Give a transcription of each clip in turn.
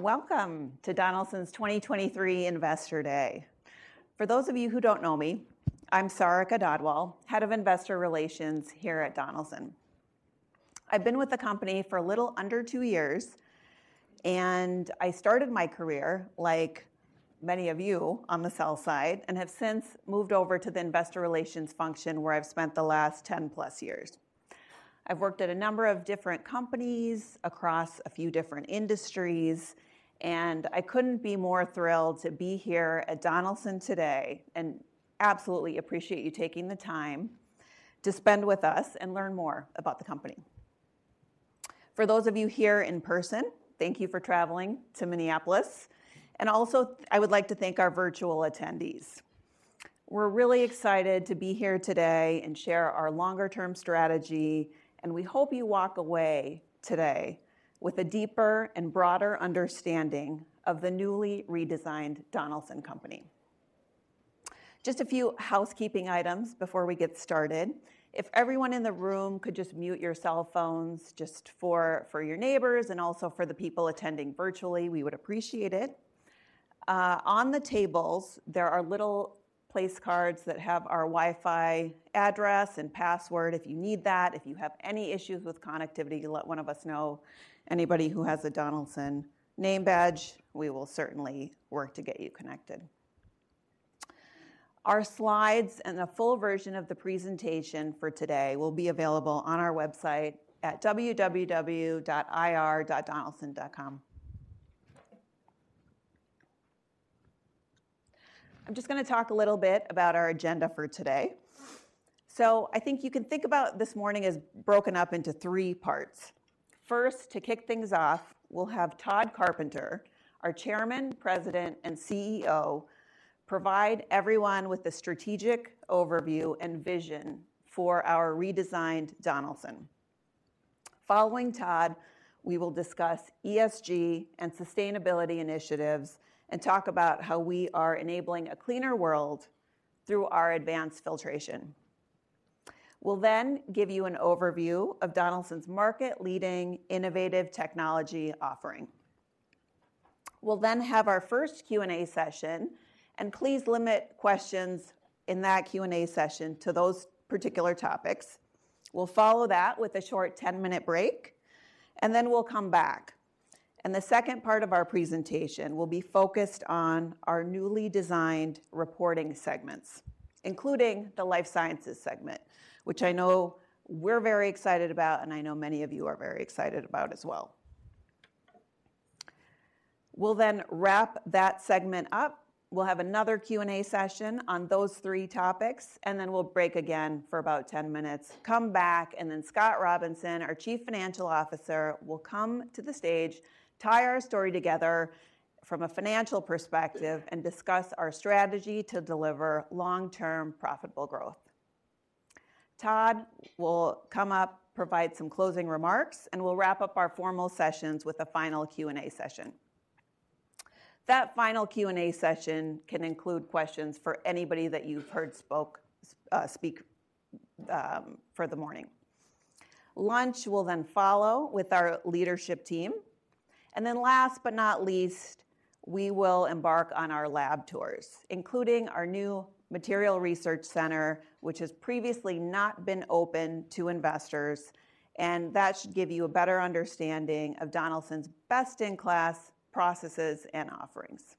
Welcome to Donaldson's 2023 Investor Day. For those of you who don't know me, I'm Sarika Dhadwal, Head of Investor Relations here at Donaldson. I've been with the company for a little under two years, and I started my career, like many of you, on the sell side and have since moved over to the investor relations function, where I've spent the last 10 plus years. I've worked at a number of different companies across a few different industries, and I couldn't be more thrilled to be here at Donaldson today, and absolutely appreciate you taking the time to spend with us and learn more about the company. For those of you here in person, thank you for traveling to Minneapolis, and also, I would like to thank our virtual attendees We're really excited to be here today and share our longer term strategy, and we hope you walk away today with a deeper and broader understanding of the newly redesigned Donaldson Company. Just a few housekeeping items before we get started. If everyone in the room could just mute your cell phones just for your neighbors and also for the people attending virtually, we would appreciate it. On the tables, there are little place cards that have our Wi-Fi address and password if you need that. If you have any issues with connectivity, you let one of us know. Anybody who has a Donaldson name badge, we will certainly work to get you connected. Our slides and a full version of the presentation for today will be available on our website at www.ir.donaldson.com. I'm just gonna talk a little bit about our agenda for today. I think you can think about this morning as broken up into three parts. First, to kick things off, we'll have Tod Carpenter, our Chairman, President, and CEO, provide everyone with the strategic overview and vision for our redesigned Donaldson. Following Tod, we will discuss ESG and sustainability initiatives and talk about how we are enabling a cleaner world through our advanced filtration. We'll give you an overview of Donaldson's market leading innovative technology offering. We'll have our first Q&A session, and please limit questions in that Q&A session to those particular topics. We'll follow that with a short 10-minute break, and we'll come back. The second part of our presentation will be focused on our newly designed reporting segments, including the Life Sciences segment, which I know we're very excited about, and I know many of you are very excited about as well. We'll wrap that segment up. We'll have another Q&A session on those three topics, we'll break again for about 10 minutes, come back, Scott Robinson, our chief financial officer, will come to the stage, tie our story together from a financial perspective, and discuss our strategy to deliver long-term profitable growth. Tod will come up, provide some closing remarks, we'll wrap up our formal sessions with a final Q&A session. That final Q&A session can include questions for anybody that you've heard speak for the morning. Lunch will follow with our leadership team. Last but not least, we will embark on our lab tours, including our new material research center, which has previously not been open to investors, and that should give you a better understanding of Donaldson's best-in-class processes and offerings.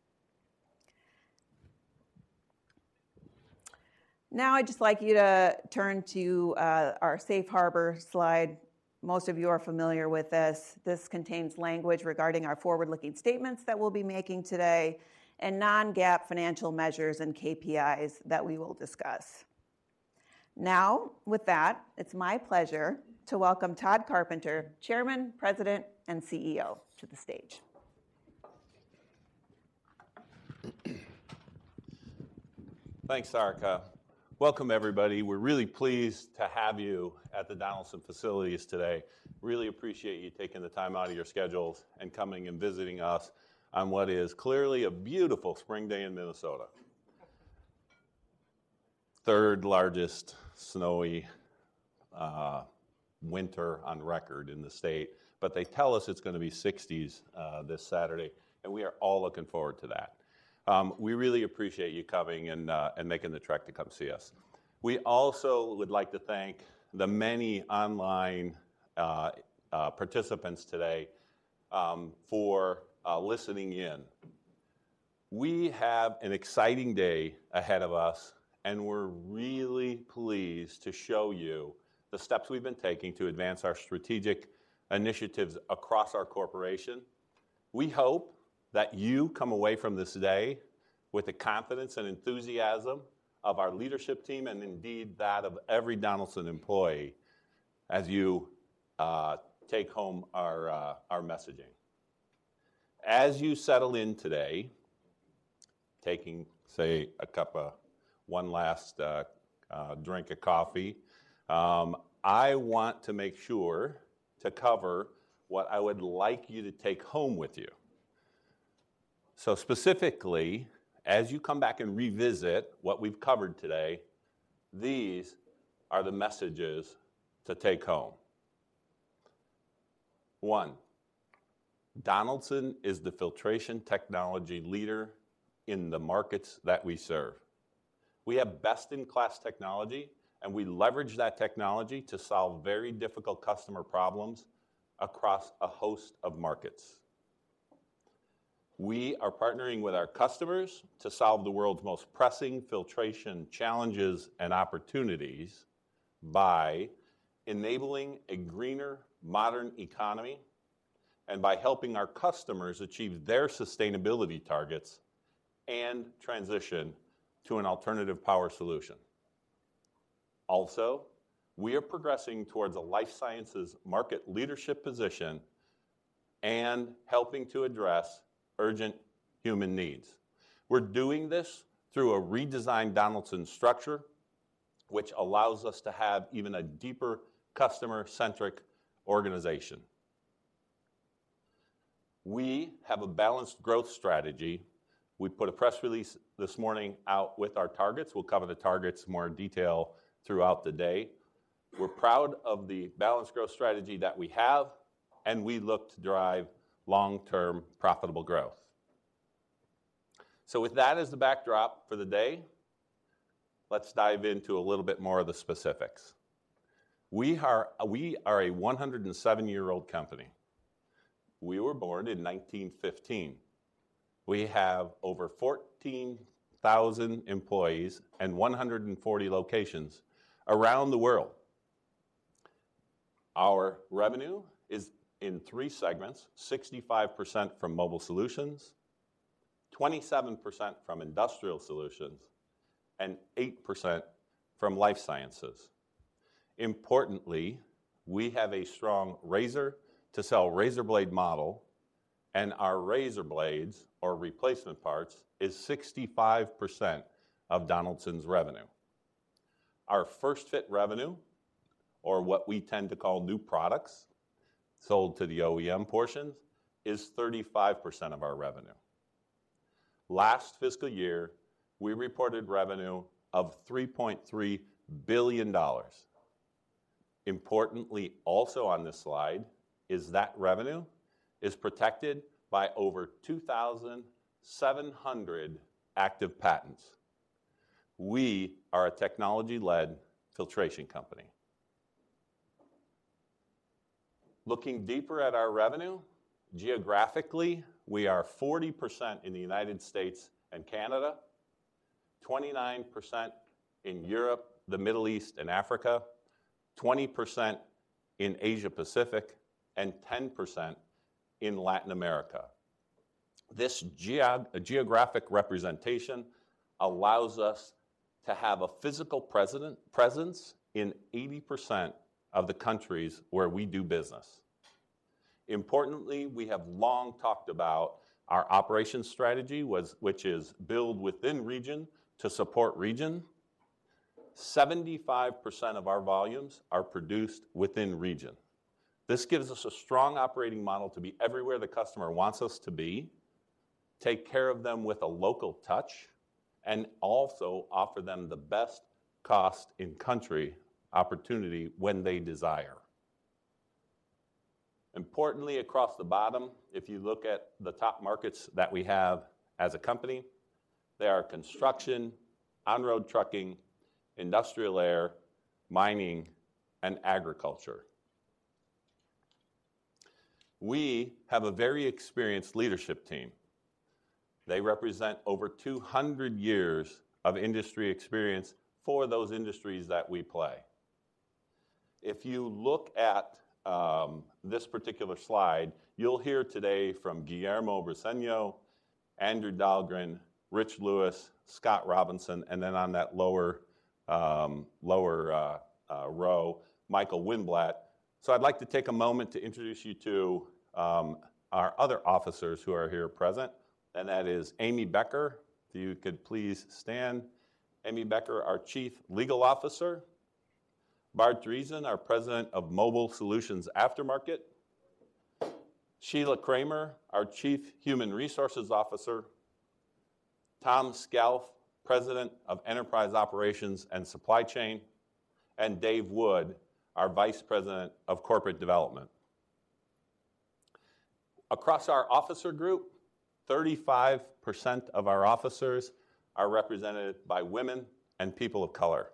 I'd just like you to turn to our safe harbor slide. Most of you are familiar with this. This contains language regarding our forward-looking statements that we'll be making today and non-GAAP financial measures and KPIs that we will discuss. With that, it's my pleasure to welcome Tod Carpenter, Chairman, President, and CEO, to the stage. Thanks, Sarika. Welcome, everybody. We're really pleased to have you at the Donaldson facilities today. Really appreciate you taking the time out of your schedules and coming and visiting us on what is clearly a beautiful spring day in Minnesota. Third largest snowy winter on record in the state. They tell us it's gonna be 60s this Saturday, and we are all looking forward to that. We really appreciate you coming and making the trek to come see us. We also would like to thank the many online participants today for listening in. We have an exciting day ahead of us, and we're really pleased to show you the steps we've been taking to advance our strategic initiatives across our corporation. We hope that you come away from this day with the confidence and enthusiasm of our leadership team and indeed that of every Donaldson employee as you take home our messaging. As you settle in today, taking, say, a cup of one last drink of coffee, I want to make sure to cover what I would like you to take home with you. Specifically, as you come back and revisit what we've covered today, these are the messages to take home. One, Donaldson is the filtration technology leader in the markets that we serve. We have best-in-class technology, and we leverage that technology to solve very difficult customer problems across a host of market. We are partnering with our customers to solve the world's most pressing filtration challenges and opportunities by enabling a greener modern economy and by helping our customers achieve their sustainability targets and transition to an alternative power solution. We are progressing towards a Life Sciences market leadership position and helping to address urgent human needs. We're doing this through a redesigned Donaldson structure, which allows us to have even a deeper customer-centric organization. We have a balanced growth strategy. We put a press release this morning out with our targets. We'll cover the targets in more detail throughout the day. We're proud of the balanced growth strategy that we have, and we look to drive long-term profitable growth. With that as the backdrop for the day, let's dive into a little bit more of the specifics. We are a 107-year-old company. We were born in 1915. We have over 14,000 employees and 140 locations around the world. Our revenue is in three segments, 65% from Mobile Solutions, 27% from Industrial Solutions, and 8% from Life Sciences. Importantly, we have a strong razor to sell razor blade model, and our razor blades or replacement parts is 65% of Donaldson's revenue. Our first fit revenue, or what we tend to call new products sold to the OEM portions, is 35% of our revenue. Last fiscal year, we reported revenue of $3.3 billion. Importantly, also on this slide is that revenue is protected by over 2,700 active patents. We are a technology-led filtration company. Looking deeper at our revenue, geographically, we are 40% in the United States and Canada, 29% in Europe, the Middle East, and Africa, 20% in Asia Pacific, and 10% in Latin America. This geographic representation allows us to have a physical presence in 80% of the countries where we do business. Importantly, we have long talked about our operations strategy which is build within region to support region. 75% of our volumes are produced within region. This gives us a strong operating model to be everywhere the customer wants us to be, take care of them with a local touch, and also offer them the best cost in-country opportunity when they desire. Importantly, across the bottom, if you look at the top markets that we have as a company, they are construction, on-road trucking, industrial air, mining, and agriculture. We have a very experienced leadership team. They represent over 200 years of industry experience for those industries that we play. If you look at this particular slide, you'll hear today from Guillermo Briseno, Andrew Dahlgren, Rich Lewis, Scott Robinson, and then on that lower, row, Michael Wynblatt. I'd like to take a moment to introduce you to our other officers who are here present, and that is Amy Becker. If you could please stand. Amy Becker, our Chief Legal Officer. Bart Driesen, our President of Mobile Solutions Aftermarket. Sheila Kramer, our Chief Human Resources Officer. Tom Scalf, President of Enterprise Operations and Supply Chain, and Dave Wood, our Vice President of Corporate Development. Across our officer group, 35% of our officers are represented by women and people of color.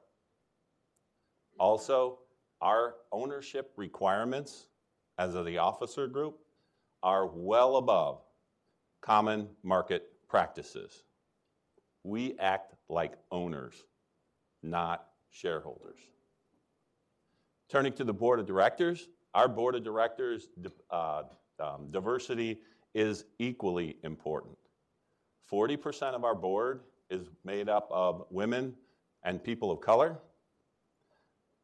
Also, our ownership requirements as of the officer group are well above common market practices. We act like owners, not shareholders. Turning to the board of directors, our board of directors diversity is equally important. 40% of our board is made up of women and people of color.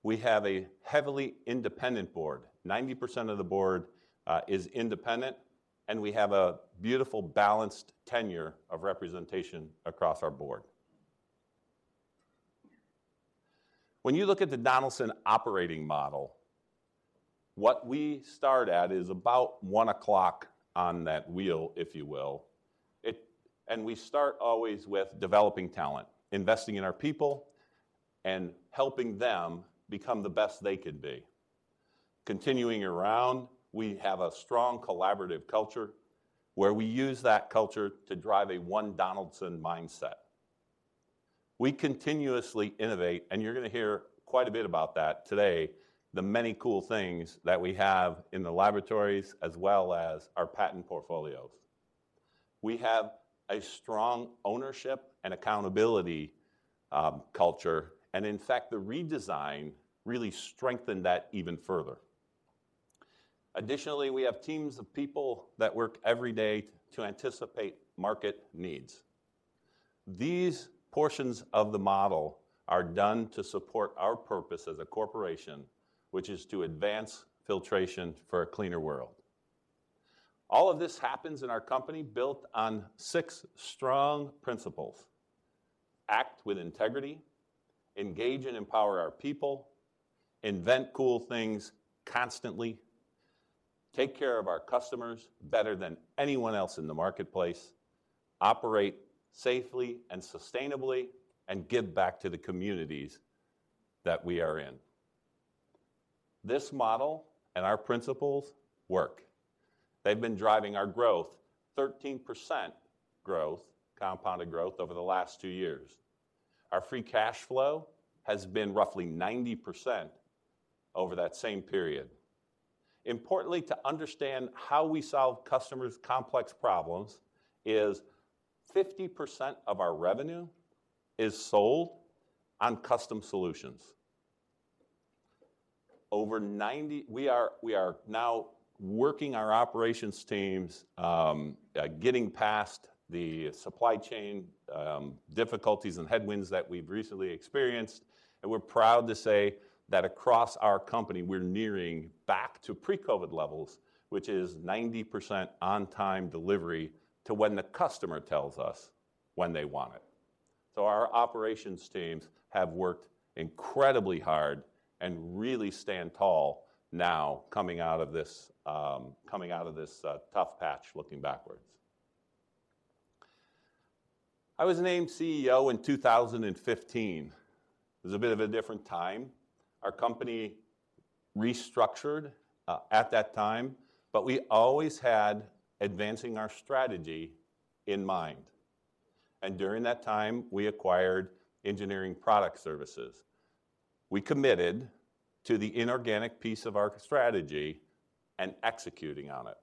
We have a heavily independent board. 90% of the board is independent. We have a beautiful, balanced tenure of representation across our board. You look at the Donaldson operating model, what we start at is about one o'clock on that wheel, if you will. We start always with developing talent, investing in our people, and helping them become the best they can be. Continuing around, we have a strong collaborative culture where we use that culture to drive a one Donaldson mindset. We continuously innovate, and you're gonna hear quite a bit about that today, the many cool things that we have in the laboratories as well as our patent portfolios. We have a strong ownership and accountability culture, and in fact, the redesign really strengthened that even further. Additionally, we have teams of people that work every day to anticipate market needs. These portions of the model are done to support our purpose as a corporation, which is to advance filtration for a cleaner world. All of this happens in our company built on six strong principles: act with integrity, engage and empower our people, invent cool things constantly, take care of our customers better than anyone else in the marketplace, operate safely and sustainably, and give back to the communities that we are in. This model and our principles work. They've been driving our growth, 13% growth, compounded growth over the last two years. Our free cash flow has been roughly 90% over that same period. Importantly, to understand how we solve customers' complex problems is 50% of our revenue is sold on custom solutions. We are now working our operations teams, getting past the supply chain difficulties and headwinds that we've recently experienced, and we're proud to say that across our company, we're nearing back to pre-COVID levels, which is 90% on-time delivery to when the customer tells us when they want it. Our operations teams have worked incredibly hard and really stand tall now coming out of this, coming out of this tough patch looking backwards. I was named CEO in 2015. It was a bit of a different time. Our company restructured at that time, but we always had advancing our strategy in mind. During that time, we acquired Engineering Product Services. We committed to the inorganic piece of our strategy and executing on it.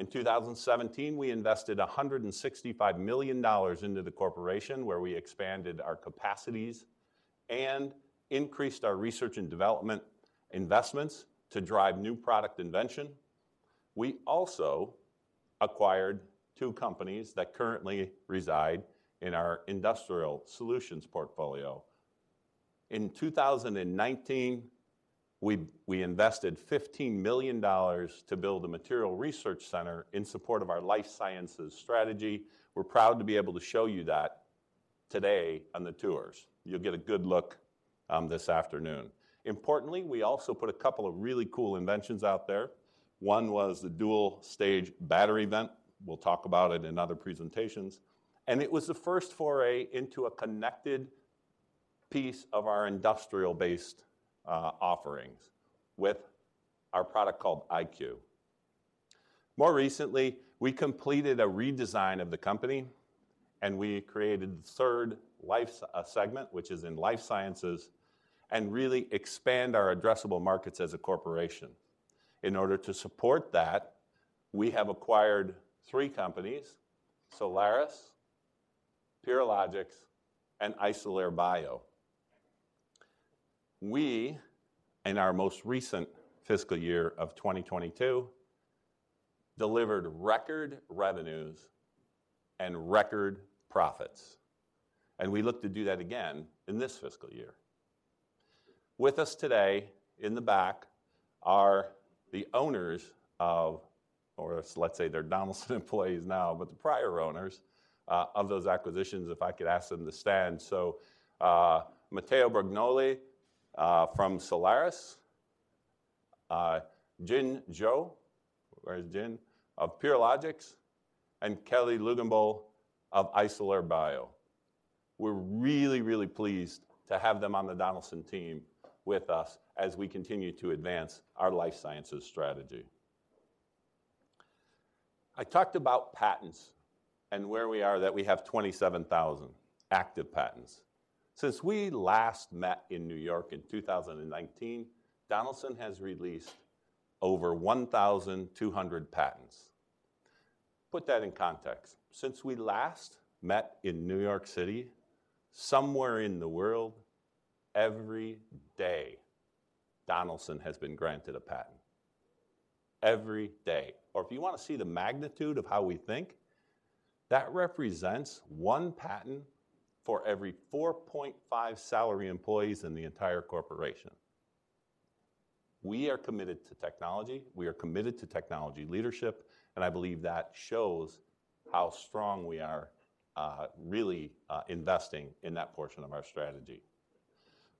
In 2017, we invested $165 million into the corporation, where we expanded our capacities and increased our R&D investments to drive new product invention. We also acquired two companies that currently reside in our Industrial Solutions portfolio. In 2019, we invested $15 million to build a material research center in support of our Life Sciences strategy. We're proud to be able to show you that today on the tours. You'll get a good look this afternoon. Importantly, we also put a couple of really cool inventions out there. One was the dual stage battery vent. We'll talk about it in other presentations. It was the first foray into a connected piece of our industrial-based offerings with our product called iCue. More recently, we completed a redesign of the company, and we created the third segment, which is in Life Sciences, and really expand our addressable markets as a corporation. In order to support that, we have acquired three companies: Solaris, Purilogics, and Isolere Bio. We, in our most recent fiscal year of 2022, delivered record revenues and record profits, and we look to do that again in this fiscal year. With us today in the back are the owners of, or let's say they're Donaldson employees now, but the prior owners of those acquisitions, if I could ask them to stand. Matteo Brognoli from Solaris, Jin Zhou, where's Jin? Of Purilogics, and Kelly Lugenbaugh of Isolere Bio. We're really, really pleased to have them on the Donaldson team with us as we continue to advance our Life Sciences strategy. I talked about patents and where we are, that we have 27,000 active patents. Since we last met in New York in 2019, Donaldson has released over 1,200 patents. Put that in context. Since we last met in New York City, somewhere in the world, every day, Donaldson has been granted a patent. Every day. If you wanna see the magnitude of how we think, that represents one patent for every 4.5 salary employees in the entire corporation. We are committed to technology, we are committed to technology leadership, and I believe that shows how strong we are, really, investing in that portion of our strategy.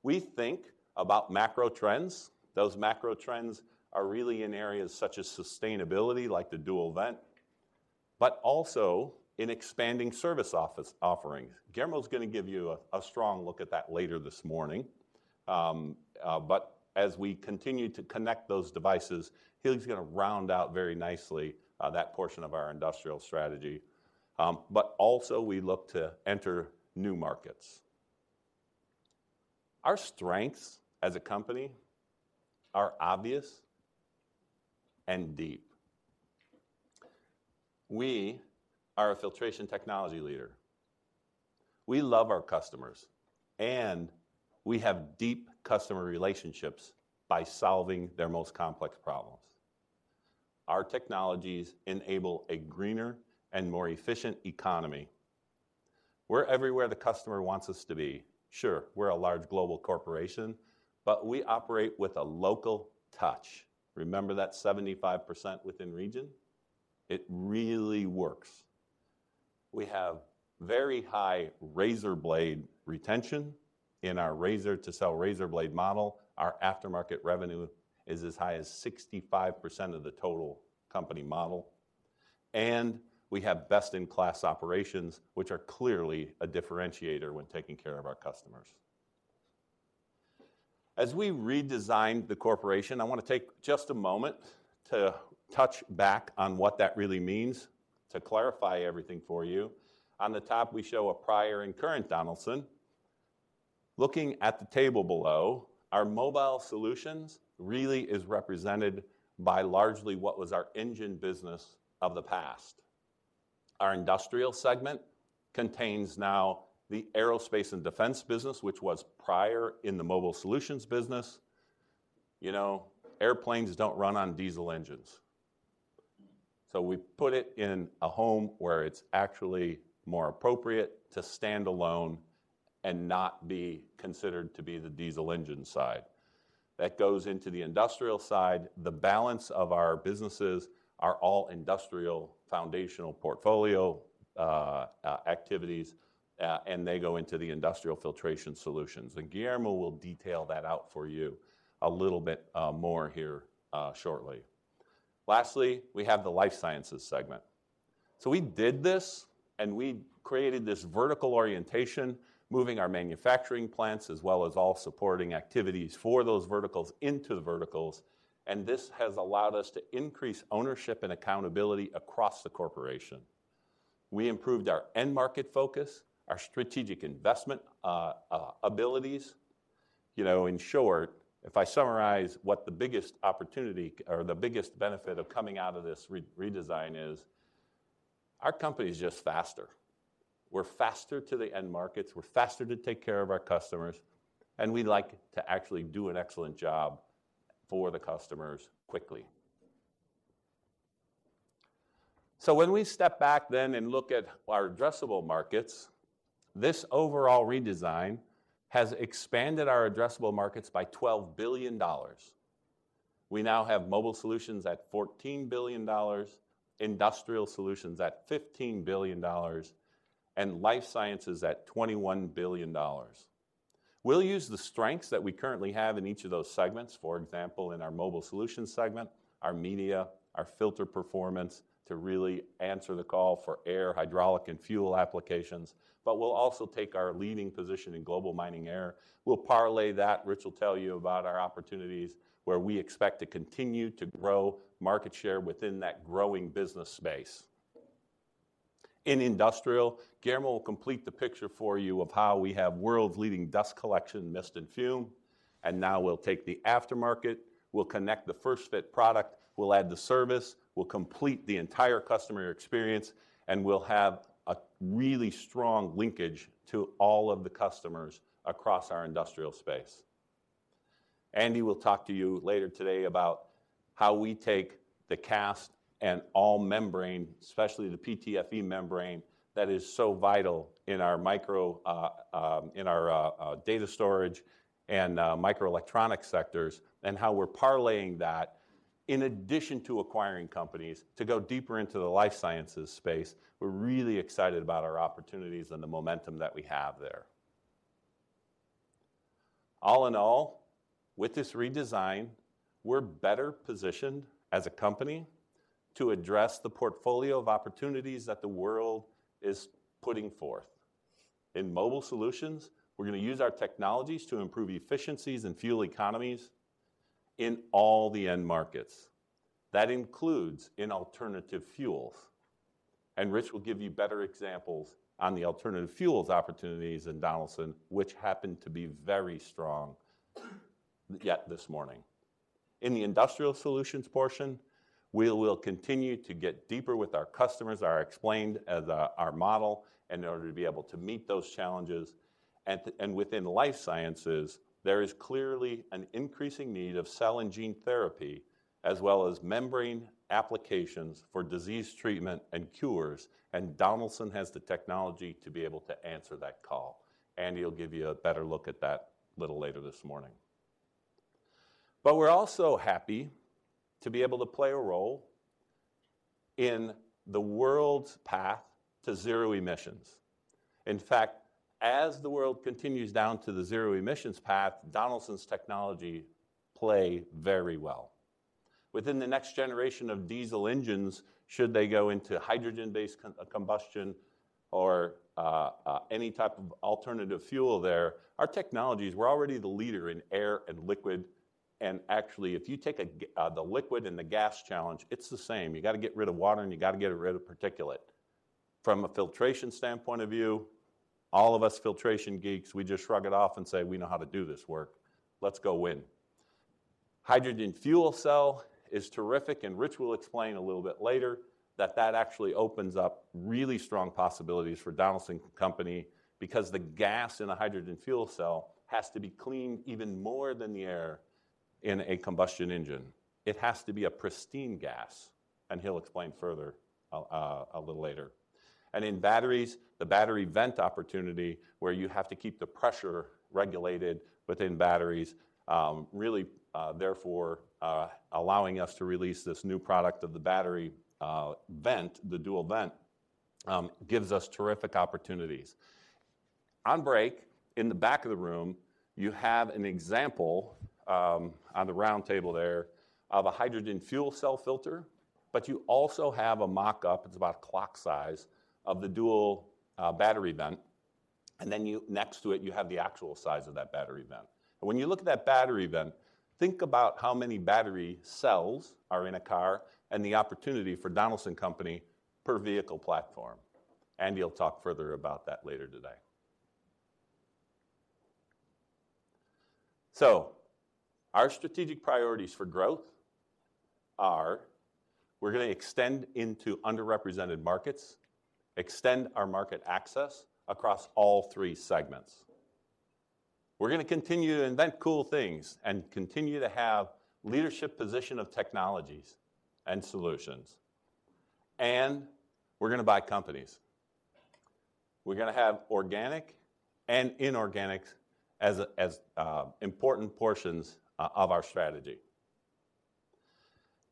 We think about macro trends. Those macro trends are really in areas such as sustainability, like the dual vent, but also in expanding service office offerings. Guillermo is gonna give you a strong look at that later this morning. As we continue to connect those devices, he's gonna round out very nicely that portion of our industrial strategy. Also we look to enter new markets. Our strengths as a company are obvious and deep. We are a filtration technology leader. We love our customers, and we have deep customer relationships by solving their most complex problems. Our technologies enable a greener and more efficient economy. We're everywhere the customer wants us to be. Sure, we're a large global corporation, but we operate with a local touch. Remember that 75% within region? It really works. We have very high razor blade retention in our razor to sell razor blade model. Our aftermarket revenue is as high as 65% of the total company model. We have best-in-class operations, which are clearly a differentiator when taking care of our customers. As we redesigned the corporation, I wanna take just a moment to touch back on what that really means to clarify everything for you. On the top, we show a prior and current Donaldson. Looking at the table below, our Mobile Solutions really is represented by largely what was our engine business of the past. Our industrial segment contains now the Aerospace and Defense business, which was prior in the Mobile Solutions business. You know, airplanes don't run on diesel engines. We put it in a home where it's actually more appropriate to stand alone and not be considered to be the diesel engine side. That goes into the industrial side. The balance of our businesses are all industrial foundational portfolio activities, and they go into the Industrial Filtration Solutions, and Guillermo will detail that out for you a little bit more here shortly. Lastly, we have the Life Sciences segment. We did this, and we created this vertical orientation, moving our manufacturing plants as well as all supporting activities for those verticals into the verticals, and this has allowed us to increase ownership and accountability across the corporation. We improved our end market focus, our strategic investment abilities. You know, in short, if I summarize what the biggest opportunity or the biggest benefit of coming out of this re-redesign is, our company is just faster. We're faster to the end markets, we're faster to take care of our customers, and we like to actually do an excellent job for the customers quickly. When we step back then and look at our addressable markets, this overall redesign has expanded our addressable markets by $12 billion. We now have Mobile Solutions at $14 billion, Industrial Solutions at $15 billion, and Life Sciences at $21 billion. We'll use the strengths that we currently have in each of those segments, for example, in our Mobile Solutions segment, our media, our filter performance to really answer the call for air, hydraulic, and fuel applications. We'll also take our leading position in global mining air. We'll parlay that. Rich will tell you about our opportunities where we expect to continue to grow market share within that growing business space. In industrial, Guillermo will complete the picture for you of how we have world's leading dust collection, mist and fume, and now we'll take the aftermarket, we'll connect the first-fit product, we'll add the service, we'll complete the entire customer experience, and we'll have a really strong linkage to all of the customers across our industrial space. Andy will talk to you later today about how we take the cast and all membrane, especially the PTFE membrane that is so vital in our micro, in our data storage and microelectronic sectors, and how we're parlaying that in addition to acquiring companies to go deeper into the Life Sciences space. We're really excited about our opportunities and the momentum that we have there. All in all, with this redesign, we're better positioned as a company to address the portfolio of opportunities that the world is putting forth. In Mobile Solutions, we're gonna use our technologies to improve efficiencies and fuel economies in all the end markets. That includes in alternative fuels. Rich will give you better examples on the alternative fuels opportunities in Donaldson, which happen to be very strong yet this morning. In the Industrial Solutions portion, we will continue to get deeper with our customers, our model in order to be able to meet those challenges. Within Life Sciences, there is clearly an increasing need of cell and gene therapy as well as membrane applications for disease treatment and cures, and Donaldson has the technology to be able to answer that call. Andy will give you a better look at that a little later this morning. We're also happy to be able to play a role in the world's path to zero emissions. In fact, as the world continues down to the zero emissions path, Donaldson's technology play very well. Within the next generation of diesel engines, should they go into hydrogen-based combustion or any type of alternative fuel there, our technologies, we're already the leader in air and liquid, and actually if you take the liquid and the gas challenge, it's the same. You gotta get rid of water and you gotta get rid of particulate. From a filtration standpoint of view, all of us filtration geeks, we just shrug it off and say, "We know how to do this work. Let's go win." Hydrogen fuel cell is terrific, Rich will explain a little bit later that that actually opens up really strong possibilities for Donaldson Company because the gas in a hydrogen fuel cell has to be cleaned even more than the air in a combustion engine. It has to be a pristine gas, and he'll explain further a little later. In batteries, the battery vent opportunity where you have to keep the pressure regulated within batteries, really, therefore, allowing us to release this new product of the battery vent, the dual vent, gives us terrific opportunities. On break, in the back of the room, you have an example, on the round table there of a hydrogen fuel cell filter, but you also have a mock-up, it's about clock-size, of the dual battery vent, and then next to it you have the actual size of that battery vent. When you look at that battery vent, think about how many battery cells are in a car and the opportunity for Donaldson Company per vehicle platform. Andy will talk further about that later today. Our strategic priorities for growth are, we're gonna extend into underrepresented markets, extend our market access across all three segments. We're gonna continue to invent cool things and continue to have leadership position of technologies and solutions, and we're gonna buy companies. We're gonna have organic and inorganics as important portions of our strategy.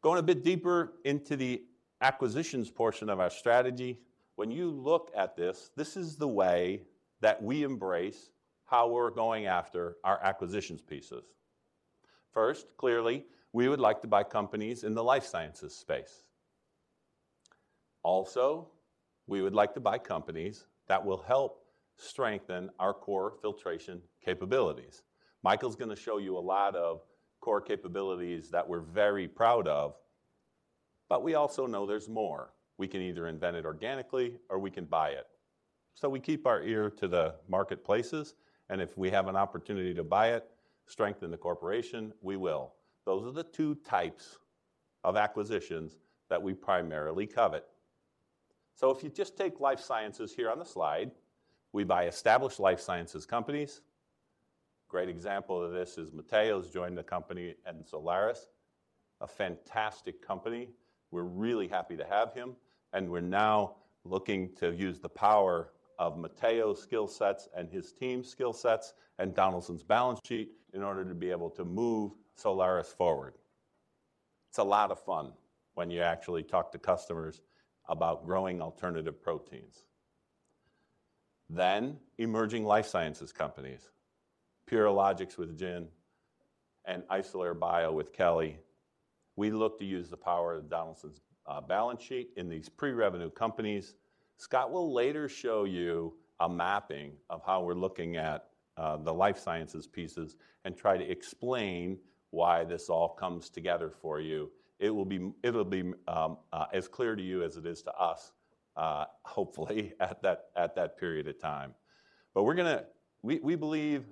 Going a bit deeper into the acquisitions portion of our strategy, when you look at this is the way that we embrace how we're going after our acquisitions pieces. First, clearly, we would like to buy companies in the life sciences space. We would like to buy companies that will help strengthen our core filtration capabilities. Michael's gonna show you a lot of core capabilities that we're very proud of, but we also know there's more. We can either invent it organically or we can buy it. We keep our ear to the marketplaces, and if we have an opportunity to buy it, strengthen the corporation, we will. Those are the two types of acquisitions that we primarily covet. If you just take life sciences here on the slide, we buy established life sciences companies. Great example of this is Matteo's joined the company and Solaris, a fantastic company. We're really happy to have him, and we're now looking to use the power of Matteo's skill sets and his team's skill sets and Donaldson's balance sheet in order to be able to move Solaris forward. It's a lot of fun when you actually talk to customers about growing alternative proteins. Emerging life sciences companies. Purilogics with Jin and Isolere Bio with Kelly. We look to use the power of Donaldson's balance sheet in these pre-revenue companies. Scott will later show you a mapping of how we're looking at the life sciences pieces and try to explain why this all comes together for you. It'll be as clear to you as it is to us, hopefully at that, at that period of time. We believe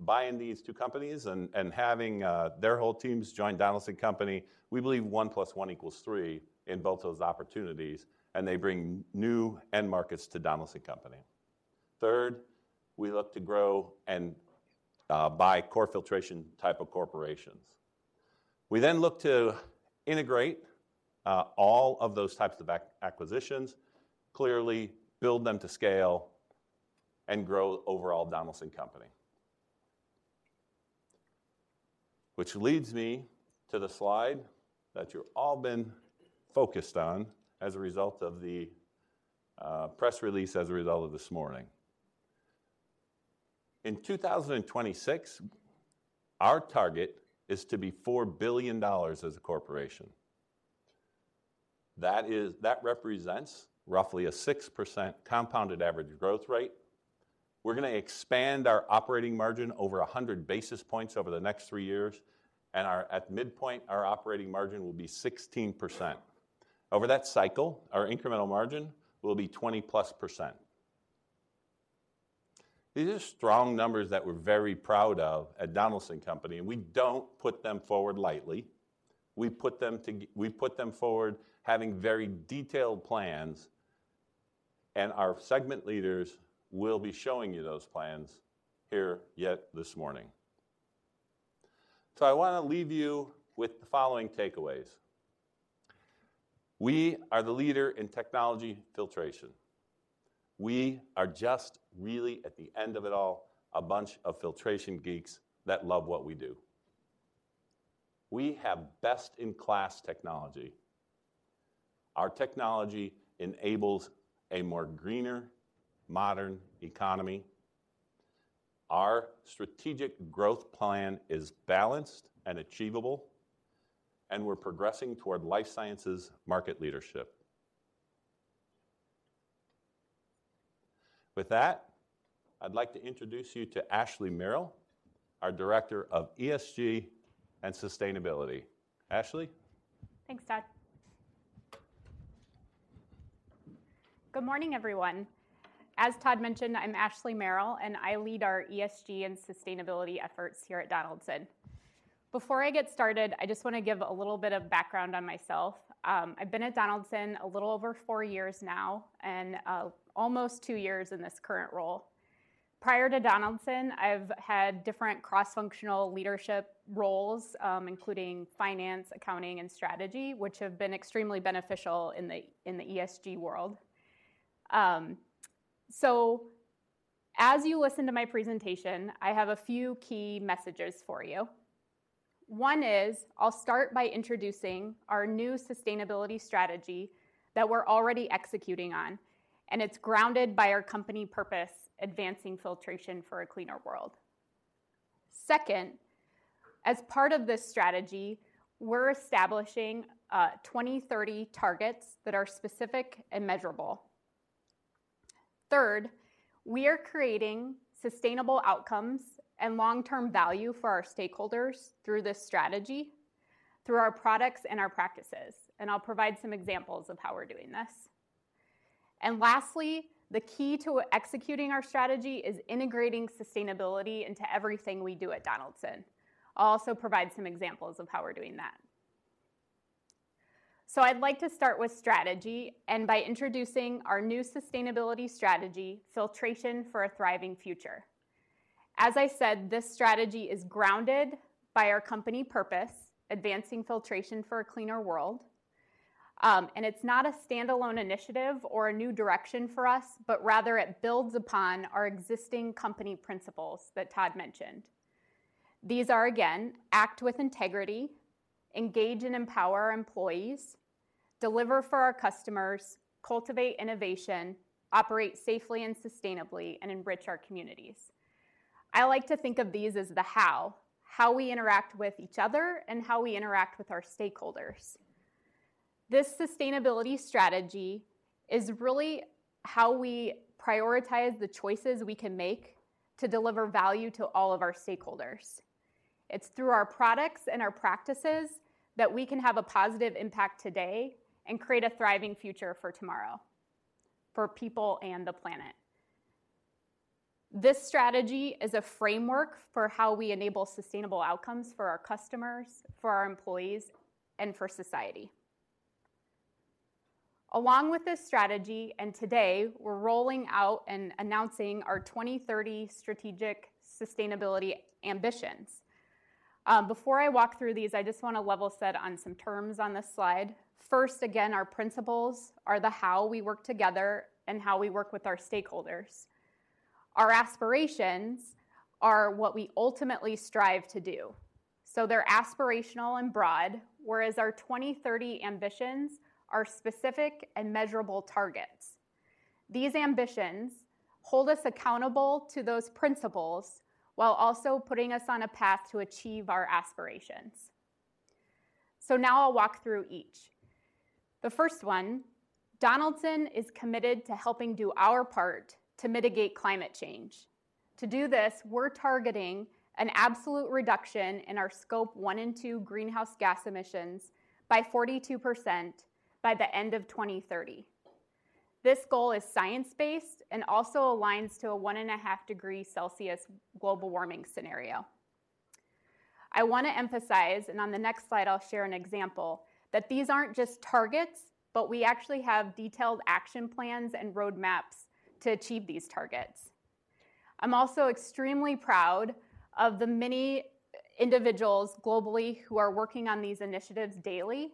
buying these two companies and having their whole teams join Donaldson Company, we believe one plus one equals three in both those opportunities, and they bring new end markets to Donaldson Company. Third, we look to grow and buy core filtration type of corporations. We look to integrate all of those types of acquisitions, clearly build them to scale, and grow overall Donaldson Company. Which leads me to the slide that you've all been focused on as a result of the press release as a result of this morning. In 2026, our target is to be $4 billion as a corporation. That represents roughly a 6% compounded average growth rate. We're gonna expand our operating margin over 100 basis points over the next three years, at midpoint, our operating margin will be 16%. Over that cycle, our incremental margin will be 20-plus%. These are strong numbers that we're very proud of at Donaldson Company. We don't put them forward lightly. We put them forward having very detailed plans. Our segment leaders will be showing you those plans here yet this morning. I wanna leave you with the following takeaways. We are the leader in technology filtration. We are just really at the end of it all, a bunch of filtration geeks that love what we do. We have best in class technology. Our technology enables a more greener modern economy. Our strategic growth plan is balanced and achievable. We're progressing toward Life Sciences market leadership. With that, I'd like to introduce you to Ashley Merrill, our Director of ESG and Sustainability. Ashley. Thanks, Tod. Good morning, everyone. As Tod mentioned, I'm Ashley Merrill, and I lead our ESG and sustainability efforts here at Donaldson. Before I get started, I just wanna give a little bit of background on myself. I've been at Donaldson a little over four years now and almost two years in this current role. Prior to Donaldson, I've had different cross-functional leadership roles, including finance, accounting, and strategy, which have been extremely beneficial in the ESG world. As you listen to my presentation, I have a few key messages for you. One is, I'll start by introducing our new sustainability strategy that we're already executing on, and it's grounded by our company purpose, advancing filtration for a cleaner world. Second, as part of this strategy, we're establishing 2030 targets that are specific and measurable. Third, we are creating sustainable outcomes and long-term value for our stakeholders through this strategy, through our products and our practices, and I'll provide some examples of how we're doing this. Lastly, the key to executing our strategy is integrating sustainability into everything we do at Donaldson. I'll also provide some examples of how we're doing that. I'd like to start with strategy and by introducing our new sustainability strategy, Filtration for a Thriving Future. As I said, this strategy is grounded by our company purpose, advancing filtration for a cleaner world. It's not a standalone initiative or a new direction for us, but rather it builds upon our existing company principles that Tod mentioned. These are again, act with integrity, engage and empower employees, deliver for our customers, cultivate innovation, operate safely and sustainably, and enrich our communities. I like to think of these as the how we interact with each other and how we interact with our stakeholders. This sustainability strategy is really how we prioritize the choices we can make to deliver value to all of our stakeholders. It's through our products and our practices that we can have a positive impact today and create a thriving future for tomorrow for people and the planet. This strategy is a framework for how we enable sustainable outcomes for our customers, for our employees, and for society. Along with this strategy, today, we're rolling out and announcing our 2030 strategic sustainability ambitions. Before I walk through these, I just wanna level set on some terms on this slide. First, again, our principles are the how we work together and how we work with our stakeholders. Our aspirations are what we ultimately strive to do. They're aspirational and broad, whereas our 2030 ambitions are specific and measurable targets. These ambitions hold us accountable to those principles while also putting us on a path to achieve our aspirations. Now I'll walk through each. The first one, Donaldson is committed to helping do our part to mitigate climate change. To do this, we're targeting an absolute reduction in our Scope one and two greenhouse gas emissions by 42% by the end of 2030. This goal is science-based and also aligns to a 1.5 degrees Celsius global warming scenario. I wanna emphasize, and on the next slide, I'll share an example, that these aren't just targets, but we actually have detailed action plans and roadmaps to achieve these targets. I'm also extremely proud of the many individuals globally who are working on these initiatives daily.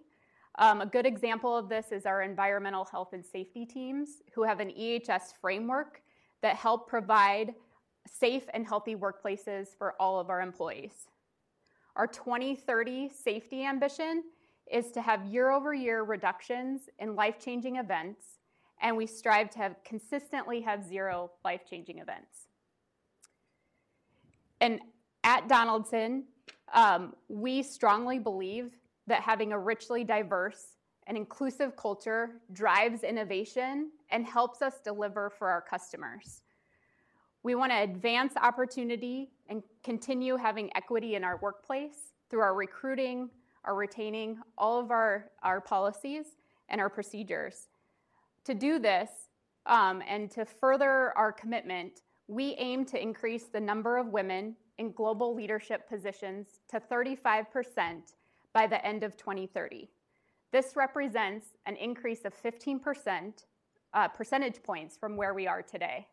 A good example of this is our environmental health and safety teams who have an EHS framework that help provide safe and healthy workplaces for all of our employees. Our 20/30 safety ambition is to have year-over-year reductions in life-changing events, and we strive to consistently have zero life-changing events. At Donaldson, we strongly believe that having a richly diverse and inclusive culture drives innovation and helps us deliver for our customers. We wanna advance opportunity and continue having equity in our workplace through our recruiting, our retaining all of our policies and our procedures. To do this, and to further our commitment, we aim to increase the number of women in global leadership positions to 35% by the end of 2030. This represents an increase of 15% percentage points from where we are today.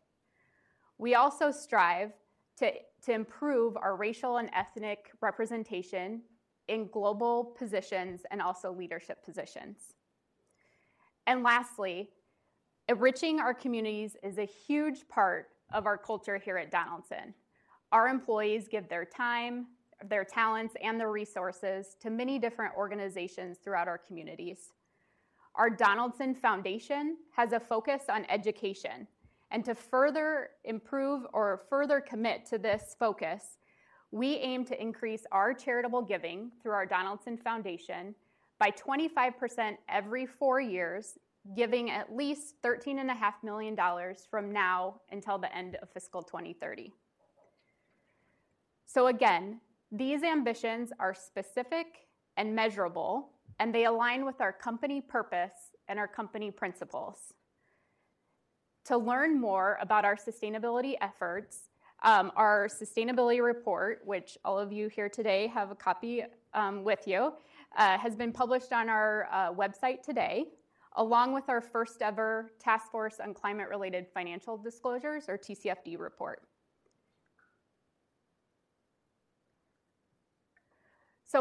We also strive to improve our racial and ethnic representation in global positions and also leadership positions. Lastly, enriching our communities is a huge part of our culture here at Donaldson. Our employees give their time, their talents, and their resources to many different organizations throughout our communities. Our Donaldson Foundation has a focus on education. To further improve or further commit to this focus, we aim to increase our charitable giving through our Donaldson Foundation by 25% every four years, giving at least thirteen and a half million dollars from now until the end of fiscal 2030. Again, these ambitions are specific and measurable, and they align with our company purpose and our company principles. To learn more about our sustainability efforts, our sustainability report, which all of you here today have a copy with you, has been published on our website today, along with our first-ever Task Force on Climate-related Financial Disclosures or TCFD report.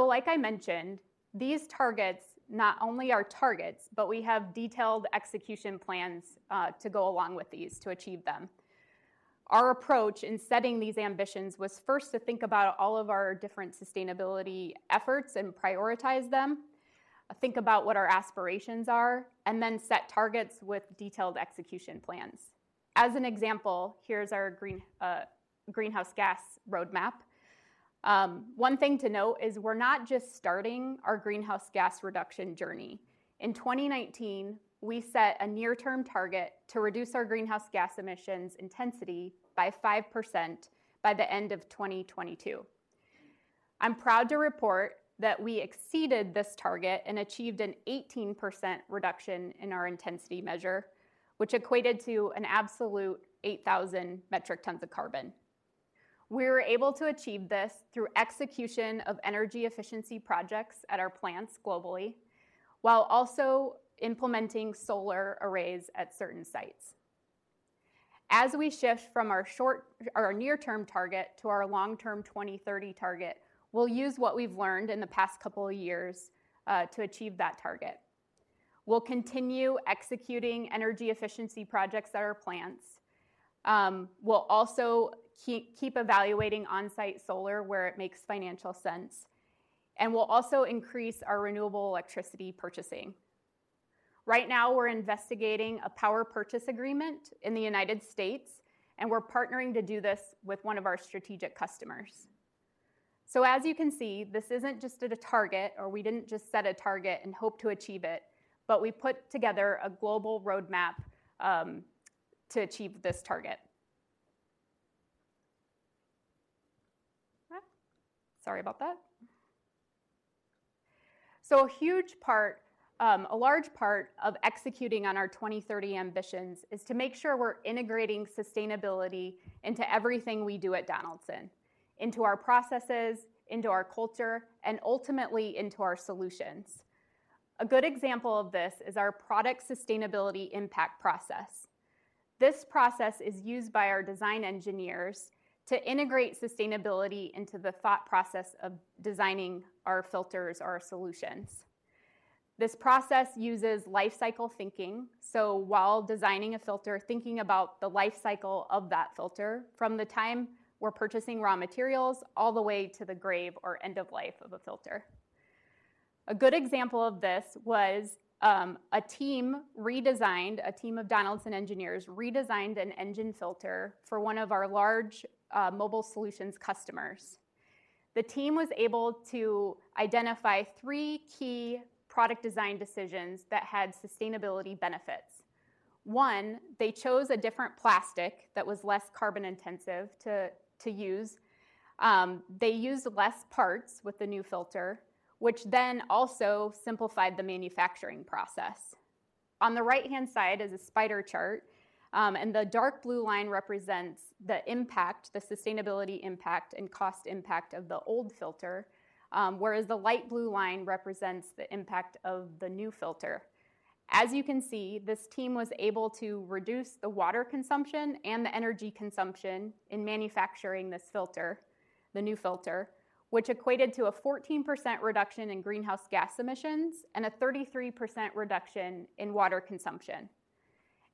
Like I mentioned, these targets not only are targets, but we have detailed execution plans to go along with these to achieve them. Our approach in setting these ambitions was first to think about all of our different sustainability efforts and prioritize them, think about what our aspirations are, and then set targets with detailed execution plans. As an example, here's a greenhouse gas roadmap. One thing to note is we're not just starting our greenhouse gas reduction journey. In 2019, we set a near-term target to reduce our greenhouse gas emissions intensity by 5% by the end of 2022. I'm proud to report that we exceeded this target and achieved an 18% reduction in our intensity measure, which equated to an absolute 8,000 metric tons of carbon. We were able to achieve this through execution of energy efficiency projects at our plants globally while also implementing solar arrays at certain sites. As we shift from our short or our near-term target to our long-term 2030 target, we'll use what we've learned in the past couple of years to achieve that target. We'll continue executing energy efficiency projects at our plants. We'll also keep evaluating on-site solar where it makes financial sense, and we'll also increase our renewable electricity purchasing. Right now we're investigating a power purchase agreement in the United States, and we're partnering to do this with one of our strategic customers. As you can see, this isn't just at a target, or we didn't just set a target and hope to achieve it, but we put together a global roadmap to achieve this target. Sorry about that. A huge part, a large part of executing on our 2030 ambitions is to make sure we're integrating sustainability into everything we do at Donaldson, into our processes, into our culture, and ultimately into our solutions. A good example of this is our Product Sustainability Impact Process. This process is used by our design engineers to integrate sustainability into the thought process of designing our filters, our solutions. This process uses lifecycle thinking, while designing a filter, thinking about the lifecycle of that filter from the time we're purchasing raw materials all the way to the grave or end of life of a filter. A good example of this was a team of Donaldson engineers redesigned an engine filter for one of our large Mobile Solutions customers. The team was able to identify three key product design decisions that had sustainability benefits. One, they chose a different plastic that was less carbon intensive to use. They used less parts with the new filter, which then also simplified the manufacturing process. On the right-hand side is a spider chart, and the dark blue line represents the impact, the sustainability impact and cost impact of the old filter, whereas the light blue line represents the impact of the new filter. As you can see, this team was able to reduce the water consumption and the energy consumption in manufacturing this filter, the new filter, which equated to a 14% reduction in greenhouse gas emissions and a 33% reduction in water consumption.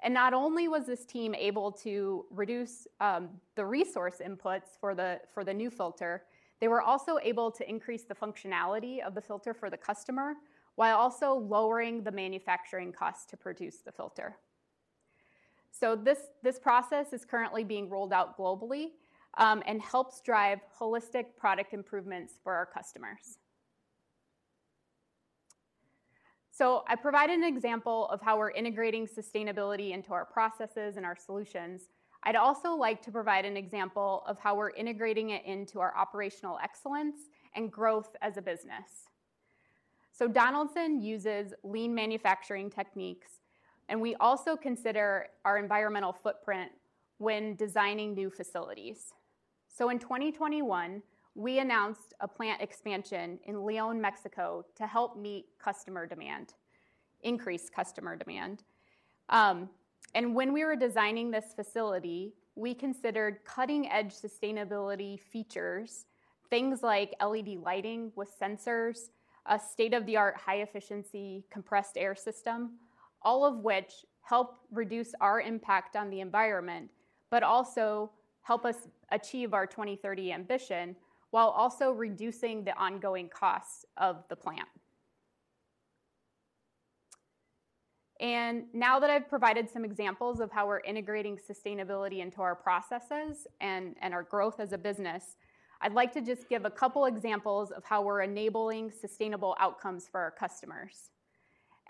Not only was this team able to reduce the resource inputs for the new filter, they were also able to increase the functionality of the filter for the customer while also lowering the manufacturing cost to produce the filter. This process is currently being rolled out globally and helps drive holistic product improvements for our customers. I provided an example of how we're integrating sustainability into our processes and our solutions. I'd also like to provide an example of how we're integrating it into our operational excellence and growth as a business. Donaldson uses lean manufacturing techniques, and we also consider our environmental footprint when designing new facilities. So in 2021, we announced a plant expansion in León, Mexico to help meet increased customer demand. When we were designing this facility, we considered cutting-edge sustainability features, things like LED lighting with sensors, a state-of-the-art high efficiency compressed air system, all of which help reduce our impact on the environment, but also help us achieve our 2030 ambition while also reducing the ongoing costs of the plant. Now that I've provided some examples of how we're integrating sustainability into our processes and our growth as a business, I'd like to just give a couple examples of how we're enabling sustainable outcomes for our customers.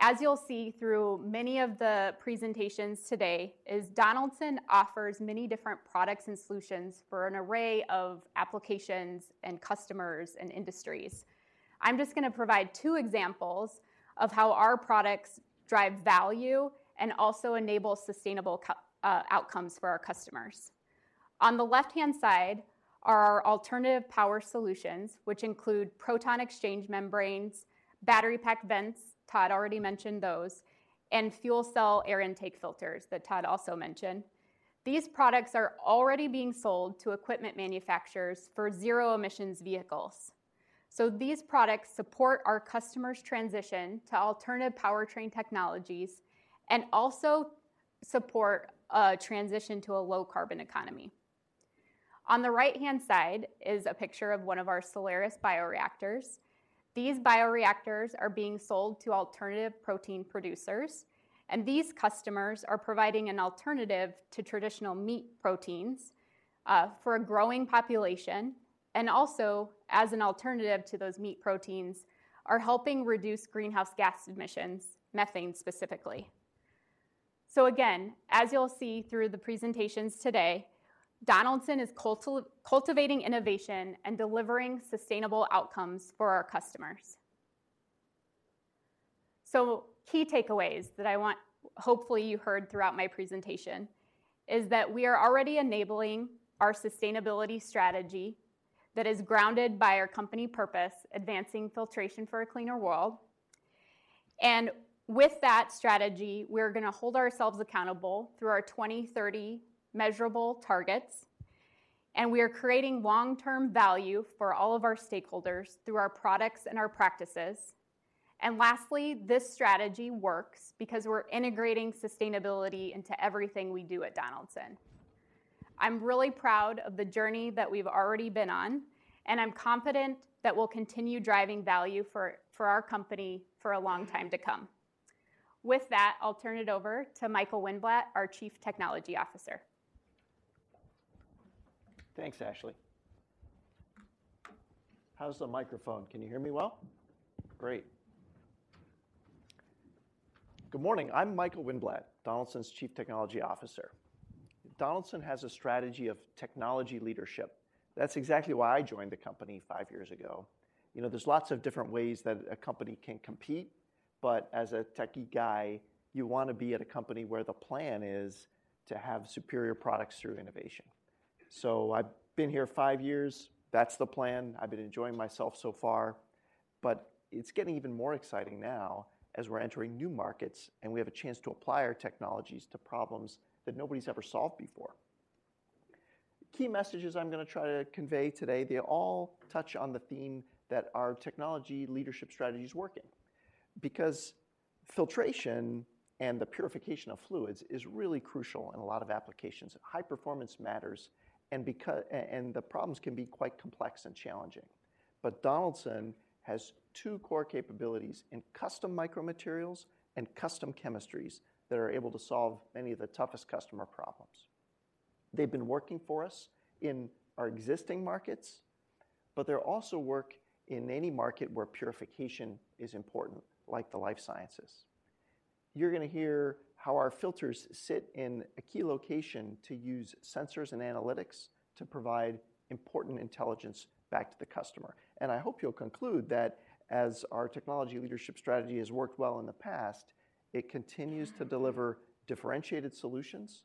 As you'll see through many of the presentations today is Donaldson offers many different products and solutions for an array of applications and customers and industries. I'm just gonna provide two examples of how our products drive value and also enable sustainable outcomes for our customers. On the left-hand side are our alternative power solutions, which include proton exchange membranes, battery pack vents, Tod already mentioned those, and fuel cell air intake filters that Tod also mentioned. These products support our customers transition to alternative powertrain technologies and also support a transition to a low carbon economy. On the right-hand side is a picture of one of our Solaris bioreactors. These bioreactors are being sold to alternative protein producers, and these customers are providing an alternative to traditional meat proteins for a growing population, and also as an alternative to those meat proteins, are helping reduce greenhouse gas emissions, methane specifically. Again, as you'll see through the presentations today, Donaldson is cultivating innovation and delivering sustainable outcomes for our customers. Key takeaways that hopefully you heard throughout my presentation is that we are already enabling our sustainability strategy that is grounded by our company purpose, advancing filtration for a cleaner world. With that strategy, we're gonna hold ourselves accountable through our 2030 measurable targets, and we are creating long-term value for all of our stakeholders through our products and our practices. Lastly, this strategy works because we're integrating sustainability into everything we do at Donaldson. I'm really proud of the journey that we've already been on. I'm confident that we'll continue driving value for our company for a long time to come. With that, I'll turn it over to Michael Wynblatt, our Chief Technology Officer. Thanks, Ashley. How's the microphone? Can you hear me well? Great. Good morning. I'm Michael Wynblatt, Donaldson's Chief Technology Officer. Donaldson has a strategy of technology leadership. That's exactly why I joined the company five years ago. You know, there's lots of different ways that a company can compete, but as a techie guy, you wanna be at a company where the plan is to have superior products through innovation. I've been here five years. That's the plan. I've been enjoying myself so far, but it's getting even more exciting now as we're entering new markets, and we have a chance to apply our technologies to problems that nobody's ever solved before. Key messages I'm gonna try to convey today, they all touch on the theme that our technology leadership strategy is working because filtration and the purification of fluids is really crucial in a lot of applications. High performance matters and the problems can be quite complex and challenging. Donaldson has two core capabilities in custom micro materials and custom chemistries that are able to solve many of the toughest customer problems. They've been working for us in our existing markets, but they're also work in any market where purification is important, like the life sciences. You're gonna hear how our filters sit in a key location to use sensors and analytics to provide important intelligence back to the customer. I hope you'll conclude that as our technology leadership strategy has worked well in the past, it continues to deliver differentiated solutions,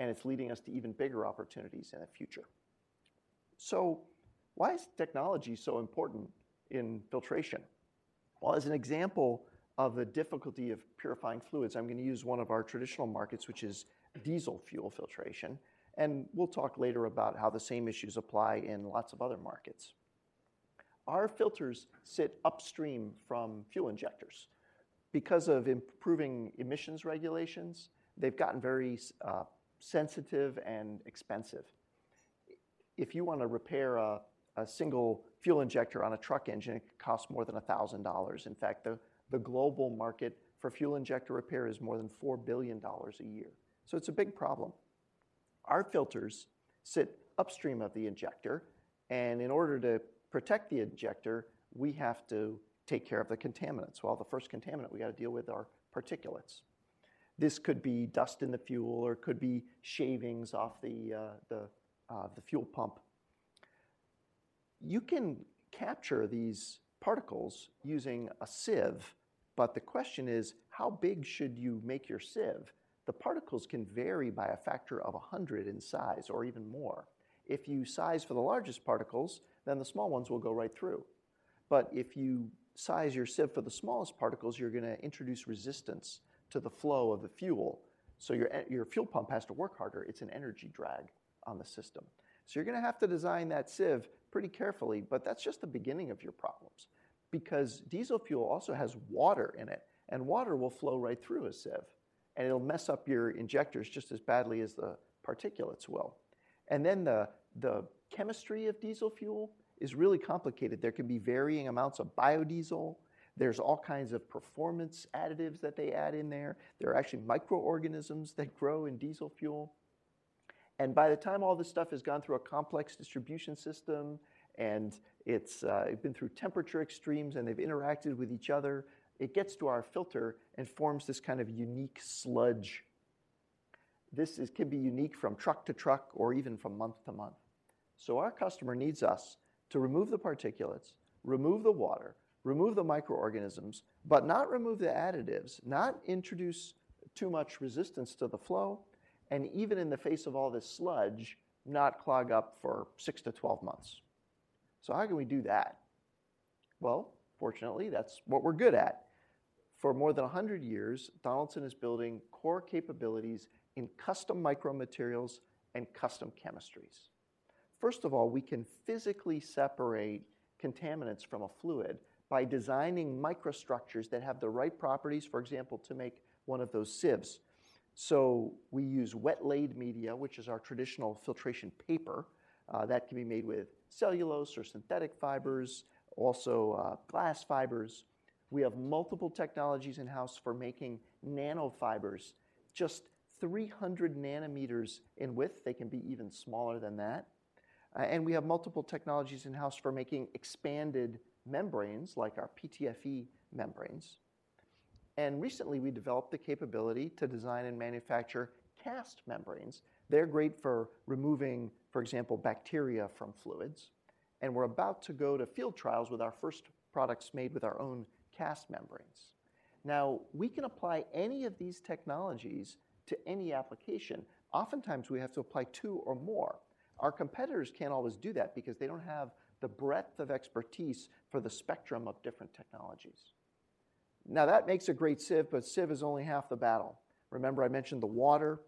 and it's leading us to even bigger opportunities in the future. Why is technology so important in filtration? Well, as an example of the difficulty of purifying fluids, I'm gonna use one of our traditional markets, which is diesel fuel filtration. We'll talk later about how the same issues apply in lots of other markets. Our filters sit upstream from fuel injectors. Because of improving emissions regulations, they've gotten very sensitive and expensive. If you wanna repair a single fuel injector on a truck engine, it could cost more than $1,000. In fact, the global market for fuel injector repair is more than $4 billion a year. It's a big problem. Our filters sit upstream of the injector, and in order to protect the injector, we have to take care of the contaminants. Well, the first contaminant we gotta deal with are particulates. This could be dust in the fuel or could be shavings off the fuel pump. You can capture these particles using a sieve. The question is, how big should you make your sieve? The particles can vary by a factor of 100 in size or even more. If you size for the largest particles, then the small ones will go right through. If you size your sieve for the smallest particles, you're gonna introduce resistance to the flow of the fuel, so your fuel pump has to work harder. It's an energy drag on the system. You're going to have to design that sieve pretty carefully, that's just the beginning of your problems because diesel fuel also has water in it, and water will flow right through a sieve, and it'll mess up your injectors just as badly as the particulates will. The chemistry of diesel fuel is really complicated. There can be varying amounts of biodiesel. There's all kinds of performance additives that they add in there. There are actually microorganisms that grow in diesel fuel. By the time all this stuff has gone through a complex distribution system and it's been through temperature extremes, and they've interacted with each other, it gets to our filter and forms this kind of unique sludge. This can be unique from truck to truck or even from month to month. Our customer needs us to remove the particulates, remove the water, remove the microorganisms, but not remove the additives, not introduce too much resistance to the flow, and even in the face of all this sludge, not clog up for 6-12 months. How can we do that? Well, fortunately, that's what we're good at. For more than 100 years, Donaldson is building core capabilities in custom micro materials and custom chemistries. First of all, we can physically separate contaminants from a fluid by designing microstructures that have the right properties, for example, to make one of those sieves. We use wet-laid media, which is our traditional filtration paper, that can be made with cellulose or synthetic fibers, also, glass fibers. We have multiple technologies in-house for making nanofibers just 300 nanometers in width. They can be even smaller than that. We have multiple technologies in-house for making expanded membranes like our PTFE membranes. Recently, we developed the capability to design and manufacture cast membranes. They're great for removing, for example, bacteria from fluids, and we're about to go to field trials with our first products made with our own cast membranes. We can apply any of these technologies to any application. Oftentimes, we have to apply two or more. Our competitors can't always do that because they don't have the breadth of expertise for the spectrum of different technologies. That makes a great sieve, but sieve is only half the battle. Remember I mentioned the water?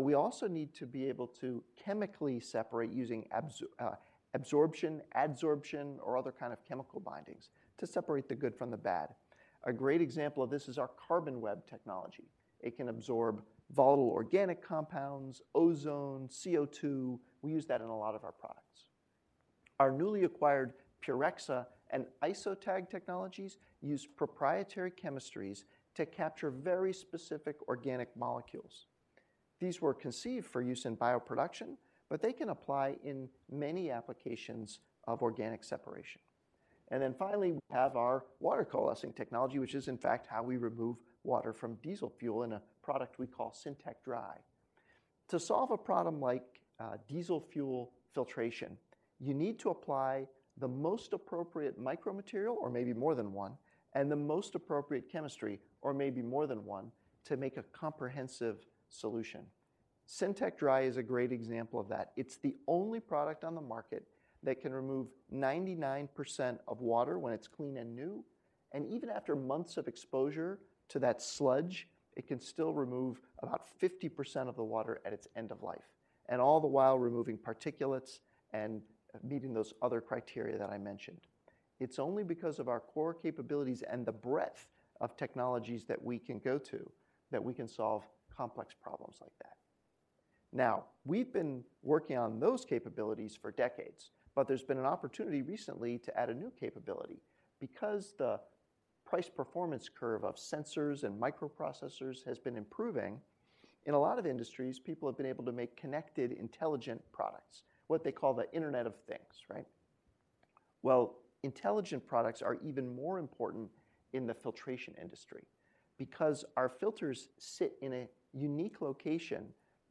We also need to be able to chemically separate using absorption, adsorption, or other kind of chemical bindings to separate the good from the bad. A great example of this is our CarbonWeb technology. It can absorb volatile organic compounds, ozone, CO₂. We use that in a lot of our products. Our newly acquired Purexa and IsoTag technologies use proprietary chemistries to capture very specific organic molecules. These were conceived for use in bioproduction, but they can apply in many applications of organic separation. Finally, we have our water coalescing technology, which is in fact how we remove water from diesel fuel in a product we call Synteq™ DRY. To solve a problem like diesel fuel filtration, you need to apply the most appropriate micro material or maybe more than one, and the most appropriate chemistry or maybe more than one to make a comprehensive solution. Synteq™ DRY is a great example of that. It's the only product on the market that can remove 99% of water when it's clean and new, even after months of exposure to that sludge, it can still remove about 50% of the water at its end of life, all the while removing particulates and meeting those other criteria that I mentioned. It's only because of our core capabilities and the breadth of technologies that we can go to that we can solve complex problems like that. We've been working on those capabilities for decades, there's been an opportunity recently to add a new capability. The price-performance curve of sensors and microprocessors has been improving, in a lot of industries, people have been able to make connected, intelligent products, what they call the Internet of Things, right? Intelligent products are even more important in the filtration industry because our filters sit in a unique location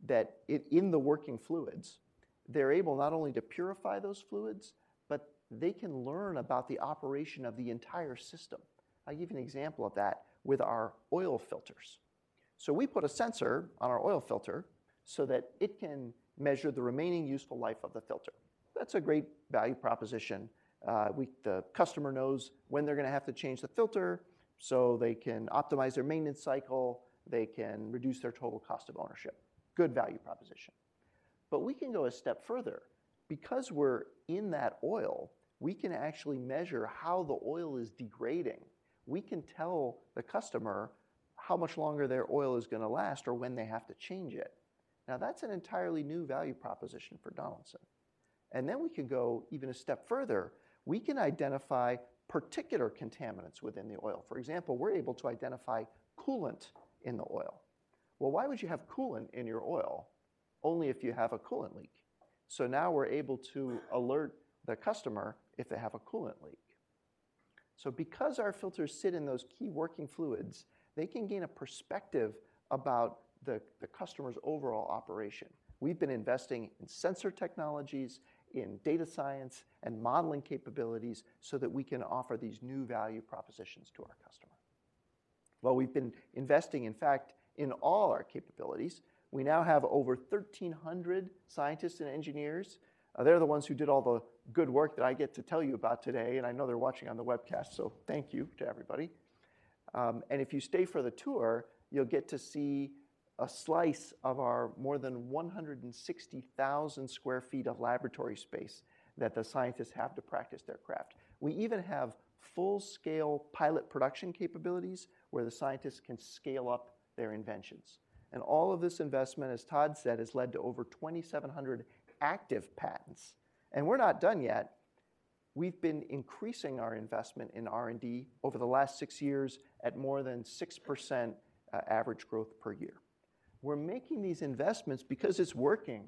that in the working fluids, they're able not only to purify those fluids, but they can learn about the operation of the entire system. I'll give you an example of that with our oil filters. We put a sensor on our oil filter so that it can measure the remaining useful life of the filter. That's a great value proposition. The customer knows when they're gonna have to change the filter, so they can optimize their maintenance cycle. They can reduce their total cost of ownership. Good value proposition. We can go a step further. Because we're in that oil, we can actually measure how the oil is degrading. We can tell the customer how much longer their oil is gonna last or when they have to change it. That's an entirely new value proposition for Donaldson. We can go even a step further. We can identify particular contaminants within the oil. For example, we're able to identify coolant in the oil. Well, why would you have coolant in your oil? Only if you have a coolant leak. Now we're able to alert the customer if they have a coolant leak. Because our filters sit in those key working fluids, they can gain a perspective about the customer's overall operation. We've been investing in sensor technologies, in data science, and modeling capabilities so that we can offer these new value propositions to our customer. Well, we've been investing, in fact, in all our capabilities. We now have over 1,300 scientists and engineers. They're the ones who did all the good work that I get to tell you about today, I know they're watching on the webcast, so thank you to everybody. If you stay for the tour, you'll get to see a slice of our more than 160,000 sq ft of laboratory space that the scientists have to practice their craft. We even have full scale pilot production capabilities where the scientists can scale up their inventions. All of this investment, as Tod said, has led to over 2,700 active patents. We're not done yet. We've been increasing our investment in R&D over the last six years at more than 6% average growth per year. We're making these investments because it's working.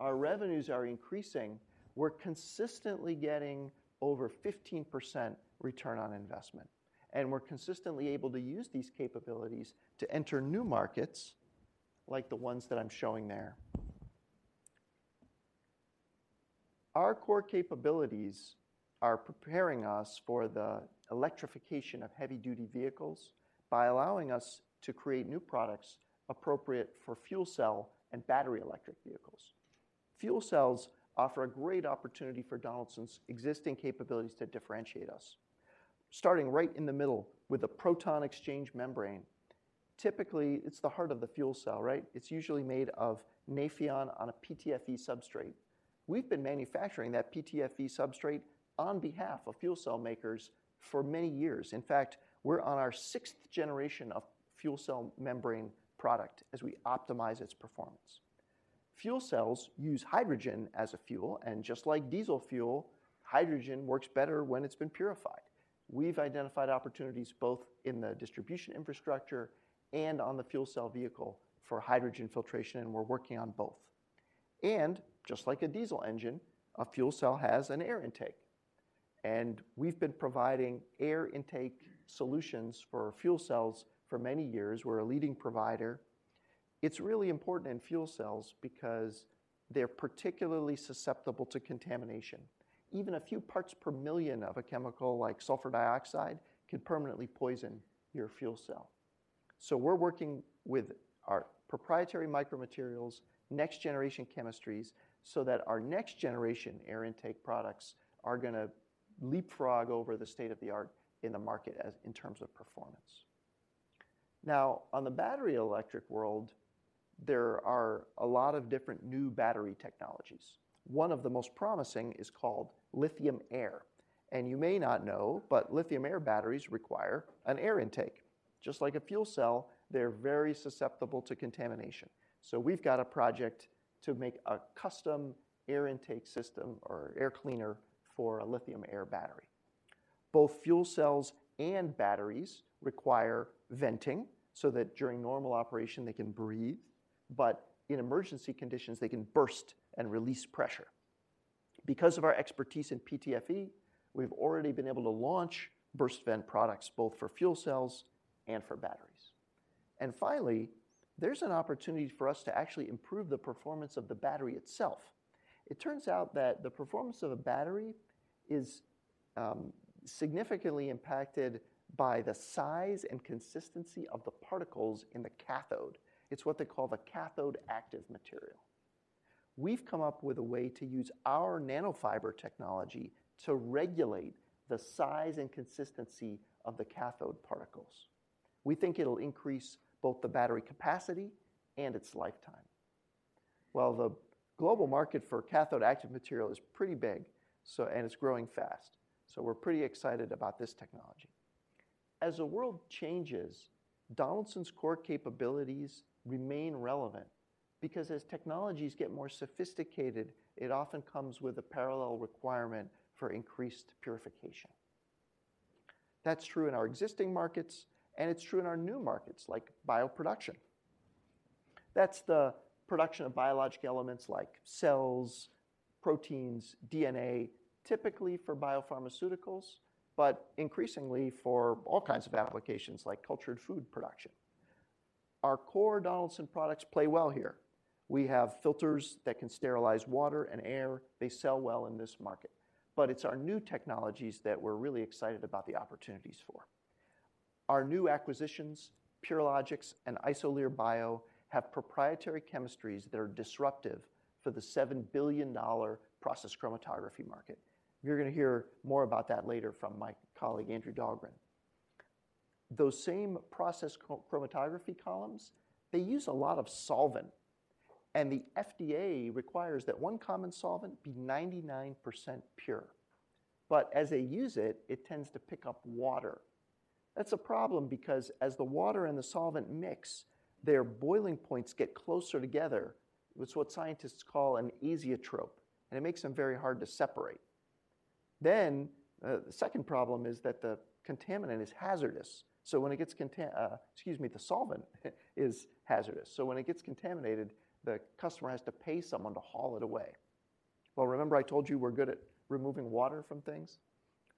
Our revenues are increasing. We're consistently getting over 15% return on investment, and we're consistently able to use these capabilities to enter new markets like the ones that I'm showing there. Our core capabilities are preparing us for the electrification of heavy duty vehicles by allowing us to create new products appropriate for fuel cell and battery electric vehicles. Fuel cells offer a great opportunity for Donaldson's existing capabilities to differentiate us. Starting right in the middle with a proton exchange membrane, typically, it's the heart of the fuel cell, right? It's usually made of Nafion on a PTFE substrate. We've been manufacturing that PTFE substrate on behalf of fuel cell makers for many years. In fact, we're on our sixth generation of fuel cell membrane product as we optimize its performance. Fuel cells use hydrogen as a fuel, and just like diesel fuel, hydrogen works better when it's been purified. We've identified opportunities both in the distribution infrastructure and on the fuel cell vehicle for hydrogen filtration, and we're working on both. Just like a diesel engine, a fuel cell has an air intake, and we've been providing air intake solutions for fuel cells for many years. We're a leading provider. It's really important in fuel cells because they're particularly susceptible to contamination. Even a few parts per million of a chemical like sulfur dioxide could permanently poison your fuel cell. We're working with our proprietary micro materials, next generation chemistries, so that our next generation air intake products are gonna leapfrog over the state-of-the-art in the market as in terms of performance. Now, on the battery electric world, there are a lot of different new battery technologies. One of the most promising is called lithium-air. You may not know, but lithium-air batteries require an air intake. Just like a fuel cell, they're very susceptible to contamination. We've got a project to make a custom air intake system or air cleaner for a lithium-air battery. Both fuel cells and batteries require venting so that during normal operation, they can breathe, but in emergency conditions, they can burst and release pressure. Because of our expertise in PTFE, we've already been able to launch burst vent products both for fuel cells and for batteries. Finally, there's an opportunity for us to actually improve the performance of the battery itself. It turns out that the performance of a battery is significantly impacted by the size and consistency of the particles in the cathode. It's what they call the cathode active material. We've come up with a way to use our nanofiber technology to regulate the size and consistency of the cathode particles. We think it'll increase both the battery capacity and its lifetime. The global market for cathode active material is pretty big. It's growing fast, so we're pretty excited about this technology. As the world changes, Donaldson's core capabilities remain relevant because as technologies get more sophisticated, it often comes with a parallel requirement for increased purification. That's true in our existing markets, and it's true in our new markets, like bioproduction. That's the production of biological elements like cells, proteins, DNA, typically for biopharmaceuticals, but increasingly for all kinds of applications like cultured food production. Our core Donaldson products play well here. We have filters that can sterilize water and air. They sell well in this market. It's our new technologies that we're really excited about the opportunities for. Our new acquisitions, Purilogics and Isolere Bio, have proprietary chemistries that are disruptive for the $7 billion process chromatography market. You're gonna hear more about that later from my colleague, Andrew Dahlgren. Those same process chromatography columns, they use a lot of solvent, and the FDA requires that one common solvent be 99% pure. As they use it tends to pick up water. That's a problem because as the water and the solvent mix, their boiling points get closer together. It's what scientists call an azeotrope, and it makes them very hard to separate. The second problem is that the contaminant is hazardous. When it gets contam, excuse me. The solvent is hazardous, so when it gets contaminated, the customer has to pay someone to haul it away. Well, remember I told you we're good at removing water from things?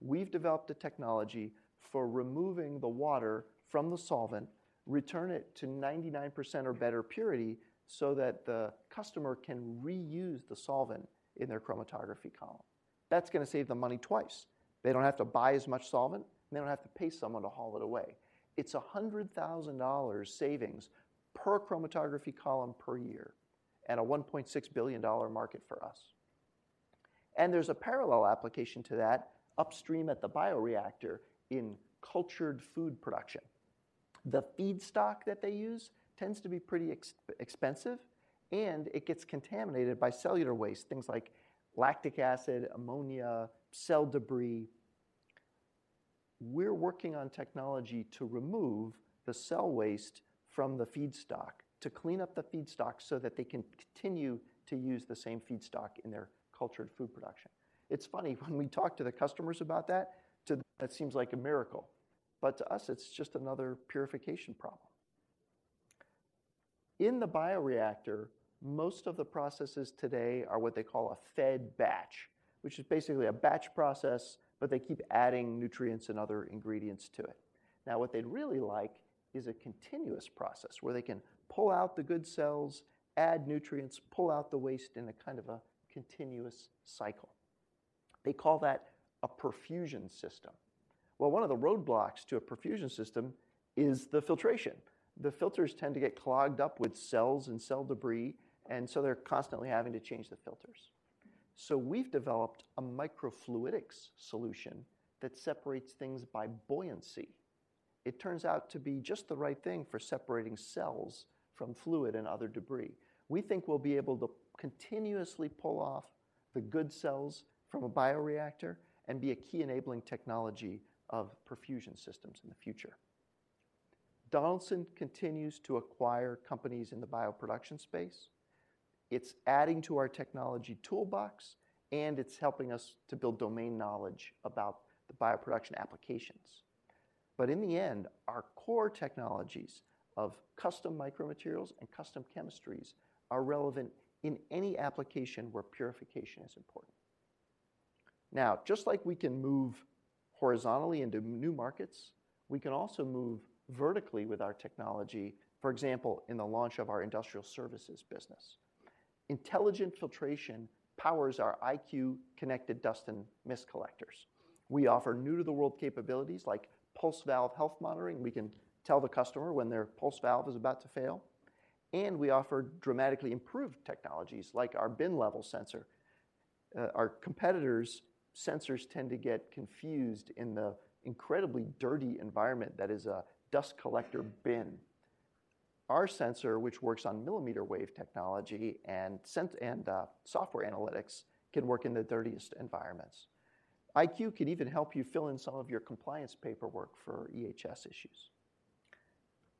We've developed a technology for removing the water from the solvent, return it to 99% or better purity so that the customer can reuse the solvent in their chromatography column. That's gonna save them money twice. They don't have to buy as much solvent, and they don't have to pay someone to haul it away. It's a $100,000 savings per chromatography column per year and a $1.6 billion market for us. There's a parallel application to that upstream at the bioreactor in cultured food production. The feedstock that they use tends to be pretty expensive, and it gets contaminated by cellular waste, things like lactic acid, ammonia, cell debris. We're working on technology to remove the cell waste from the feedstock, to clean up the feedstock so that they can continue to use the same feedstock in their cultured food production. It's funny, when we talk to the customers about that seems like a miracle. To us, it's just another purification problem. In the bioreactor, most of the processes today are what they call a fed-batch, which is basically a batch process. They keep adding nutrients and other ingredients to it. What they'd really like is a continuous process where they can pull out the good cells, add nutrients, pull out the waste in a kind of a continuous cycle. They call that a perfusion system. One of the roadblocks to a perfusion system is the filtration. The filters tend to get clogged up with cells and cell debris, and so they're constantly having to change the filters. We've developed a microfluidics solution that separates things by buoyancy. It turns out to be just the right thing for separating cells from fluid and other debris. We think we'll be able to continuously pull off the good cells from a bioreactor and be a key enabling technology of perfusion systems in the future. Donaldson continues to acquire companies in the bioproduction space. It's adding to our technology toolbox, and it's helping us to build domain knowledge about the bioproduction applications. In the end, our core technologies of custom micromaterials and custom chemistries are relevant in any application where purification is important. Just like we can move horizontally into new markets, we can also move vertically with our technology, for example, in the launch of our industrial services business. Intelligent filtration powers our iCue connected dust and mist collectors. We offer new-to-the-world capabilities like pulse valve health monitoring. We can tell the customer when their pulse valve is about to fail. We offer dramatically improved technologies like our bin level sensor. Our competitors' sensors tend to get confused in the incredibly dirty environment that is a dust collector bin. Our sensor, which works on millimeter wave technology and software analytics, can work in the dirtiest environments. iCue can even help you fill in some of your compliance paperwork for EHS issues.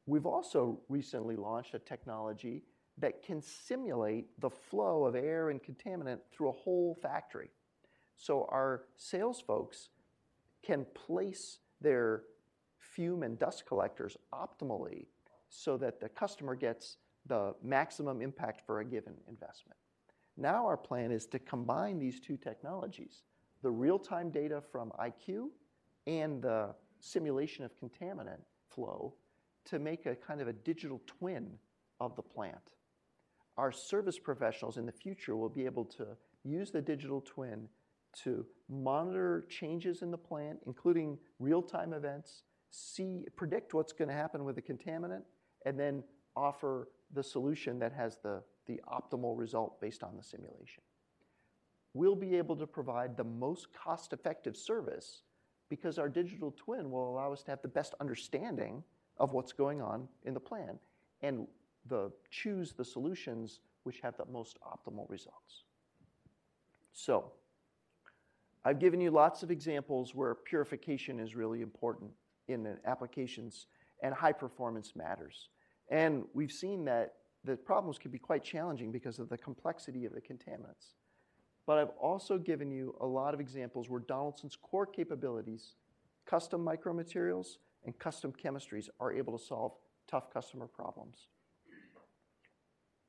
We've also recently launched a technology that can simulate the flow of air and contaminant through a whole factory. Our sales folks can place their fume and dust collectors optimally so that the customer gets the maximum impact for a given investment. Our plan is to combine these two technologies, the real-time data from iCue and the simulation of contaminant flow, to make a kind of a digital twin of the plant. Our service professionals in the future will be able to use the digital twin to monitor changes in the plant, including real-time events, predict what's gonna happen with the contaminant, and then offer the solution that has the optimal result based on the simulation. We'll be able to provide the most cost-effective service because our digital twin will allow us to have the best understanding of what's going on in the plant and choose the solutions which have the most optimal results. I've given you lots of examples where purification is really important in the applications and high performance matters. We've seen that the problems can be quite challenging because of the complexity of the contaminants. I've also given you a lot of examples where Donaldson's core capabilities, custom micromaterials and custom chemistries, are able to solve tough customer problems.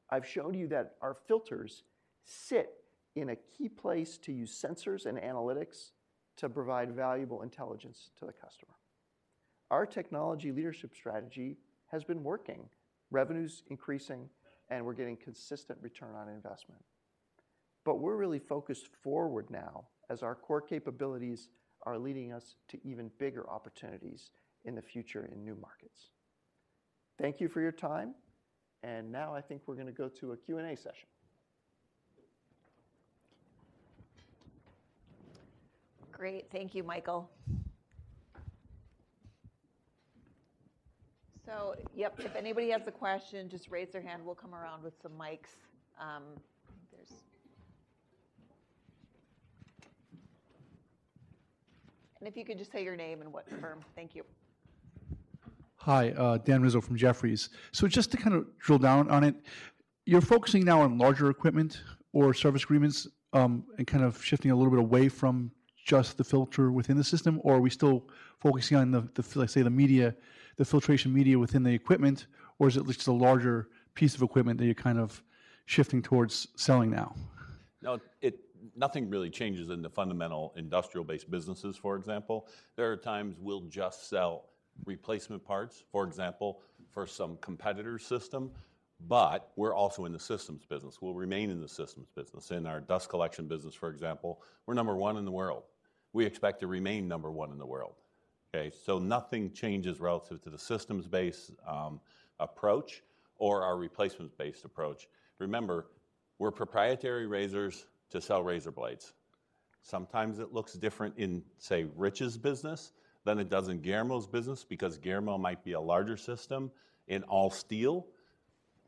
I've shown you that our filters sit in a key place to use sensors and analytics to provide valuable intelligence to the customer. Our technology leadership strategy has been working. Revenue's increasing, and we're getting consistent ROI. We're really focused forward now as our core capabilities are leading us to even bigger opportunities in the future in new markets. Thank you for your time. Now I think we're gonna go to a Q&A session. Great. Thank you, Michael. Yep, if anybody has a question, just raise their hand. We'll come around with some mics. If you could just say your name and what firm. Thank you. Hi. Dan Rizzo from Jefferies. Just to kind of drill down on it, you're focusing now on larger equipment or service agreements, and kind of shifting a little bit away from just the filter within the system, or are we still focusing on the media, the filtration media within the equipment, or is it just a larger piece of equipment that you're kind of shifting towards selling now? No, nothing really changes in the fundamental industrial-based businesses, for example. There are times we'll just sell replacement parts, for example, for some competitor's system, but we're also in the systems business. We'll remain in the systems business. In our dust collection business, for example, we're number one in the world. We expect to remain number one in the world. Okay? Nothing changes relative to the systems-based approach or our replacements-based approach. Remember, we're proprietary razors to sell razor blades. Sometimes it looks different in, say, Rich's business than it does in Guillermo's business because Guillermo might be a larger system in all steel,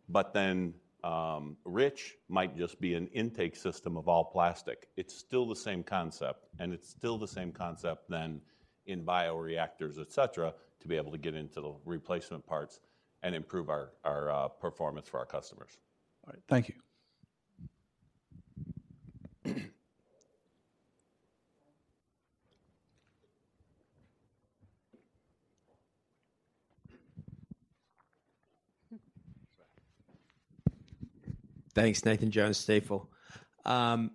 but then Rich might just be an intake system of all plastic. It's still the same concept, and it's still the same concept then in bioreactors, et cetera, to be able to get into the replacement parts and improve our performance for our customers. All right. Thank you. Thanks. Nathan Jones, Stifel. Tod,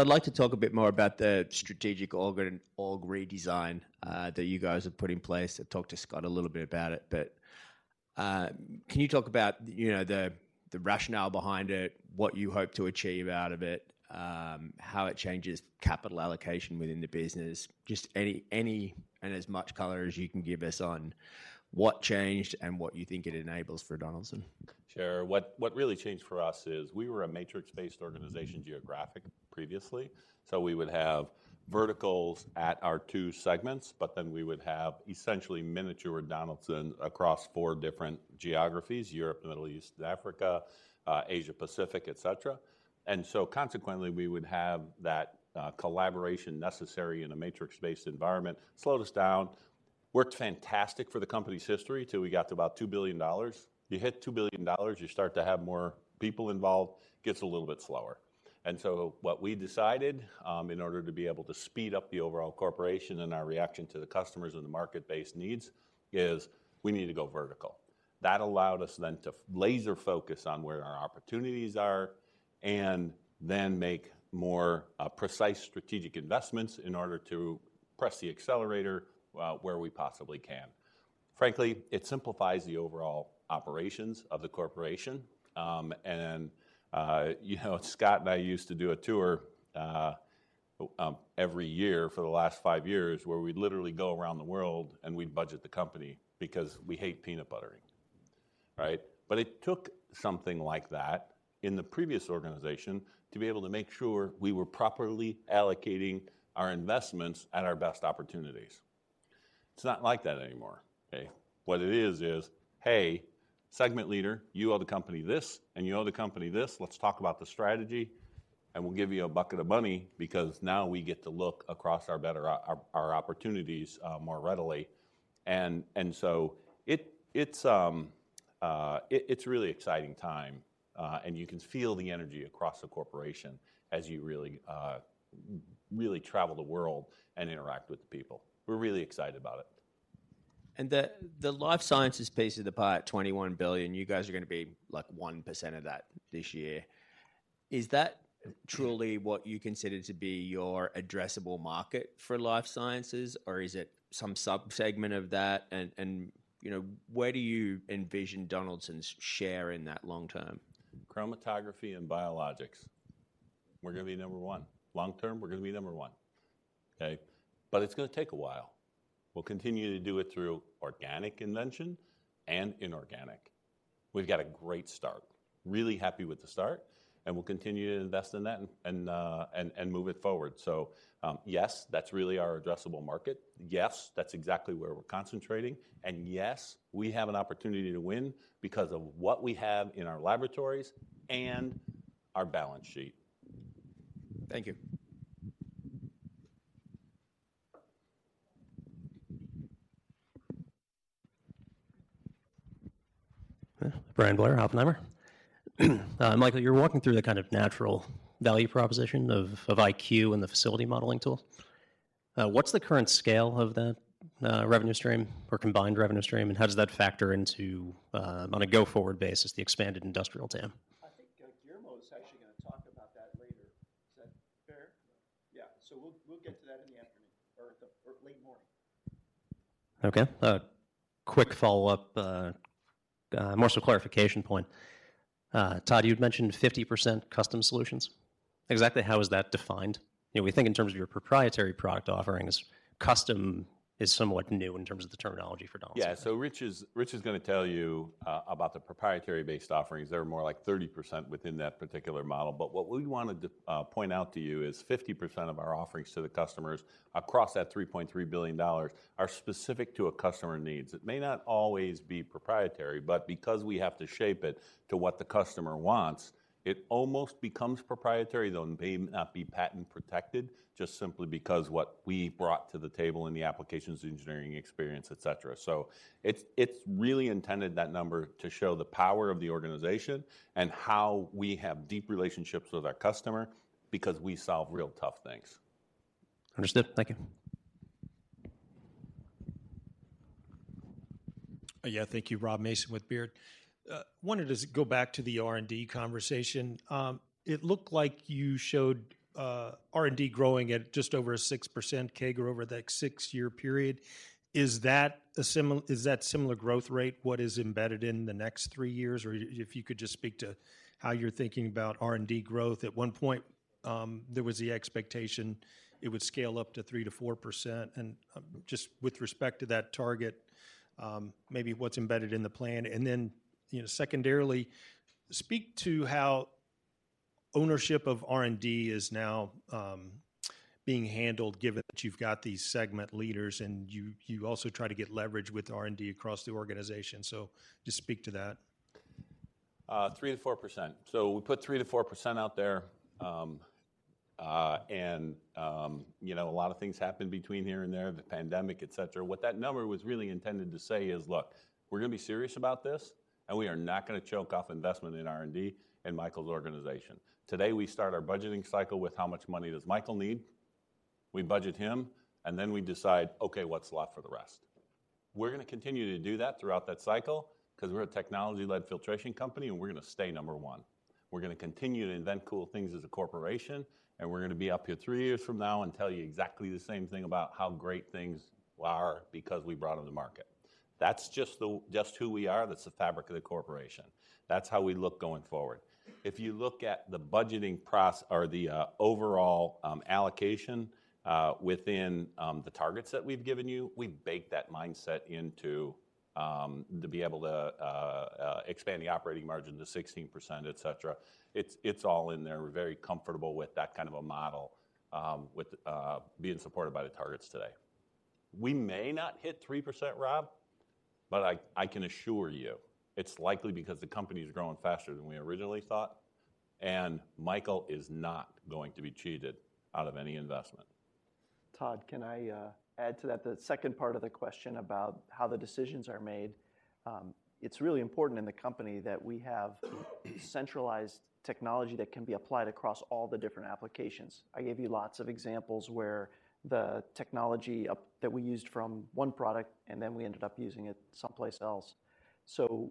I'd like to talk a bit more about the strategic org and org redesign that you guys have put in place. I talked to Scott a little bit about it, can you talk about, you know, the rationale behind it, what you hope to achieve out of it, how it changes capital allocation within the business? Just any and as much color as you can give us on what changed and what you think it enables for Donaldson. Sure. What really changed for us is we were a matrix-based organization geographic previously, so we would have verticals at our two segments, but then we would have essentially miniature Donaldson across four different geographies, Europe, Middle East, Africa, Asia, Pacific, et cetera. Consequently, we would have that collaboration necessary in a matrix-based environment. Slowed us down. Worked fantastic for the company's history till we got to about $2 billion. You hit $2 billion, you start to have more people involved, gets a little bit slower. What we decided, in order to be able to speed up the overall corporation and our reaction to the customers and the market-based needs is we need to go vertical. That allowed us then to laser focus on where our opportunities are and then make more precise strategic investments in order to press the accelerator where we possibly can. Frankly, it simplifies the overall operations of the corporation. You know, Scott and I used to do a tour every year for the last five years where we'd literally go around the world, and we'd budget the company because we hate peanut buttering, right? It took something like that in the previous organization to be able to make sure we were properly allocating our investments at our best opportunities. It's not like that anymore. Okay? What it is, "Hey, segment leader, you owe the company this, and you owe the company this. Let's talk about the strategy, and we'll give you a bucket of money," because now we get to look across our opportunities more readily. It's really exciting time, and you can feel the energy across the corporation as you really travel the world and interact with the people. We're really excited about it. The Life Sciences piece of the pie at $21 billion, you guys are gonna be, like, 1% of that this year. Is that truly what you consider to be your addressable market for Life Sciences, or is it some subsegment of that? You know, where do you envision Donaldson's share in that long term? Chromatography and biologics, we're gonna be number one. Long term, we're gonna be number one. Okay? It's gonna take a while. We'll continue to do it through organic invention and inorganic. We've got a great start. Really happy with the start, and we'll continue to invest in that and move it forward. Yes, that's really our addressable market. Yes, that's exactly where we're concentrating, and yes, we have an opportunity to win because of what we have in our laboratories and our balance sheet. Thank you. Michael, you're walking through the kind of natural value proposition of iCue and the facility modeling tool. What's the current scale of that revenue stream or combined revenue stream, and how does that factor into on a go-forward basis, the expanded industrial TAM? I think Guillermo is actually gonna talk about that later. Is that fair? Yeah. Yeah. we'll get to that in the afternoon or late morning. Okay. A quick follow-up, more so clarification point. Tod, you'd mentioned 50% custom solutions. Exactly how is that defined? You know, we think in terms of your proprietary product offerings, custom is somewhat new in terms of the terminology for Donaldson. Yeah. Rich is gonna tell you about the proprietary-based offerings. They're more like 30% within that particular model. What we wanted to point out to you is 50% of our offerings to the customers across that $3.3 billion are specific to a customer needs. It may not always be proprietary, but because we have to shape it to what the customer wants, it almost becomes proprietary, though it may not be patent protected, just simply because what we brought to the table in the applications engineering experience, et cetera. It's really intended, that number, to show the power of the organization and how we have deep relationships with our customer because we solve real tough things. Understood. Thank you. Thank you. Rob Mason with Baird. wanted to go back to the R&D conversation. It looked like you showed, R&D growing at just over a 6% CAGR over the six-year period. Is that similar growth rate what is embedded in the next 3 years? Or if you could just speak to how you're thinking about R&D growth. At one point, there was the expectation it would scale up to 3%-4%. Just with respect to that target, maybe what's embedded in the plan. Then, you know, secondarily, speak to how ownership of R&D is now being handled, given that you've got these segment leaders and you also try to get leverage with R&D across the organization. Just speak to that. 3%-4%. We put 3%-4% out there, you know, a lot of things happened between here and there, the pandemic, et cetera. What that number was really intended to say is, "Look, we're gonna be serious about this, and we are not gonna choke off investment in R&D and Michael's organization." Today, we start our budgeting cycle with how much money does Michael need. We budget him, and then we decide, "Okay, what's left for the rest?" We're gonna continue to do that throughout that cycle 'cause we're a technology-led filtration company, and we're gonna stay number one. We're gonna continue to invent cool things as a corporation, and we're gonna be up here 3 years from now and tell you exactly the same thing about how great things are because we brought them to market. That's just who we are. That's the fabric of the corporation. That's how we look going forward. If you look at the budgeting or the overall allocation within the targets that we've given you, we've baked that mindset into to be able to expand the operating margin to 16%, et cetera. It's all in there. We're very comfortable with that kind of a model with being supported by the targets today. We may not hit 3%, Rob, but I can assure you it's likely because the company's growing faster than we originally thought, and Michael is not going to be cheated out of any investment. Tod, can I add to that? The second part of the question about how the decisions are made, it's really important in the company that we have centralized technology that can be applied across all the different applications. I gave you lots of examples where the technology that we used from one product, and then we ended up using it someplace else.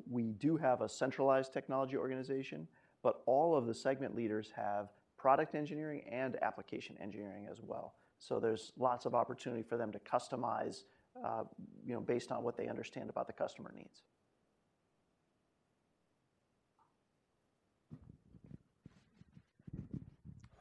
We do have a centralized technology organization, but all of the segment leaders have product engineering and application engineering as well. There's lots of opportunity for them to customize, you know, based on what they understand about the customer needs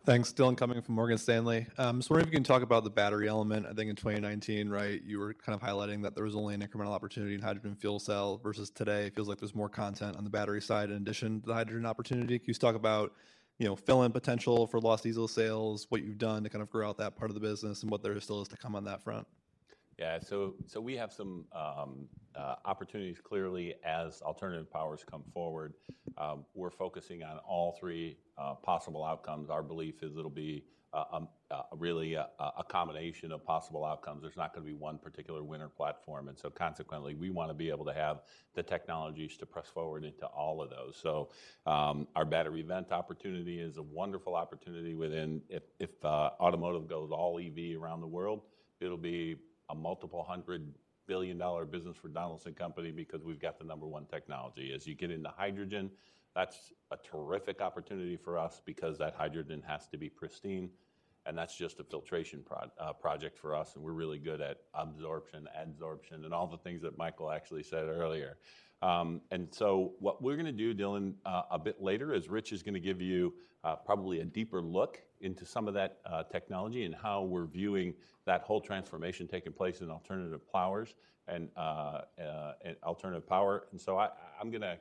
Thanks. Dillon Cumming from Morgan Stanley. Was wondering if you can talk about the battery element. I think in 2019, right, you were kind of highlighting that there was only an incremental opportunity in hydrogen fuel cell versus today, it feels like there's more content on the battery side in addition to the hydrogen opportunity. Can you just talk about, you know, fill-in potential for lost diesel sales, what you've done to kind of grow out that part of the business, and what there still is to come on that front? We have some opportunities clearly as alternative powers come forward. We're focusing on all three possible outcomes. Our belief is it'll be really a combination of possible outcomes. There's not gonna be one particular winner platform. Consequently, we wanna be able to have the technologies to press forward into all of those. Our battery vent opportunity is a wonderful opportunity within. If automotive goes all EV around the world, it'll be a multiple $100 billion business for Donaldson Company because we've got the number one technology. As you get into hydrogen, that's a terrific opportunity for us because that hydrogen has to be pristine, and that's just a filtration project for us, and we're really good at absorption, adsorption, and all the things that Michael actually said earlier. What we're gonna do, Dillon, a bit later is Rich is gonna give you probably a deeper look into some of that technology and how we're viewing that whole transformation taking place in alternative powers and alternative power. I'm gonna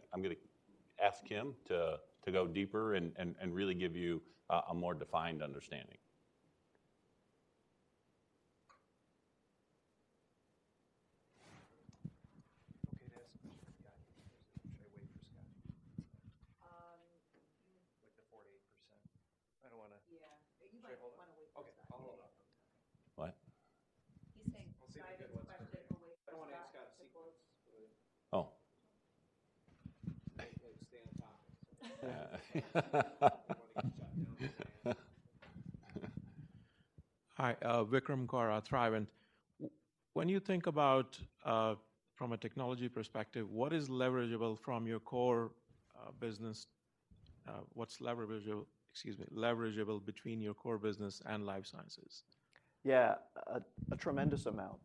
ask him to go deeper and really give you a more defined understanding. Okay to ask a question or should I wait for Scott? Um. Like the 48%. I don't Yeah. You might wanna wait for Scott. Should I hold? Okay. I'll hold off. What? He's saying- I'll save the good ones for him. either way, Scott I don't want to get Scott to sequence. Oh. Make him, like, stay on topic. Don't want to get chopped down on his answers. Hi. Vikram Kaura, Thrivent. When you think about, from a technology perspective, what is leverageable from your core business? What's leverageable between your core business and Life Sciences? A tremendous amount.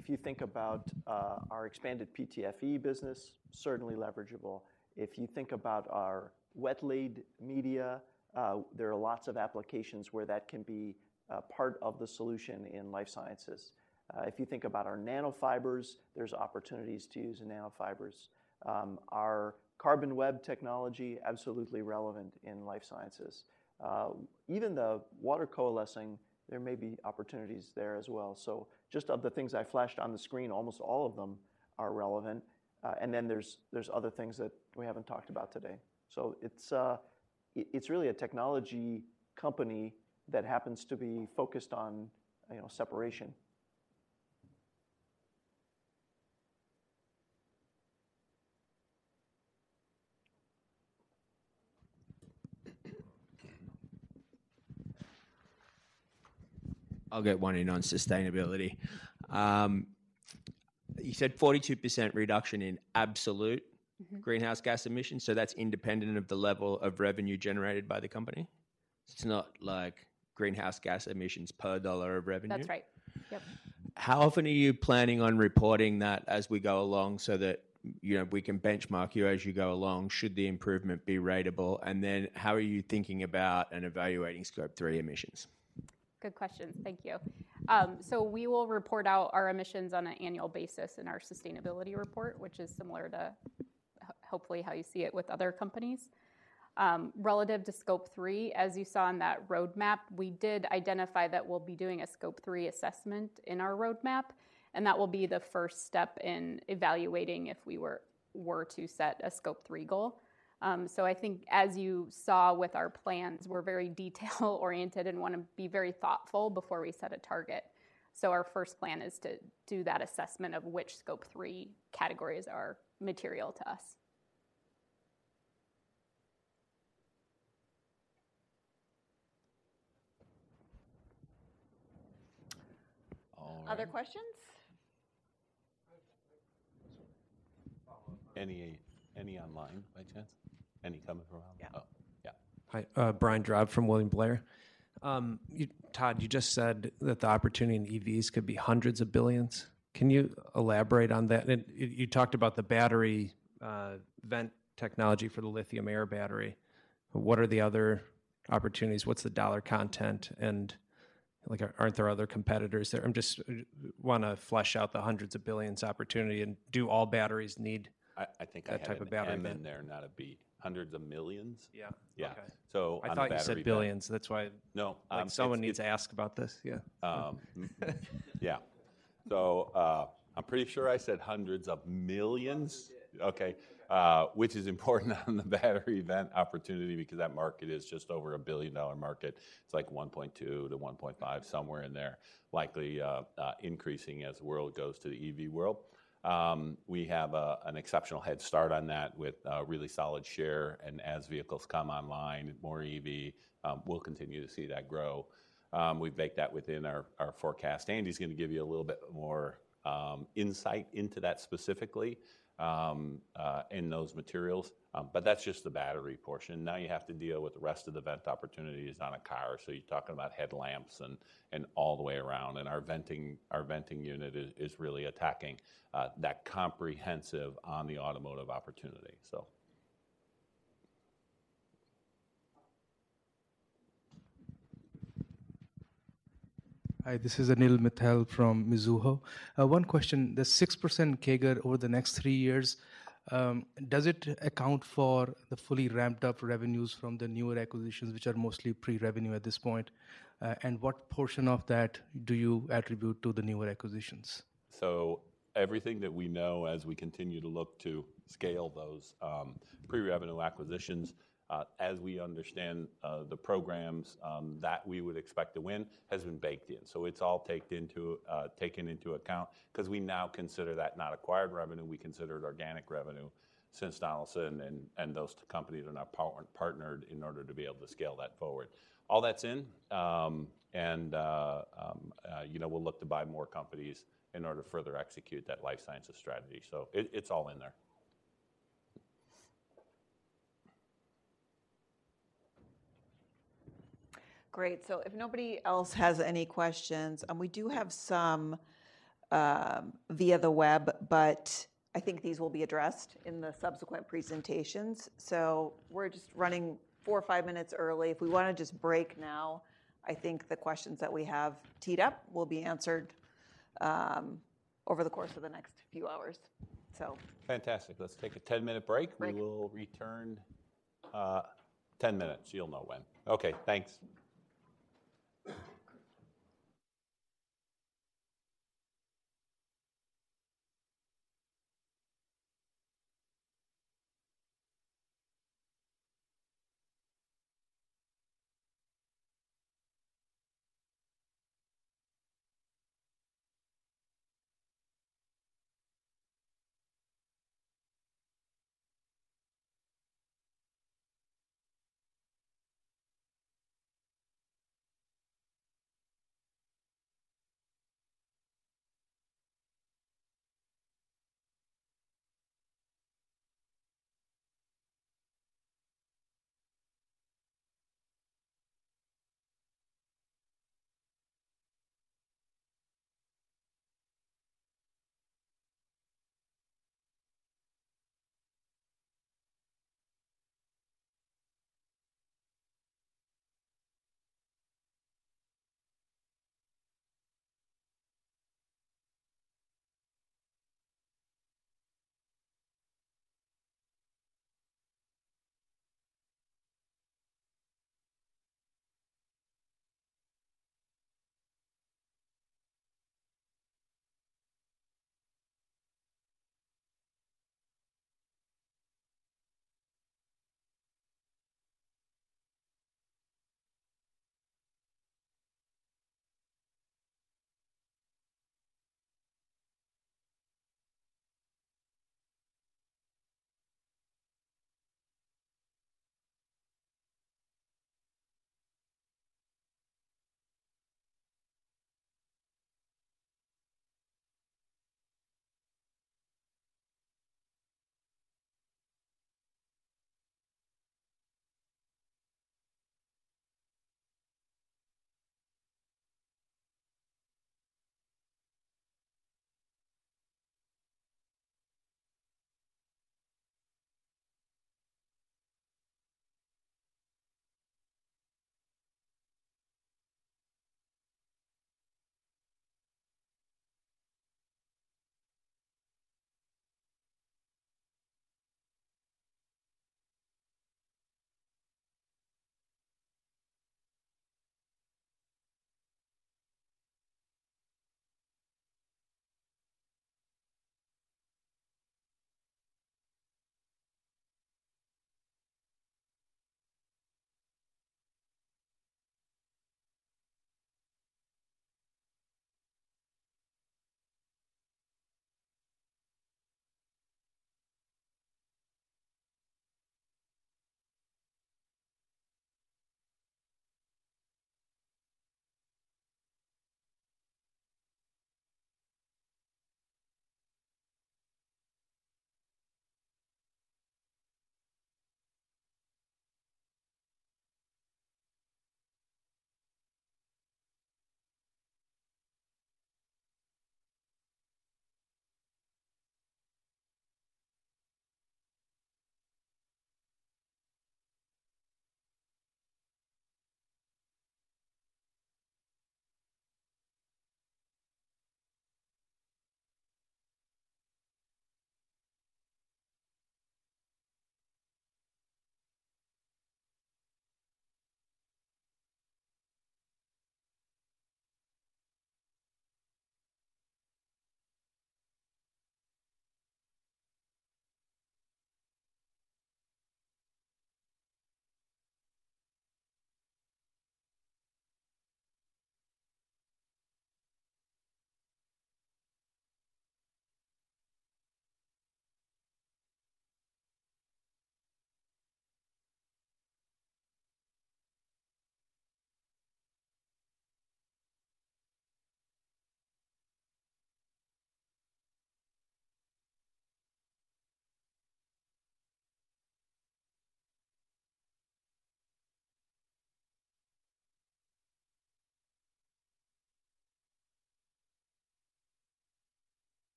If you think about our expanded PTFE business, certainly leverageable. If you think about our wet-laid media, there are lots of applications where that can be a part of the solution in Life Sciences. If you think about our nanofibers, there's opportunities to use nanofibers. Our CarbonWeb technology, absolutely relevant in Life Sciences. Even the water coalescing, there may be opportunities there as well. Just of the things I flashed on the screen, almost all of them are relevant. And then there's other things that we haven't talked about today. It's really a technology company that happens to be focused on, you know, separation. I'll get one in on sustainability. You said 42% reduction in absolute- Mm-hmm. Greenhouse gas emissions, that's independent of the level of revenue generated by the company? It's not like greenhouse gas emissions per dollar of revenue? That's right. Yep. How often are you planning on reporting that as we go along so that, you know, we can benchmark you as you go along, should the improvement be ratable? Then how are you thinking about and evaluating Scope 3 emissions? Good questions. Thank you. We will report out our emissions on an annual basis in our sustainability report, which is similar to hopefully how you see it with other companies. Relative to Scope three as you saw in that roadmap, we did identify that we'll be doing a Scope three assessment in our roadmap, and that will be the first step in evaluating if we were to set a Scope three goal. I think as you saw with our plans, we're very detail-oriented and wanna be very thoughtful before we set a target. Our first plan is to do that assessment of which Scope three categories are material to us. All right. Other questions? Any online by chance? Any coming from online? Yeah. Oh. Yeah. Hi. Brian Drab from William Blair. Tod, you just said that the opportunity in EVs could be $ hundreds of billions. Can you elaborate on that? You talked about the battery, vent technology for the lithium-air battery. What are the other opportunities? What's the dollar content, and, like, aren't there other competitors there? I'm just. Wanna flesh out the $ hundreds of billions opportunity, and do all batteries. I think I had an and in there, not a "b." $ hundreds of millions? Yeah. Yeah. Okay. on the battery- I thought you said billions, that's why- No. Like, someone needs to ask about this. Yeah. Yeah. I'm pretty sure I said hundreds of millions. Okay. Which is important on the battery vent opportunity because that market is just over a billion-dollar market. It's like $1.2 billion-$1.5 billion, somewhere in there, likely, increasing as the world goes to the EV world. We have an exceptional head start on that with a really solid share, and as vehicles come online, more EV, we'll continue to see that grow. We've baked that within our forecast. Andy's gonna give you a little bit more insight into that specifically in those materials. That's just the battery portion. Now you have to deal with the rest of the vent opportunities on a car. You're talking about headlamps and all the way around, and our venting unit is really attacking that comprehensive on the automotive opportunity. Hi, this is Anil Mittal from Mizuho. One question. The 6% CAGR over the next three years, does it account for the fully ramped up revenues from the newer acquisitions, which are mostly pre-revenue at this point? What portion of that do you attribute to the newer acquisitions? Everything that we know as we continue to look to scale those pre-revenue acquisitions, as we understand the programs that we would expect to win has been baked in. It's all taken into account 'cause we now consider that not acquired revenue, we consider it organic revenue since Donaldson and those two companies are now part-partnered in order to be able to scale that forward. All that's in, and, you know, we'll look to buy more companies in order to further execute that life sciences strategy. It's all in there. Great. If nobody else has any questions, we do have some via the web, but I think these will be addressed in the subsequent presentations. We're just running four or five minutes early. If we want to just break now, I think the questions that we have teed up will be answered over the course of the next few hours. Fantastic. Let's take a 10 minute break. Break. We will return, 10 minutes. You'll know when. Okay, thanks.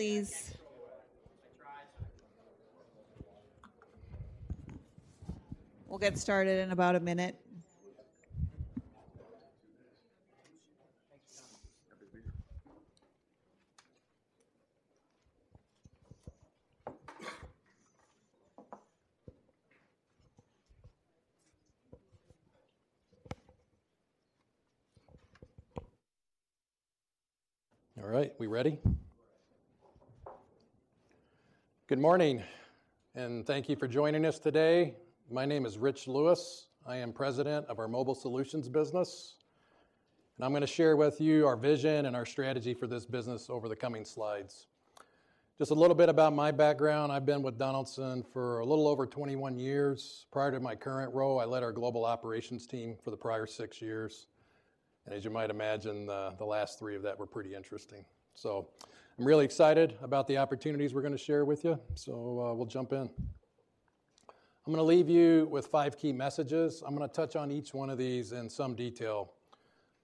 Please. We'll get started in about a minute. All right, we ready? Good morning. Thank you for joining us today. My name is Rich Lewis. I am President of our Mobile Solutions business. I'm going to share with you our vision and our strategy for this business over the coming slides. Just a little bit about my background. I've been with Donaldson for a little over 21 years. Prior to my current role, I led our global operations team for the prior six years. As you might imagine, the last three of that were pretty interesting. I'm really excited about the opportunities we're going to share with you. We'll jump in. I'm going to leave you with five key messages. I'm going to touch on each one of these in some detail.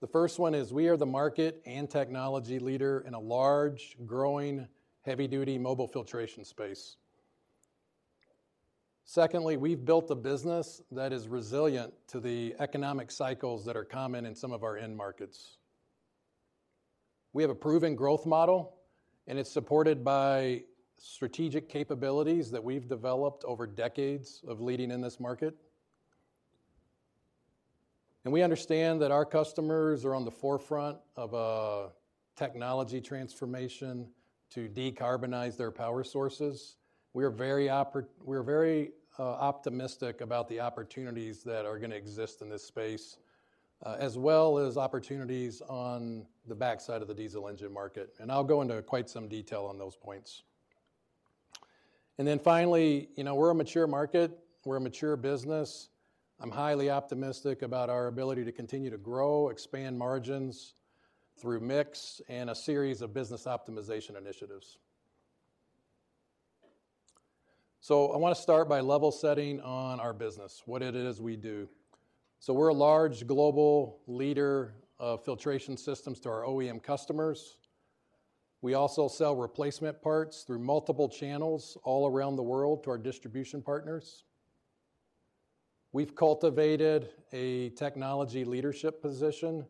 The first one is we are the market and technology leader in a large, growing, heavy-duty mobile filtration space. Secondly, we've built a business that is resilient to the economic cycles that are common in some of our end markets. We have a proven growth model, and it's supported by strategic capabilities that we've developed over decades of leading in this market. We understand that our customers are on the forefront of a technology transformation to decarbonize their power sources. We're very optimistic about the opportunities that are gonna exist in this space, as well as opportunities on the backside of the diesel engine market, and I'll go into quite some detail on those points. Finally, you know, we're a mature market. We're a mature business. I'm highly optimistic about our ability to continue to grow, expand margins through mix and a series of business optimization initiatives. I wanna start by level setting on our business, what it is we do. We're a large global leader of filtration systems to our OEM customers. We also sell replacement parts through multiple channels all around the world to our distribution partners. We've cultivated a technology leadership position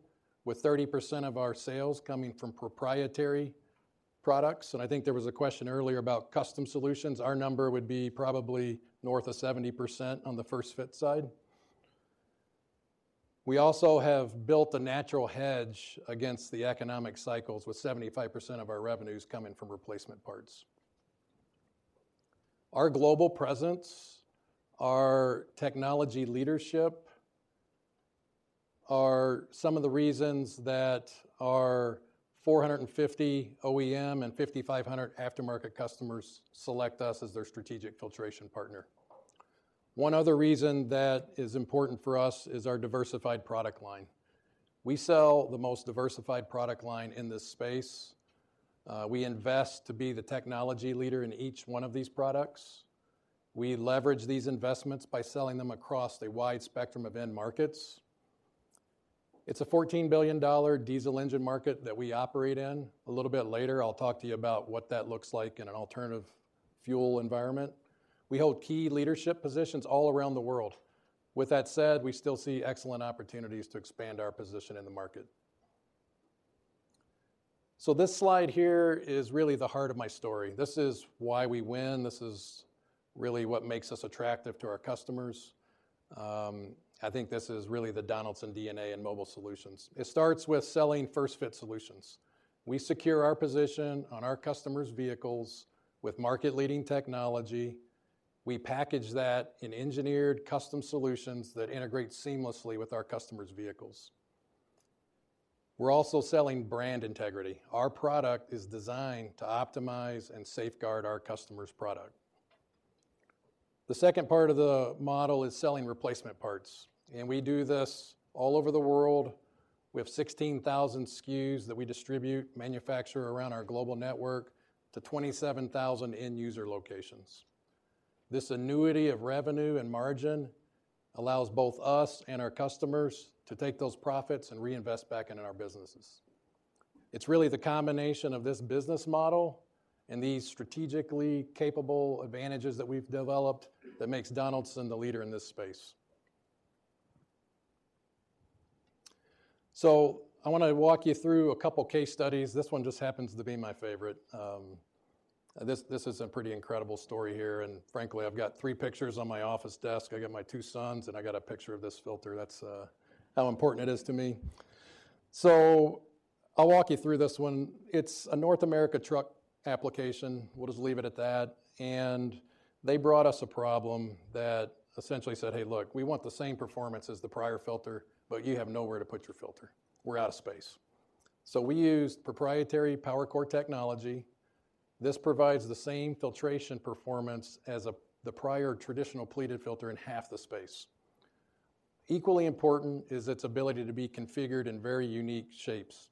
with 30% of our sales coming from proprietary products, and I think there was a question earlier about custom solutions. Our number would be probably north of 70% on the first-fit side. We also have built a natural hedge against the economic cycles with 75% of our revenues coming from replacement parts. Our global presence, our technology leadership are some of the reasons that our 450 OEM and 5,500 aftermarket customers select us as their strategic filtration partner. One other reason that is important for us is our diversified product line. We sell the most diversified product line in this space. We invest to be the technology leader in each one of these products. We leverage these investments by selling them across a wide spectrum of end markets. It's a $14 billion diesel engine market that we operate in. A little bit later I'll talk to you about what that looks like in an alternative fuel environment. We hold key leadership positions all around the world. With that said, we still see excellent opportunities to expand our position in the market. This slide here is really the heart of my story. This is why we win. This is really what makes us attractive to our customers. I think this is really the Donaldson DNA and Mobile Solutions. It starts with selling first-fit solutions. We secure our position on our customers' vehicles with market-leading technology. We package that in engineered custom solutions that integrate seamlessly with our customers' vehicles. We're also selling brand integrity. Our product is designed to optimize and safeguard our customer's product. The second part of the model is selling replacement parts, and we do this all over the world. We have 16,000 SKUs that we distribute, manufacture around our global network to 27,000 end user locations. This annuity of revenue and margin allows both us and our customers to take those profits and reinvest back into our businesses. It's really the combination of this business model and these strategically capable advantages that we've developed that makes Donaldson the leader in this space. I wanna walk you through a couple case studies. This one just happens to be my favorite. this is a pretty incredible story here, and frankly, I've got three pictures on my office desk. I got my two sons, and I got a picture of this filter. That's how important it is to me. I'll walk you through this one. It's a North America truck application. We'll just leave it at that. They brought us a problem that essentially said, "Hey, look, we want the same performance as the prior filter, but you have nowhere to put your filter. We're out of space." We used proprietary PowerCore technology. This provides the same filtration performance as the prior traditional pleated filter in half the space. Equally important is its ability to be configured in very unique shapes.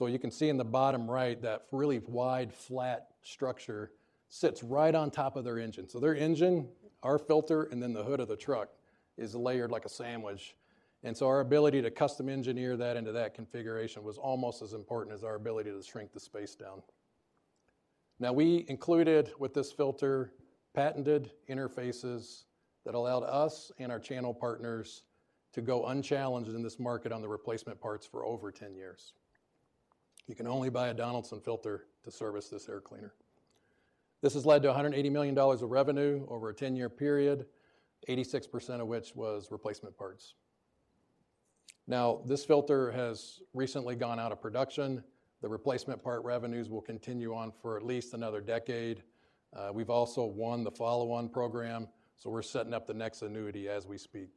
You can see in the bottom right, that really wide flat structure sits right on top of their engine. Their engine, our filter, and then the hood of the truck is layered like a sandwich. Our ability to custom engineer that into that configuration was almost as important as our ability to shrink the space down. We included with this filter patented interfaces that allowed us and our channel partners to go unchallenged in this market on the replacement parts for over 10 years. You can only buy a Donaldson filter to service this air cleaner. This has led to $180 million of revenue over a 10-year period, 86% of which was replacement parts. This filter has recently gone out of production. The replacement part revenues will continue on for at least another decade. We've also won the follow-on program, we're setting up the next annuity as we speak.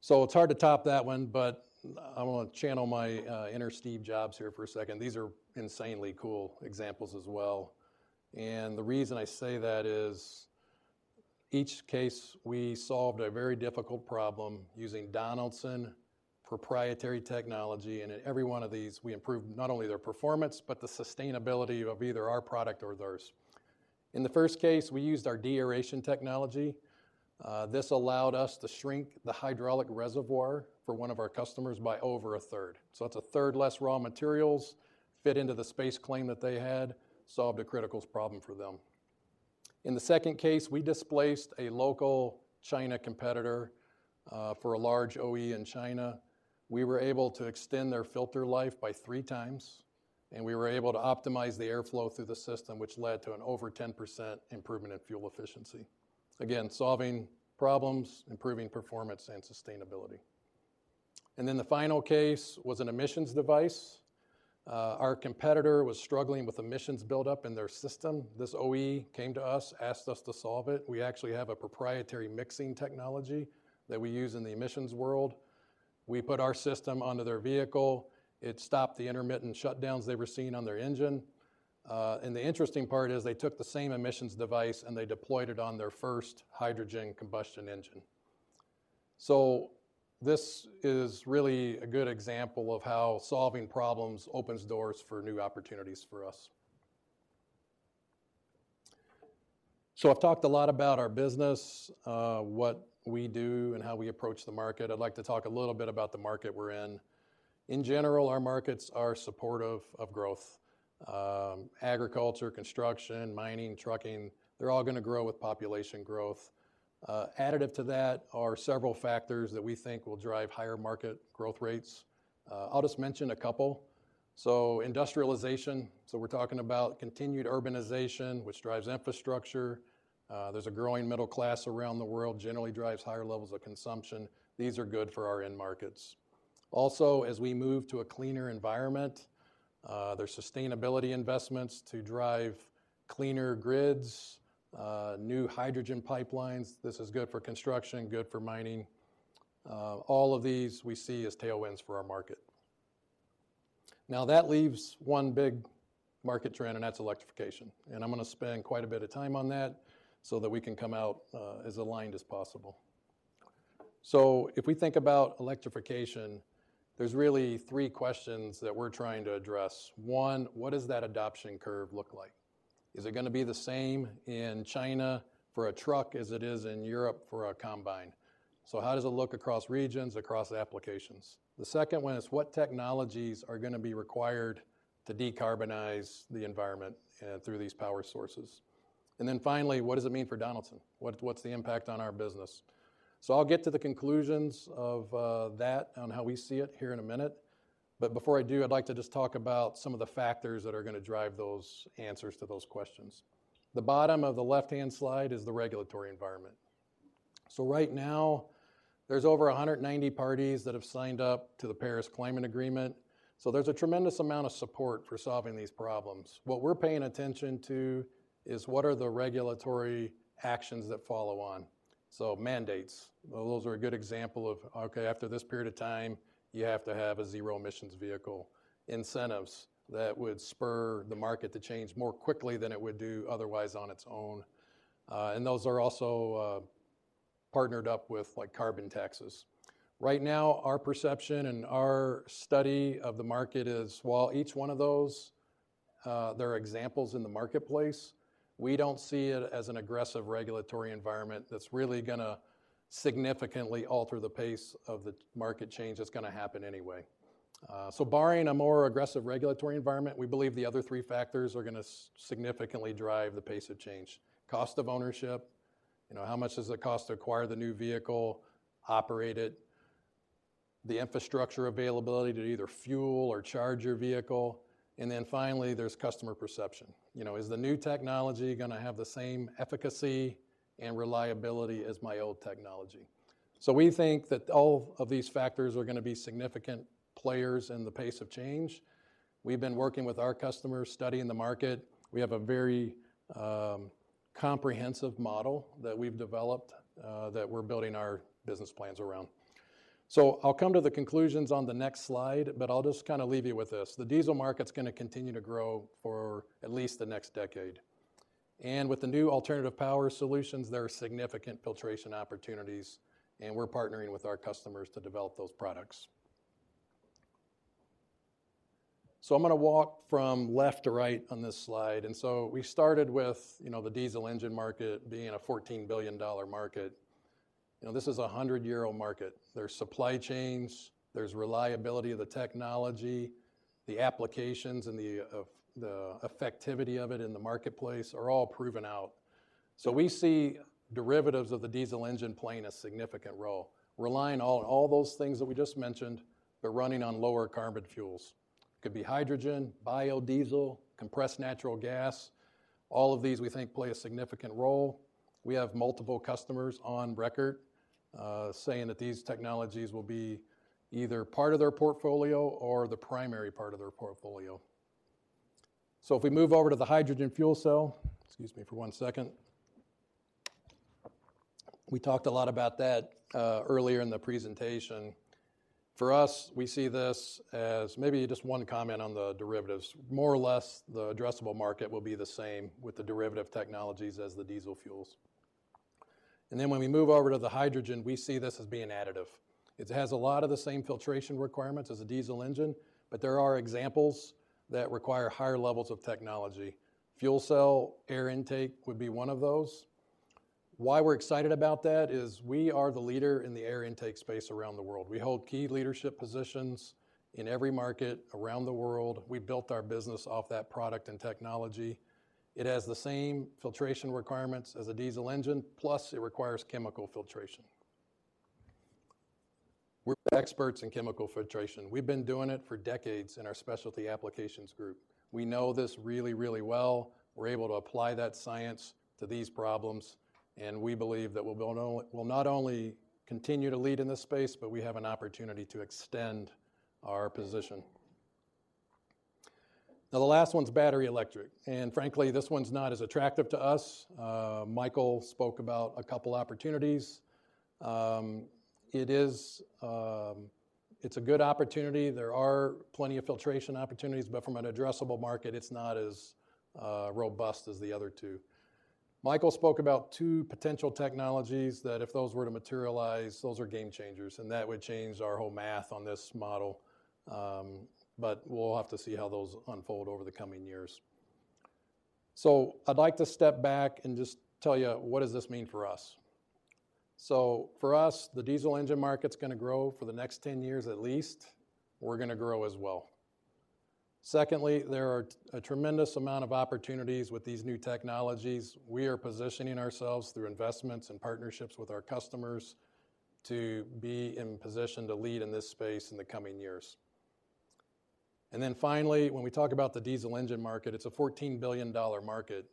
It's hard to top that one, but I wanna channel my inner Steve Jobs here for a second. These are insanely cool examples as well. The reason I say that is each case we solved a very difficult problem using Donaldson proprietary technology, and in every one of these, we improved not only their performance, but the sustainability of either our product or theirs. In the first case, we used our deaeration technology. This allowed us to shrink the hydraulic reservoir for one of our customers by over a third. That's a third less raw materials fit into the space claim that they had, solved a critical problem for them. In the second case, we displaced a local China competitor, for a large OE in China. We were able to extend their filter life by three times, and we were able to optimize the airflow through the system, which led to an over 10% improvement in fuel efficiency. Again, solving problems, improving performance, and sustainability. The final case was an emissions device. Our competitor was struggling with emissions buildup in their system. This OE came to us, asked us to solve it. We actually have a proprietary mixing technology that we use in the emissions world. We put our system onto their vehicle. It stopped the intermittent shutdowns they were seeing on their engine. The interesting part is they took the same emissions device, and they deployed it on their first hydrogen combustion engine. This is really a good example of how solving problems opens doors for new opportunities for us. I've talked a lot about our business, what we do, and how we approach the market. I'd like to talk a little bit about the market we're in. In general, our markets are supportive of growth. Agriculture, construction, mining, trucking, they're all going to grow with population growth. Additive to that are several factors that we think will drive higher market growth rates. I'll just mention a couple. Industrialization, so we're talking about continued urbanization, which drives infrastructure. There's a growing middle class around the world, generally drives higher levels of consumption. These are good for our end markets. As we move to a cleaner environment, there's sustainability investments to drive cleaner grids, new hydrogen pipelines. This is good for construction, good for mining. All of these we see as tailwinds for our market. That leaves one big market trend, and that's electrification, and I'm going to spend quite a bit of time on that so that we can come out as aligned as possible. If we think about electrification, there's really three questions that we're trying to address. One, what does that adoption curve look like? Is it gonna be the same in China for a truck as it is in Europe for a combine? How does it look across regions, across applications? The second one is what technologies are gonna be required to decarbonize the environment through these power sources? Finally, what does it mean for Donaldson? What's the impact on our business? I'll get to the conclusions of that on how we see it here in a minute, but before I do, I'd like to just talk about some of the factors that are gonna drive those answers to those questions. The bottom of the left-hand slide is the regulatory environment. Right now, there's over 190 parties that have signed up to the Paris Climate Agreement, so there's a tremendous amount of support for solving these problems. What we're paying attention to is what are the regulatory actions that follow on. Mandates, those are a good example of, okay, after this period of time, you have to have a zero emissions vehicle. Incentives that would spur the market to change more quickly than it would do otherwise on its own, and those are also partnered up with like carbon taxes. Right now, our perception and our study of the market is while each one of those, there are examples in the marketplace, we don't see it as an aggressive regulatory environment that's really gonna significantly alter the pace of the market change that's gonna happen anyway. Barring a more aggressive regulatory environment, we believe the other three factors are gonna significantly drive the pace of change. Cost of ownership, you know, how much does it cost to acquire the new vehicle, operate it, the infrastructure availability to either fuel or charge your vehicle, and then finally, there's customer perception. You know, is the new technology gonna have the same efficacy and reliability as my old technology? We think that all of these factors are gonna be significant players in the pace of change. We've been working with our customers, studying the market. We have a very comprehensive model that we've developed that we're building our business plans around. I'll come to the conclusions on the next slide, but I'll just kinda leave you with this. The diesel market's gonna continue to grow for at least the next decade. With the new alternative power solutions, there are significant filtration opportunities, and we're partnering with our customers to develop those products. I'm gonna walk from left to right on this slide. We started with, you know, the diesel engine market being a $14 billion market. You know, this is a 100-year-old market. There's supply chains, there's reliability of the technology, the applications, and the effectivity of it in the marketplace are all proven out. We see derivatives of the diesel engine playing a significant role, relying on all those things that we just mentioned, but running on lower carbon fuels. It could be hydrogen, biodiesel, compressed natural gas. All of these, we think, play a significant role. We have multiple customers on record, saying that these technologies will be either part of their portfolio or the primary part of their portfolio. If we move over to the hydrogen fuel cell, excuse me for one second. We talked a lot about that earlier in the presentation. For us, we see this as maybe just one comment on the derivatives. More or less, the addressable market will be the same with the derivative technologies as the diesel fuels. When we move over to the hydrogen, we see this as being additive. It has a lot of the same filtration requirements as a diesel engine, but there are examples that require higher levels of technology. Fuel cell air intake would be one of those. Why we are excited about that is we are the leader in the air intake space around the world. We hold key leadership positions in every market around the world. We built our business off that product and technology. It has the same filtration requirements as a diesel engine, plus it requires chemical filtration. We're experts in chemical filtration. We've been doing it for decades in our specialty applications group. We know this really, really well. We're able to apply that science to these problems, and we believe that will not only continue to lead in this space, but we have an opportunity to extend our position. Now, the last one's battery electric, and frankly, this one's not as attractive to us. Michael spoke about a couple opportunities. It is, it's a good opportunity. There are plenty of filtration opportunities, but from an addressable market, it's not as robust as the other two. Michael spoke about two potential technologies that if those were to materialize, those are game changers, and that would change our whole math on this model. We'll have to see how those unfold over the coming years. I'd like to step back and just tell you, what does this mean for us? For us, the diesel engine market's gonna grow for the next 10 years at least. We're gonna grow as well. Secondly, there are a tremendous amount of opportunities with these new technologies. We are positioning ourselves through investments and partnerships with our customers to be in position to lead in this space in the coming years. Finally, when we talk about the diesel engine market, it's a $14 billion market.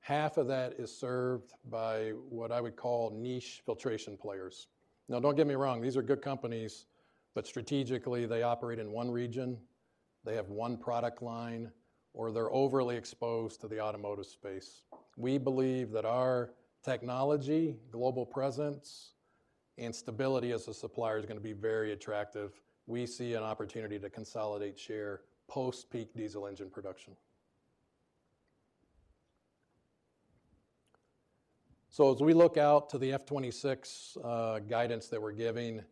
Half of that is served by what I would call niche filtration players. Don't get me wrong, these are good companies, but strategically, they operate in one region, they have one product line, or they're overly exposed to the automotive space. We believe that our technology, global presence, and stability as a supplier is gonna be very attractive. We see an opportunity to consolidate share post-peak diesel engine production. As we look out to the F '26 guidance that we're giving, you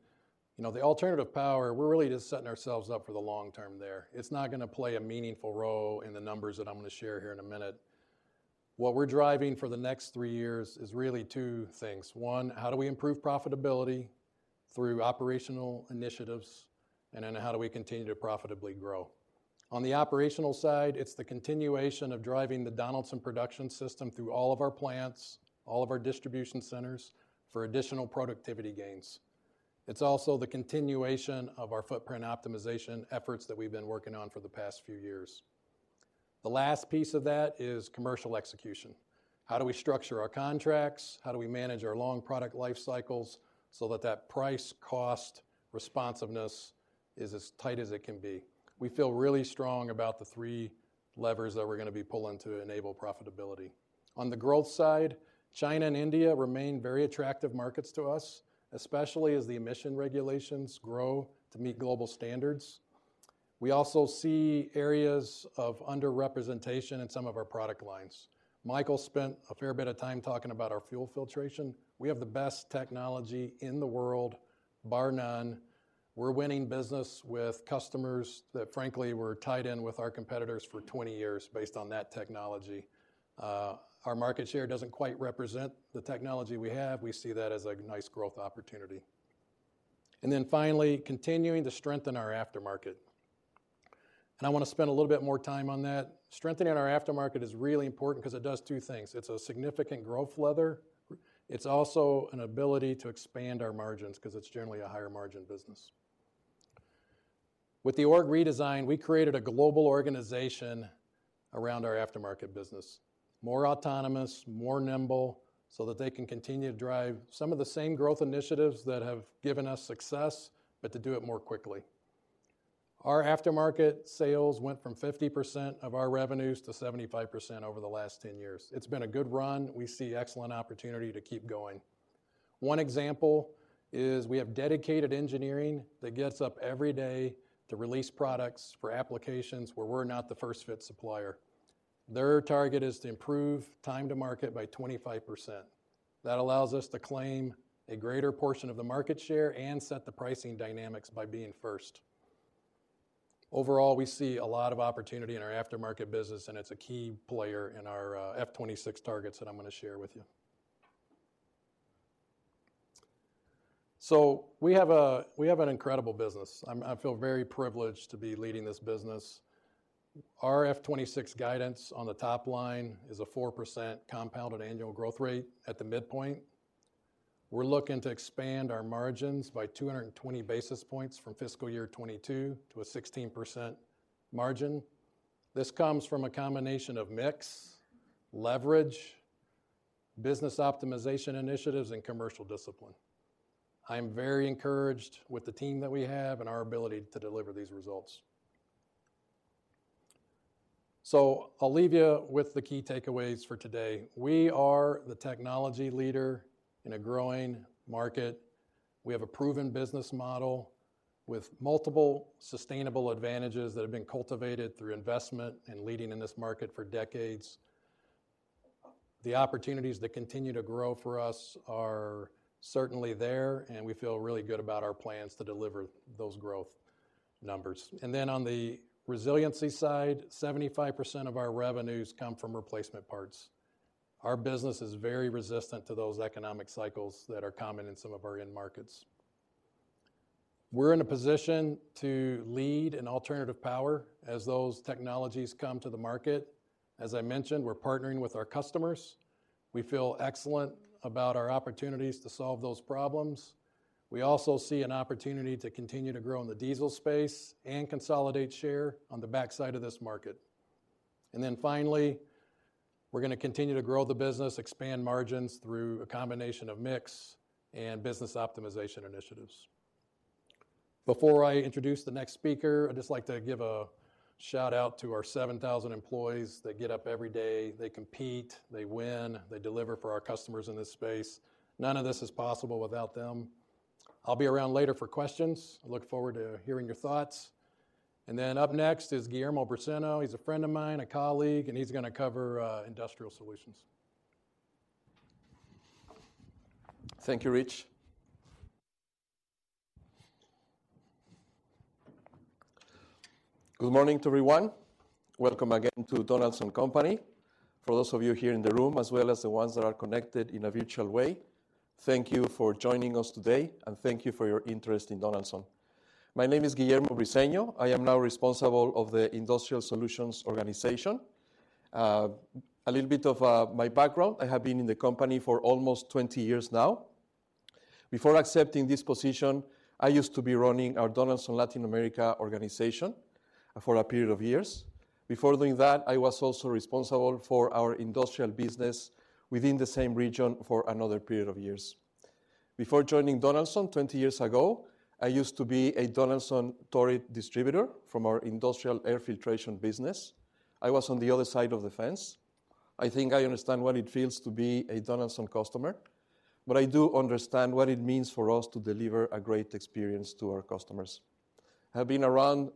know, the alternative power, we're really just setting ourselves up for the long term there. It's not gonna play a meaningful role in the numbers that I'm gonna share here in a minute. What we're driving for the next three years is really two things. One, how do we improve profitability through operational initiatives, and then how do we continue to profitably grow? On the operational side, it's the continuation of driving the Donaldson Production System through all of our plants, all of our distribution centers for additional productivity gains. It's also the continuation of our footprint optimization efforts that we've been working on for the past few years. The last piece of that is commercial execution. How do we structure our contracts? How do we manage our long product life cycles so that that price-cost responsiveness is as tight as it can be? We feel really strong about the three levers that we're gonna be pulling to enable profitability. On the growth side, China and India remain very attractive markets to us, especially as the emission regulations grow to meet global standards. We also see areas of under-representation in some of our product lines. Michael spent a fair bit of time talking about our fuel filtration. We have the best technology in the world, bar none. We're winning business with customers that frankly were tied in with our competitors for 20 years based on that technology. Our market share doesn't quite represent the technology we have. We see that as a nice growth opportunity. Finally, continuing to strengthen our aftermarket. I wanna spend a little bit more time on that. Strengthening our aftermarket is really important 'cause it does two things. It's a significant growth lever. It's also an ability to expand our margins 'cause it's generally a higher margin business. With the org redesign, we created a global organization around our aftermarket business. More autonomous, more nimble, so that they can continue to drive some of the same growth initiatives that have given us success, but to do it more quickly. Our aftermarket sales went from 50% of our revenues to 75% over the last 10 years. It's been a good run. We see excellent opportunity to keep going. One example is we have dedicated engineering that gets up every day to release products for applications where we're not the first-fit supplier. Their target is to improve time to market by 25%. Allows us to claim a greater portion of the market share and set the pricing dynamics by being first. Overall, we see a lot of opportunity in our aftermarket business, and it's a key player in our F '26 targets that I'm gonna share with you. We have an incredible business. I feel very privileged to be leading this business. Our F '26 guidance on the top line is a 4% compounded annual growth rate at the midpoint. We're looking to expand our margins by 220 basis points from fiscal year 2022 to a 16% margin. This comes from a combination of mix, leverage, business optimization initiatives, and commercial discipline. I am very encouraged with the team that we have and our ability to deliver these results. I'll leave you with the key takeaways for today. We are the technology leader in a growing market. We have a proven business model with multiple sustainable advantages that have been cultivated through investment and leading in this market for decades. The opportunities that continue to grow for us are certainly there, and we feel really good about our plans to deliver those growth numbers. On the resiliency side, 75% of our revenues come from replacement parts. Our business is very resistant to those economic cycles that are common in some of our end markets. We're in a position to lead in alternative power as those technologies come to the market. As I mentioned, we're partnering with our customers. We feel excellent about our opportunities to solve those problems. We also see an opportunity to continue to grow in the diesel space and consolidate share on the backside of this market. Finally, we're gonna continue to grow the business, expand margins through a combination of mix and business optimization initiatives. Before I introduce the next speaker, I'd just like to give a shout-out to our 7,000 employees that get up every day. They compete, they win, they deliver for our customers in this space. None of this is possible without them. I'll be around later for questions. I look forward to haring your thoughts. Up next is Guillermo Briseno. He's a friend of mine, a colleague, and he's gonna cover Industrial Solutions. Thank you, Rich. Good morning to everyone. Welcome again to Donaldson Company. For those of you here in the room, as well as the ones that are connected in a virtual way, thank you for joining us today, and thank you for your interest in Donaldson. My name is Guillermo Briseno. I am now responsible of the Industrial Solutions organization. A little bit of my background. I have been in the company for almost 20 years now. Before accepting this position, I used to be running our Donaldson Latin America organization for a period of years. Before doing that, I was also responsible for our industrial business within the same region for another period of years. Before joining Donaldson 20 years ago, I used to be a Donaldson Torit distributor from our industrial air filtration business. I was on the other side of the fence. I think I understand what it feels to be a Donaldson customer, but I do understand what it means for us to deliver a great experience to our customers. Have been around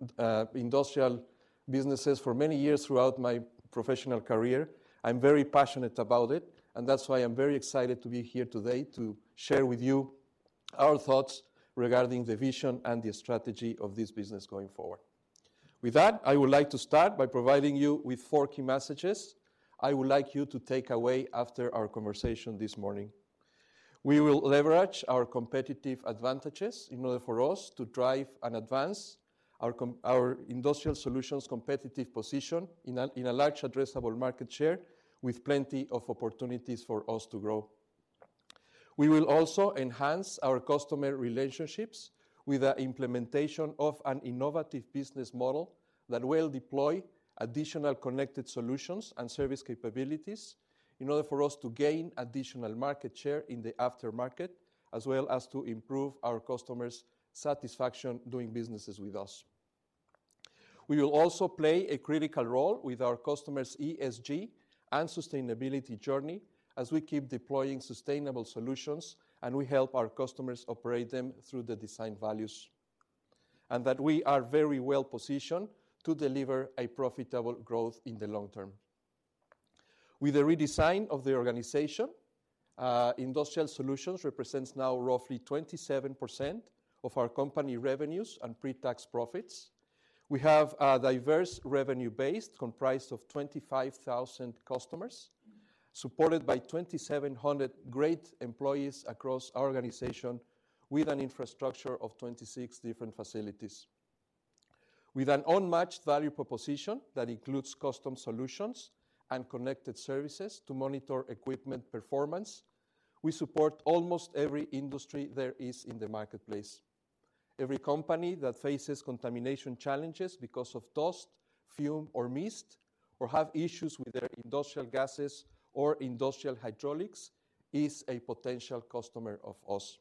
industrial businesses for many years throughout my professional career. I'm very passionate about it, and that's why I'm very excited to be here today to share with you our thoughts regarding the vision and the strategy of this business going forward. With that, I would like to start by providing you with four key messages I would like you to take away after our conversation this morning. We will leverage our competitive advantages in order for us to drive and advance our Industrial Solutions competitive position in a large addressable market share with plenty of opportunities for us to grow. We will also enhance our customer relationships with the implementation of an innovative business model that will deploy additional connected solutions and service capabilities in order for us to gain additional market share in the aftermarket, as well as to improve our customers' satisfaction doing businesses with us. We will also play a critical role with our customers' ESG and sustainability journey as we keep deploying sustainable solutions, and we help our customers operate them through the design values, and that we are very well positioned to deliver a profitable growth in the long term. With the redesign of the organization, Industrial Solutions represents now roughly 27% of our company revenues and pre-tax profits. We have a diverse revenue base comprised of 25,000 customers, supported by 2,700 great employees across our organization with an infrastructure of 26 different facilities. With an unmatched value proposition that includes custom solutions and connected services to monitor equipment performance. We support almost every industry there is in the marketplace. Every company that faces contamination challenges because of dust, fume or mist, or have issues with their industrial gases or industrial hydraulics is a potential customer of us.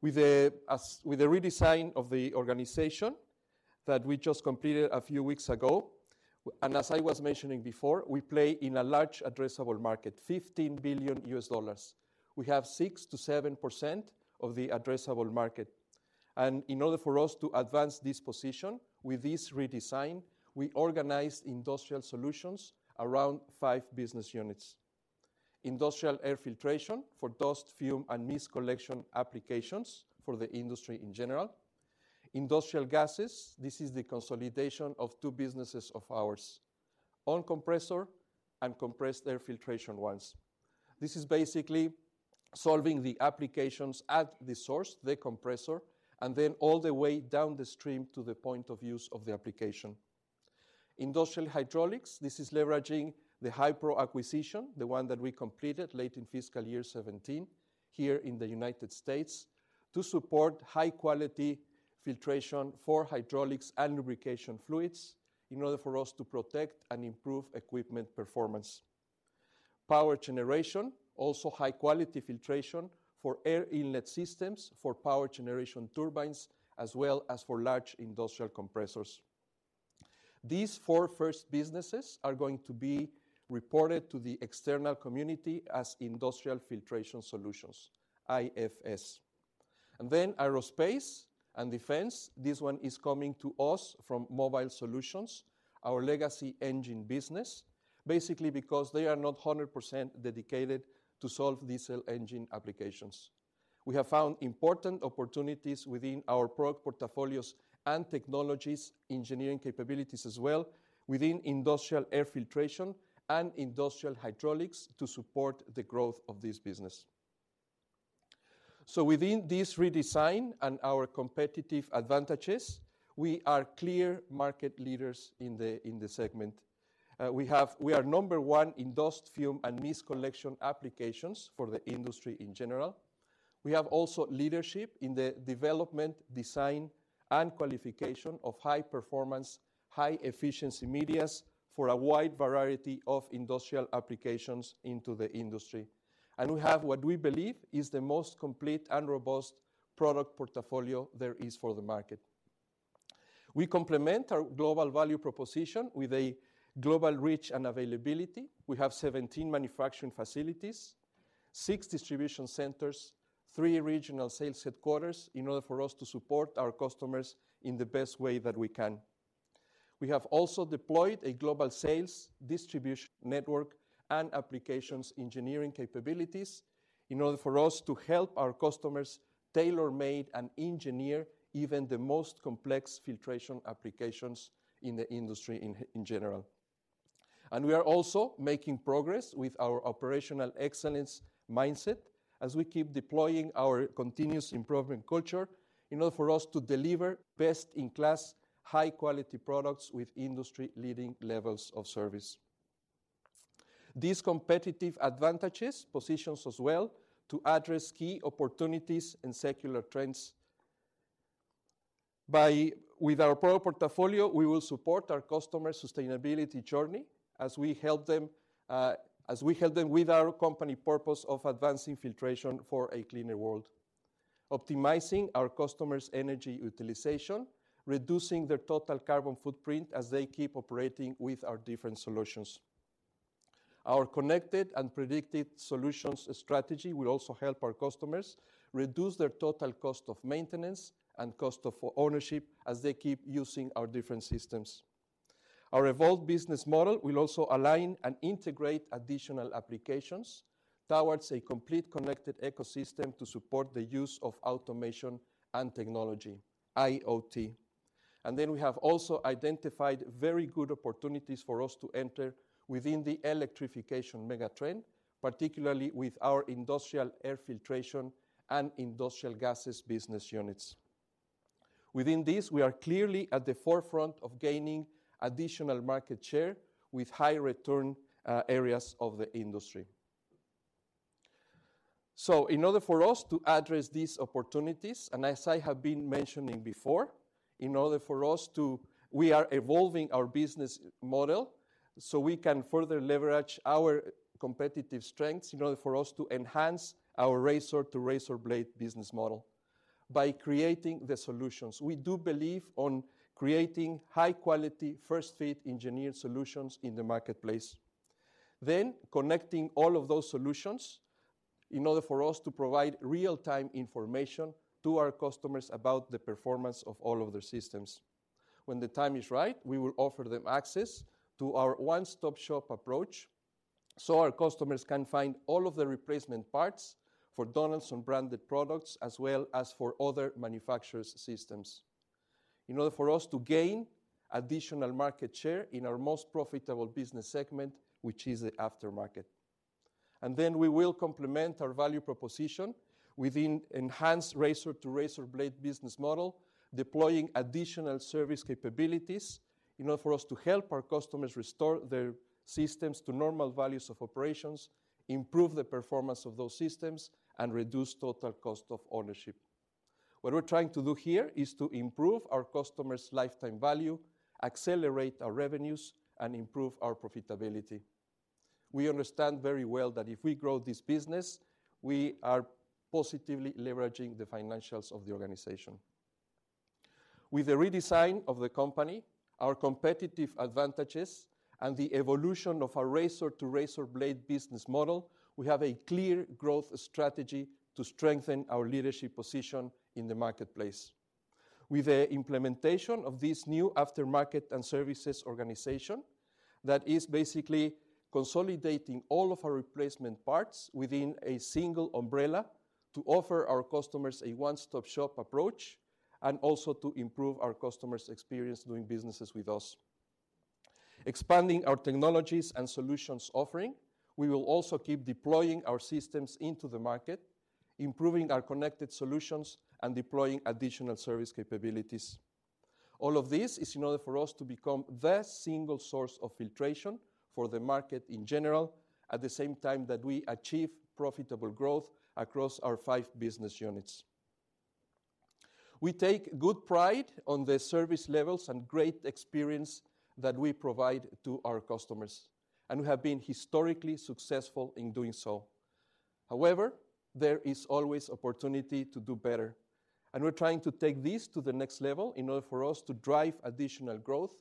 With the redesign of the organization that we just completed a few weeks ago, as I was mentioning before, we play in a large addressable market, $15 billion. We have 6%-7% of the addressable market. In order for us to advance this position with this redesign, we organized Industrial Solutions around five business units. Industrial air filtration for dust, fume and mist collection applications for the industry in general. Industrial gases, this is the consolidation of two businesses of ours. On compressor and compressed air filtration ones. This is basically solving the applications at the source, the compressor, and then all the way down the stream to the point of use of the application. Industrial hydraulics, this is leveraging the Hy-Pro acquisition, the one that we completed late in fiscal year 17 here in the United States, to support high quality filtration for hydraulics and lubrication fluids in order for us to protect and improve equipment performance. Power generation, also high quality filtration for air inlet systems, for power generation turbines, as well as for large industrial compressors. These four first businesses are going to be reported to the external community as Industrial Filtration Solutions, IFS. Aerospace and Defense. This one is coming to us from Mobile Solutions, our legacy engine business. Basically because they are not 100% dedicated to solve diesel engine applications. We have found important opportunities within our product portfolios and technologies engineering capabilities as well within industrial air filtration and industrial hydraulics to support the growth of this business. Within this redesign and our competitive advantages, we are clear market leaders in the segment. We are number one in dust, fume and mist collection applications for the industry in general. We have also leadership in the development, design and qualification of high performance, high efficiency medias for a wide variety of industrial applications into the industry. We have what we believe is the most complete and robust product portfolio there is for the market. We complement our global value proposition with a global reach and availability. We have 17 manufacturing facilities, six distribution centers, three regional sales headquarters in order for us to support our customers in the best way that we can. We have also deployed a global sales distribution network and applications engineering capabilities in order for us to help our customers tailor-made and engineer even the most complex filtration applications in the industry in general. We are also making progress with our operational excellence mindset as we keep deploying our continuous improvement culture in order for us to deliver best-in-class high quality products with industry-leading levels of service. These competitive advantages positions us well to address key opportunities and secular trends. With our product portfolio, we will support our customers' sustainability journey as we help them with our company purpose of advancing filtration for a cleaner world. Optimizing our customers' energy utilization, reducing their total carbon footprint as they keep operating with our different solutions. Our connected and predicted solutions strategy will also help our customers reduce their total cost of maintenance and cost of ownership as they keep using our different systems. Our evolved business model will also align and integrate additional applications towards a complete connected ecosystem to support the use of automation and technology, IoT. We have also identified very good opportunities for us to enter within the electrification mega-trend, particularly with our industrial air filtration and industrial gases business units. Within this, we are clearly at the forefront of gaining additional market share with high return areas of the industry. In order for us to address these opportunities, and as I have been mentioning before, we are evolving our business model so we can further leverage our competitive strengths in order for us to enhance our razor to razor blade business model by creating the solutions. We do believe on creating high quality first-fit engineered solutions in the marketplace. Connecting all of those solutions in order for us to provide real-time information to our customers about the performance of all of their systems. When the time is right, we will offer them access to our one-stop-shop approach, so our customers can find all of the replacement parts for Donaldson branded products as well as for other manufacturers' systems. In order for us to gain additional market share in our most profitable business segment, which is the aftermarket. We will complement our value proposition within enhanced razor to razor blade business model, deploying additional service capabilities in order for us to help our customers restore their systems to normal values of operations, improve the performance of those systems, and reduce total cost of ownership. What we're trying to do here is to improve our customers' lifetime value accelerate our revenues, and improve our profitability. We understand very well that if we grow this business, we are positively leveraging the financials of the organization. With the redesign of the company, our competitive advantages, and the evolution of our razor to razor blade business model, we have a clear growth strategy to strengthen our leadership position in the marketplace. With the implementation of this new aftermarket and services organization that is basically consolidating all of our replacement parts within a single umbrella to offer our customers a one-stop-shop approach and also to improve our customers' experience doing business with us. Expanding our technologies and solutions offering, we will also keep deploying our systems into the market, improving our connected solutions, and deploying additional service capabilities. All of this is in order for us to become the single source of filtration for the market in general, at the same time that we achieve profitable growth across our 5 business units. We take good pride on the service levels and great experience that we provide to our customers, and we have been historically successful in doing so. There is always opportunity to do better, and we're trying to take this to the next level in order for us to drive additional growth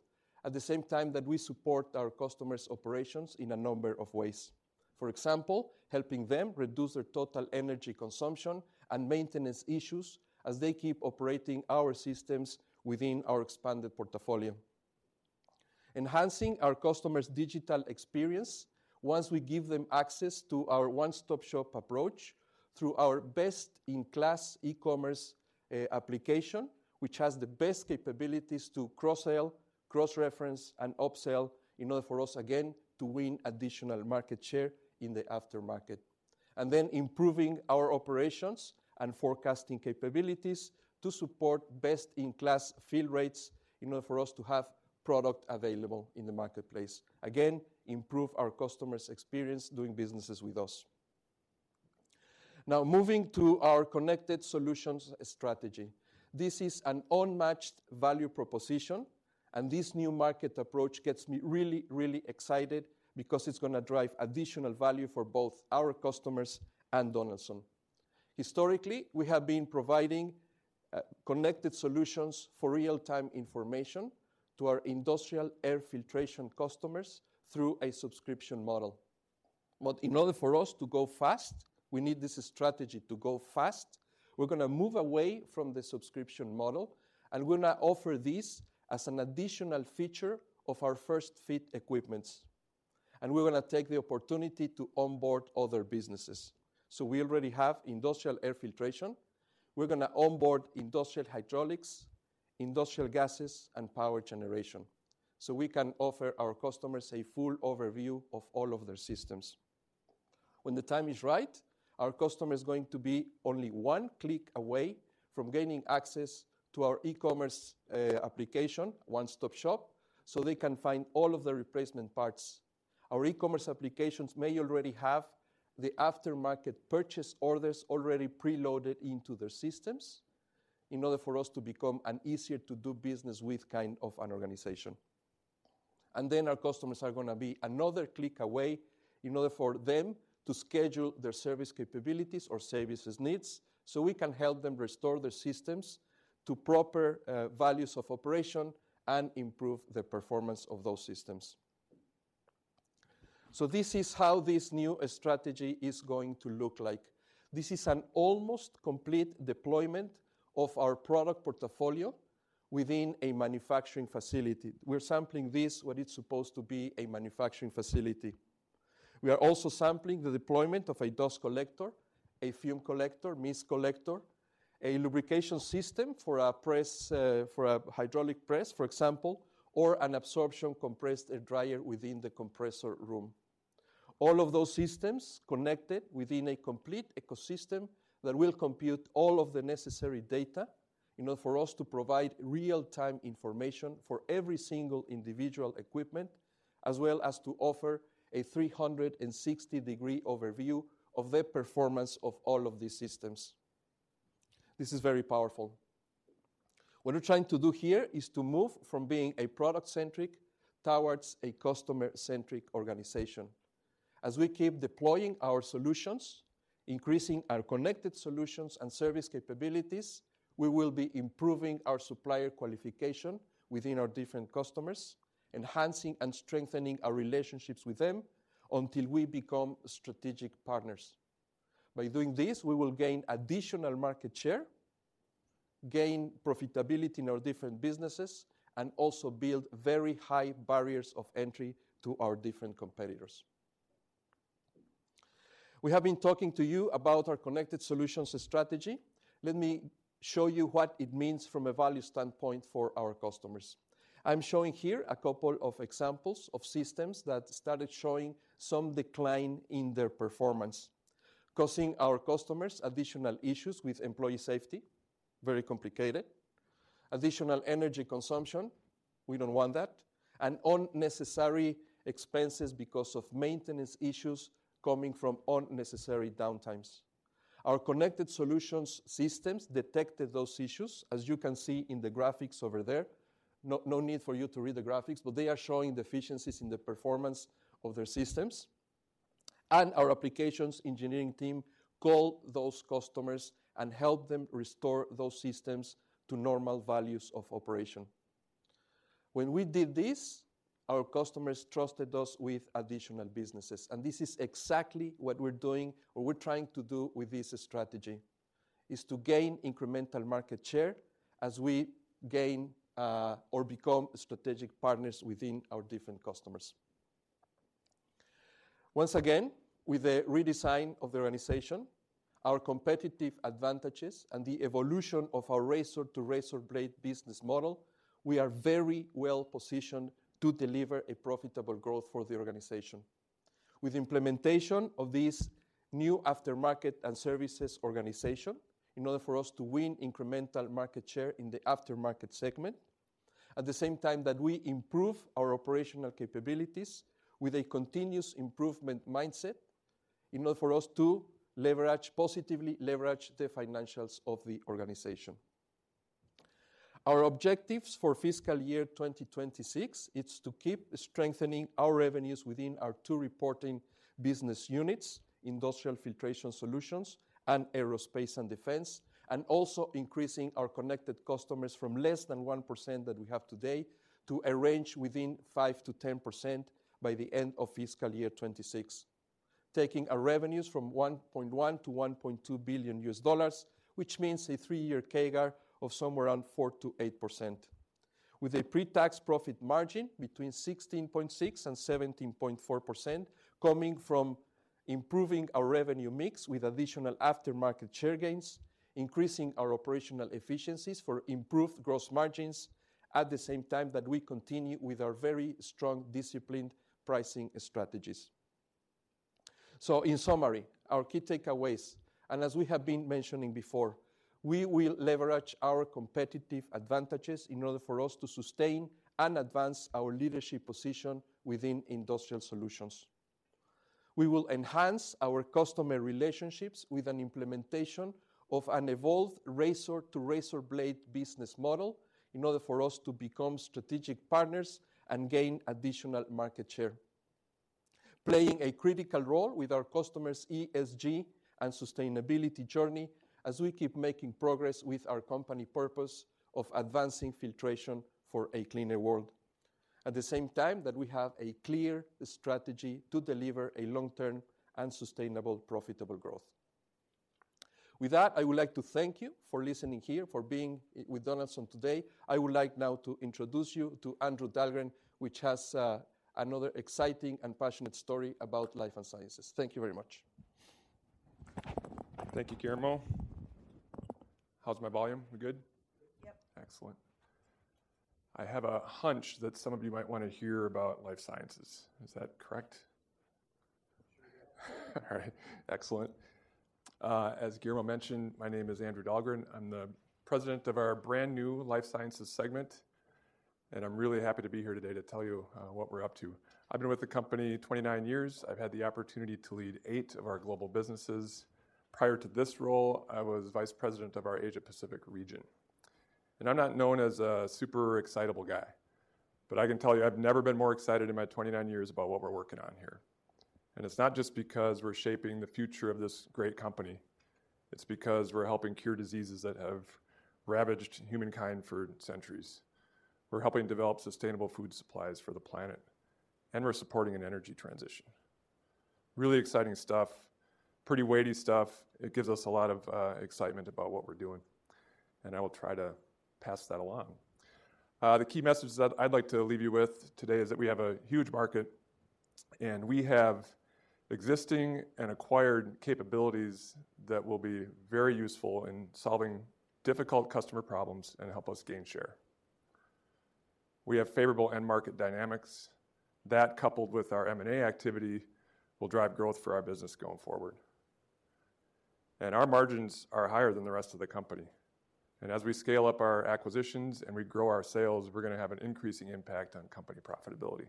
at the same time that we support our customers' operations in a number of ways. For example, helping them reduce their total energy consumption and maintenance issues as they keep operating our systems within our expanded portfolio. Enhancing our customers' digital experience once we give them access to our one-stop-shop approach through our best-in-class e-commerce application, which has the best capabilities to cross-sell, cross-reference, and upsell in order for us again to win additional market share in the aftermarket. Improving our operations and forecasting capabilities to support best-in-class fill rates in order for us to have product available in the marketplace. Again, improve our customers' experience doing businesses with us. Moving to our connected solutions strategy. This is an unmatched value proposition. This new market approach gets me really, really excited because it's gonna drive additional value for both our customers and Donaldson. Historically, we have been providing connected solutions for real-time information to our industrial air filtration customers through a subscription model. In order for us to go fast, we need this strategy to go fast. We're gonna move away from the subscription model, and we're gonna offer this as an additional feature of our first fit equipments, and we're gonna take the opportunity to onboard other businesses. We already have industrial air filtration. We're gonna onboard industrial hydraulics, industrial gases, and power generation, so we can offer our customers a full overview of all of their systems. When the time is right, our customer is going to be only one click away from gaining access to our e-commerce application, one-stop shop, so they can find all of the replacement parts. Our e-commerce applications may already have the aftermarket purchase orders already preloaded into their systems in order for us to become an easier to do business with kind of an organization. Our customers are gonna be another click away in order for them to schedule their service capabilities or services needs, so we can help them restore their systems to proper values of operation and improve the performance of those systems. This is how this new strategy is going to look like. This is an almost complete deployment of our product portfolio within a manufacturing facility. We're sampling this what is supposed to be a manufacturing facility. We are also sampling the deployment of a dust collector, a fume collector, mist collector, a lubrication system for a press, for a hydraulic press, for example, or an absorption compressed air dryer within the compressor room. All of those systems connected within a complete ecosystem that will compute all of the necessary data in order for us to provide real-time information for every single individual equipment, as well as to offer a 360-degree overview of the performance of all of these systems. This is very powerful. What we're trying to do here is to move from being a product-centric towards a customer-centric organization. As we keep deploying our solutions, increasing our connected solutions and service capabilities, we will be improving our supplier qualification within our different customers, enhancing and strengthening our relationships with them until we become strategic partners. By doing this, we will gain additional market share, gain profitability in our different businesses, and also build very high barriers of entry to our different competitors. We have been talking to you about our connected solutions strategy. Let me show you what it means from a value standpoint for our customers. I'm showing here a couple of examples of systems that started showing some decline in their performance, causing our customers additional issues with employee safety, very complicated. Additional energy consumption, we don't want that, and unnecessary expenses because of maintenance issues coming from unnecessary downtimes. Our connected solutions systems detected those issues, as you can see in the graphics over there. No need for you to read the graphics, they are showing deficiencies in the performance of their systems. Our applications engineering team called those customers and helped them restore those systems to normal values of operation. When we did this, our customers trusted us with additional businesses, and this is exactly what we're doing or we're trying to do with this strategy, is to gain incremental market share as we gain or become strategic partners within our different customers. Once again, with the redesign of the organization, our competitive advantages, and the evolution of our razor to razor blade business model, we are very well-positioned to deliver a profitable growth for the organization. With implementation of this new aftermarket and services organization, in order for us to win incremental market share in the aftermarket segment, at the same time that we improve our operational capabilities with a continuous improvement mindset in order for us to positively leverage the financials of the organization. Our objectives for fiscal year 2026, it's to keep strengthening our revenues within our two reporting business units, Industrial Filtration Solutions and Aerospace and Defense, also increasing our connected customers from less than 1% that we have today to a range within 5%-10% by the end of fiscal year 2026. Taking our revenues from $1.1 billion-$1.2 billion, which means a three-year CAGR of somewhere around 4%-8%. With a pre-tax profit margin between 16.6% and 17.4% coming from improving our revenue mix with additional aftermarket share gains, increasing our operational efficiencies for improved gross margins, at the same time that we continue with our very strong disciplined pricing strategies. In summary, our key takeaways, and as we have been mentioning before, we will leverage our competitive advantages in order for us to sustain and advance our leadership position within Industrial Solutions. We will enhance our customer relationships with an implementation of an evolved razor to razor blade business model in order for us to become strategic partners and gain additional market share. Playing a critical role with our customers' ESG and sustainability journey as we keep making progress with our company purpose of advancing filtration for a cleaner world. At the same time that we have a clear strategy to deliver a long-term and sustainable profitable growth. With that, I would like to thank you for listening here, for being with us on today. I would like now to introduce you to Andrew Dahlgren, which has another exciting and passionate story about Life and Sciences. Thank you very much. Thank you, Guillermo. How's my volume? We good? Yep. Excellent. I have a hunch that some of you might wanna hear about Life Sciences. Is that correct? All right. Excellent. As Guillermo mentioned, my name is Andrew Dahlgren. I'm the president of our brand-new Life Sciences segment, and I'm really happy to be here today to tell you what we're up to. I've been with the company 29 years. I've had the opportunity to lead 8 of our global businesses. Prior to this role, I was vice president of our Asia Pacific region. I'm not known as a super excitable guy, but I can tell you I've never been more excited in my 29 years about what we're working on here. It's not just because we're shaping the future of this great company. It's because we're helping cure diseases that have ravaged humankind for centuries. We're helping develop sustainable food supplies for the planet, and we're supporting an energy transition. Really exciting stuff, pretty weighty stuff. It gives us a lot of excitement about what we're doing, and I will try to pass that along. The key messages that I'd like to leave you with today is that we have a huge market, and we have existing and acquired capabilities that will be very useful in solving difficult customer problems and help us gain share. We have favorable end market dynamics. That, coupled with our M&A activity, will drive growth for our business going forward. Our margins are higher than the rest of the company. As we scale up our acquisitions and we grow our sales, we're gonna have an increasing impact on company profitability.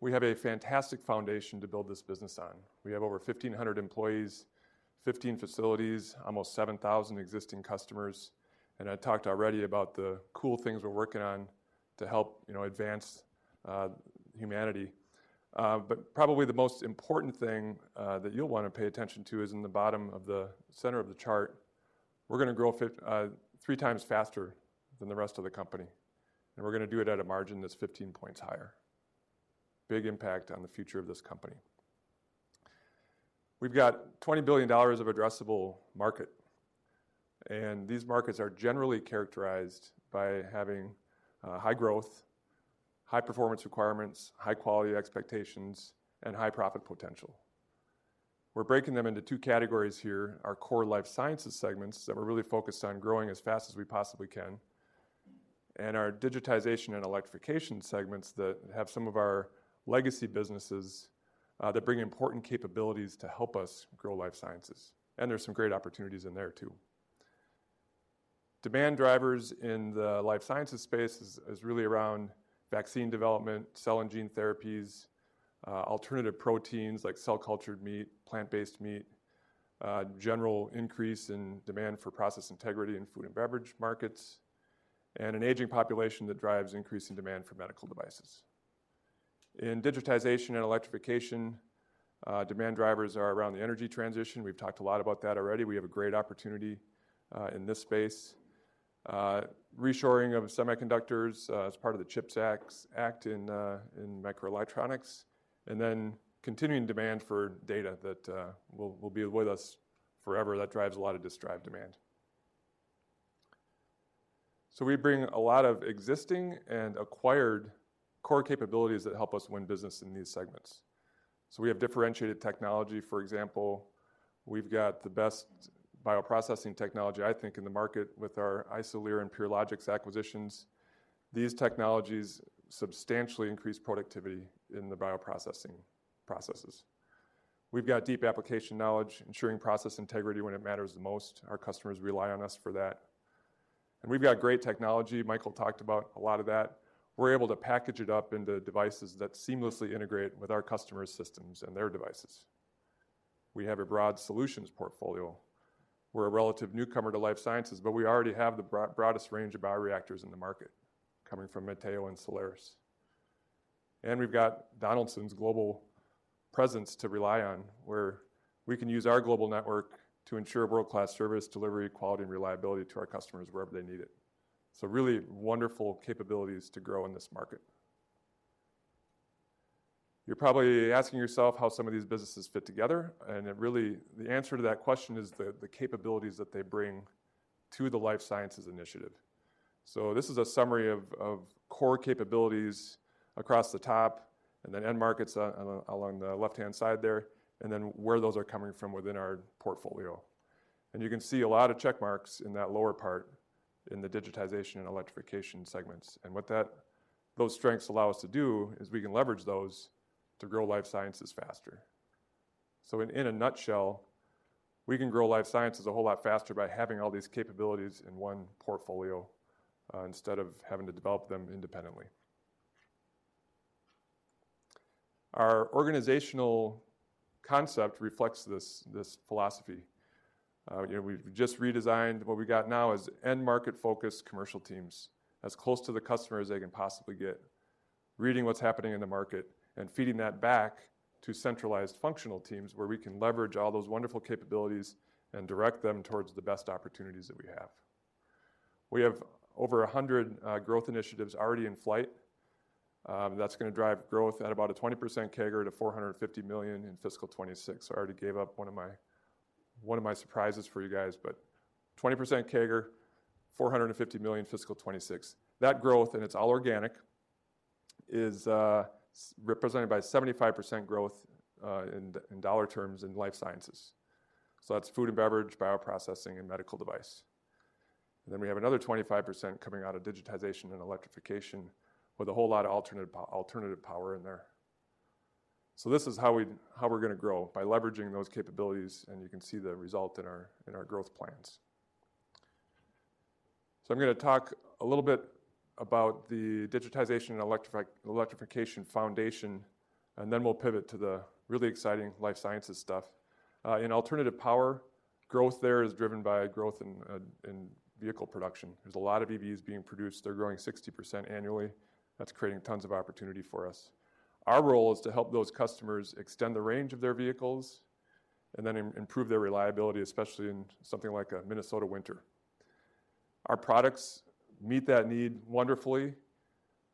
We have a fantastic foundation to build this business on. We have over 1,500 employees, 15 facilities, almost 7,000 existing customers. I talked already about the cool things we're working on to help, you know, advance humanity. Probably the most important thing that you'll wanna pay attention to is in the bottom of the center of the chart. We're gonna grow 3 times faster than the rest of the company. We're gonna do it at a margin that's 15 points higher. Big impact on the future of this company. We've got $20 billion of addressable market. These markets are generally characterized by having high growth, high performance requirements, high quality expectations, and high profit potential. We're breaking them into two categories here, our core Life Sciences segments that we're really focused on growing as fast as we possibly can. Our digitization and electrification segments that have some of our legacy businesses that bring important capabilities to help us grow Life Sciences. There's some great opportunities in there too. Demand drivers in the Life Sciences space is really around vaccine development, cell and gene therapies, alternative proteins like cell-cultured meat, plant-based meat, general increase in demand for process integrity in food and beverage markets, and an aging population that drives increasing demand for medical devices. In digitization and electrification, demand drivers are around the energy transition. We've talked a lot about that already. We have a great opportunity in this space. Reshoring of semiconductors, as part of the CHIPS Act in microelectronics, and then continuing demand for data that will be with us forever. That drives a lot of disk drive demand. We bring a lot of existing and acquired core capabilities that help us win business in these segments. We have differentiated technology. For example, we've got the best bioprocessing technology, I think, in the market with our Isolere and Purilogics acquisitions. These technologies substantially increase productivity in the bioprocessing processes. We've got deep application knowledge, ensuring process integrity when it matters the most. Our customers rely on us for that. We've got great technology. Michael talked about a lot of that. We're able to package it up into devices that seamlessly integrate with our customers' systems and their devices. We have a broad solutions portfolio. We're a relative newcomer to life sciences, we already have the broadest range of bioreactors in the market, coming from Matteo and Solaris. We've got Donaldson's global presence to rely on, where we can use our global network to ensure world-class service delivery, quality, and reliability to our customers wherever they need it. Really wonderful capabilities to grow in this market. You're probably asking yourself how some of these businesses fit together, the answer to that question is the capabilities that they bring to the life sciences initiative. This is a summary of core capabilities across the top end markets along the left-hand side there, where those are coming from within our portfolio. You can see a lot of check marks in that lower part in the digitization and electrification segments. What that, those strengths allow us to do is we can leverage those to grow Life Sciences faster. In a nutshell, we can grow Life Sciences a whole lot faster by having all these capabilities in one portfolio, instead of having to develop them independently. Our organizational concept reflects this philosophy. You know, we've just redesigned. What we've got now is end market-focused commercial teams as close to the customer as they can possibly get, reading what's happening in the market and feeding that back to centralized functional teams where we can leverage all those wonderful capabilities and direct them towards the best opportunities that we have. We have over 100 growth initiatives already in flight, that's gonna drive growth at about a 20% CAGR to $450 million in fiscal 2026. I already gave up one of my surprises for you guys, but 20% CAGR, $450 million fiscal 2026. That growth, and it's all organic, is represented by 75% growth in dollar terms in life sciences. That's food and beverage, bioprocessing, and medical device. Then we have another 25% coming out of digitization and electrification with a whole lot of alternative power in there. This is how we're gonna grow, by leveraging those capabilities, and you can see the result in our growth plans. I'm gonna talk a little bit about the digitization and electrification foundation, and then we'll pivot to the really exciting life sciences stuff. In alternative power, growth there is driven by growth in vehicle production. There's a lot of EVs being produced. They're growing 60% annually. That's creating tons of opportunity for us. Our role is to help those customers extend the range of their vehicles and then improve their reliability, especially in something like a Minnesota winter. Our products meet that need wonderfully.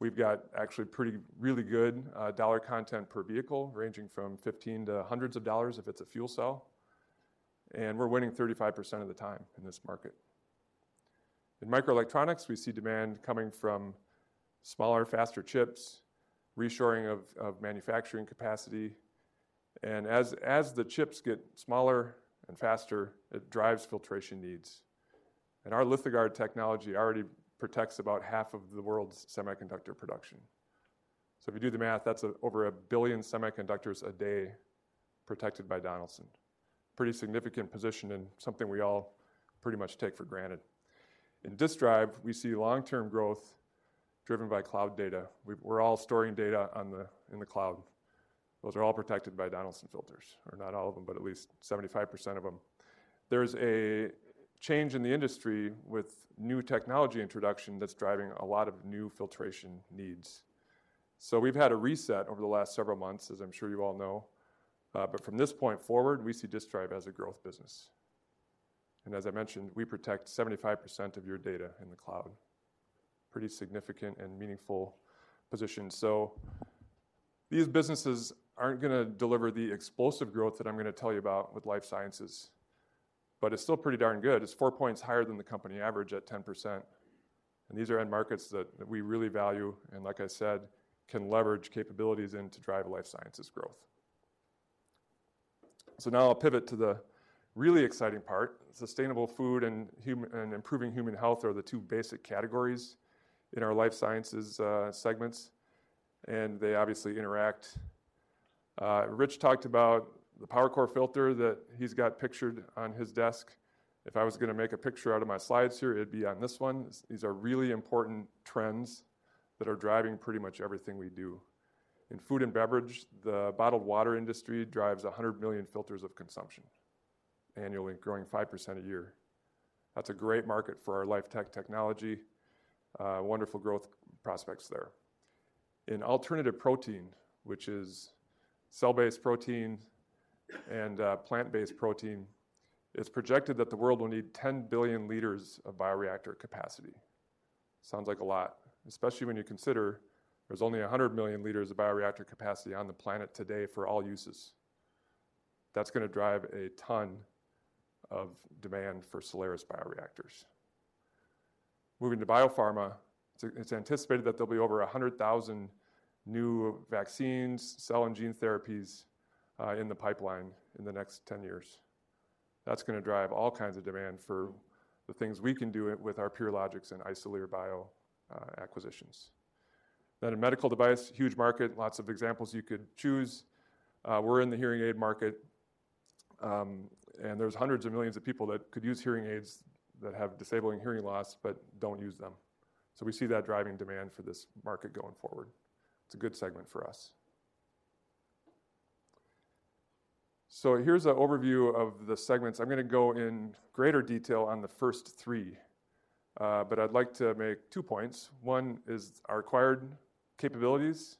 We've got actually pretty, really good dollar content per vehicle, ranging from $15 to hundreds of dollars if it's a fuel cell, and we're winning 35% of the time in this market. In microelectronics, we see demand coming from smaller, faster chips, reshoring of manufacturing capacity, and as the chips get smaller and faster, it drives filtration needs. Our LITHOGUARD technology already protects about half of the world's semiconductor production. If you do the math, that's over 1 billion semiconductors a day protected by Donaldson. Pretty significant position and something we all pretty much take for granted. In disk drive, we see long-term growth driven by cloud data. We're all storing data on the, in the cloud. Those are all protected by Donaldson filters, or not all of them, but at least 75% of them. There's a change in the industry with new technology introduction that's driving a lot of new filtration needs. We've had a reset over the last several months, as I'm sure you all know, but from this point forward, we see disk drive as a growth business. As I mentioned, we protect 75% of your data in the cloud. Pretty significant and meaningful position. These businesses aren't gonna deliver the explosive growth that I'm gonna tell you about with Life Sciences, but it's still pretty darn good. It's four points higher than the company average at 10%. These are end markets that we really value and, like I said, can leverage capabilities in to drive life sciences growth. Now I'll pivot to the really exciting part. Sustainable food and human and improving human health are the two basic categories in our life sciences segments. They obviously interact. Rich talked about the PowerCore filter that he's got pictured on his desk. If I was gonna make a picture out of my slides here, it'd be on this one. These are really important trends that are driving pretty much everything we do. In food and beverage, the bottled water industry drives 100 million filters of consumption annually, growing 5% a year. That's a great market for our LifeTech technology, wonderful growth prospects there. In alternative protein, which is cell-based protein and plant-based protein, it's projected that the world will need 10 billion liters of bioreactor capacity. Sounds like a lot, especially when you consider there's only 100 million liters of bioreactor capacity on the planet today for all uses. That's gonna drive a ton of demand for Solaris bioreactors. Moving to biopharma, it's anticipated that there'll be over 100,000 new vaccines, cell and gene therapies in the pipeline in the next 10 years. That's gonna drive all kinds of demand for the things we can do it with our Purilogics and Isolere Bio acquisitions. In medical device, huge market, lots of examples you could choose. We're in the hearing aid market, there's hundreds of millions of people that could use hearing aids that have disabling hearing loss but don't use them. We see that driving demand for this market going forward. It's a good segment for us. Here's a overview of the segments. I'm gonna go in greater detail on the first three, but I'd like to make two points. One is our acquired capabilities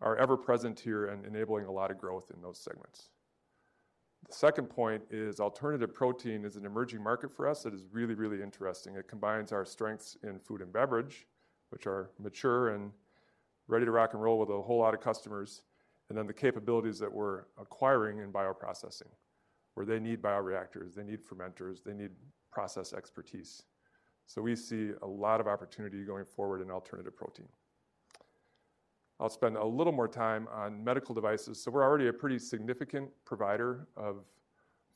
are ever present here and enabling a lot of growth in those segments. The second point is alternative protein is an emerging market for us that is really, really interesting. It combines our strengths in food and beverage, which are mature and ready to rock and roll with a whole lot of customers, and then the capabilities that we're acquiring in bioprocessing, where they need bioreactors, they need fermenters, they need process expertise. We see a lot of opportunity going forward in alternative protein. I'll spend a little more time on medical devices. We're already a pretty significant provider of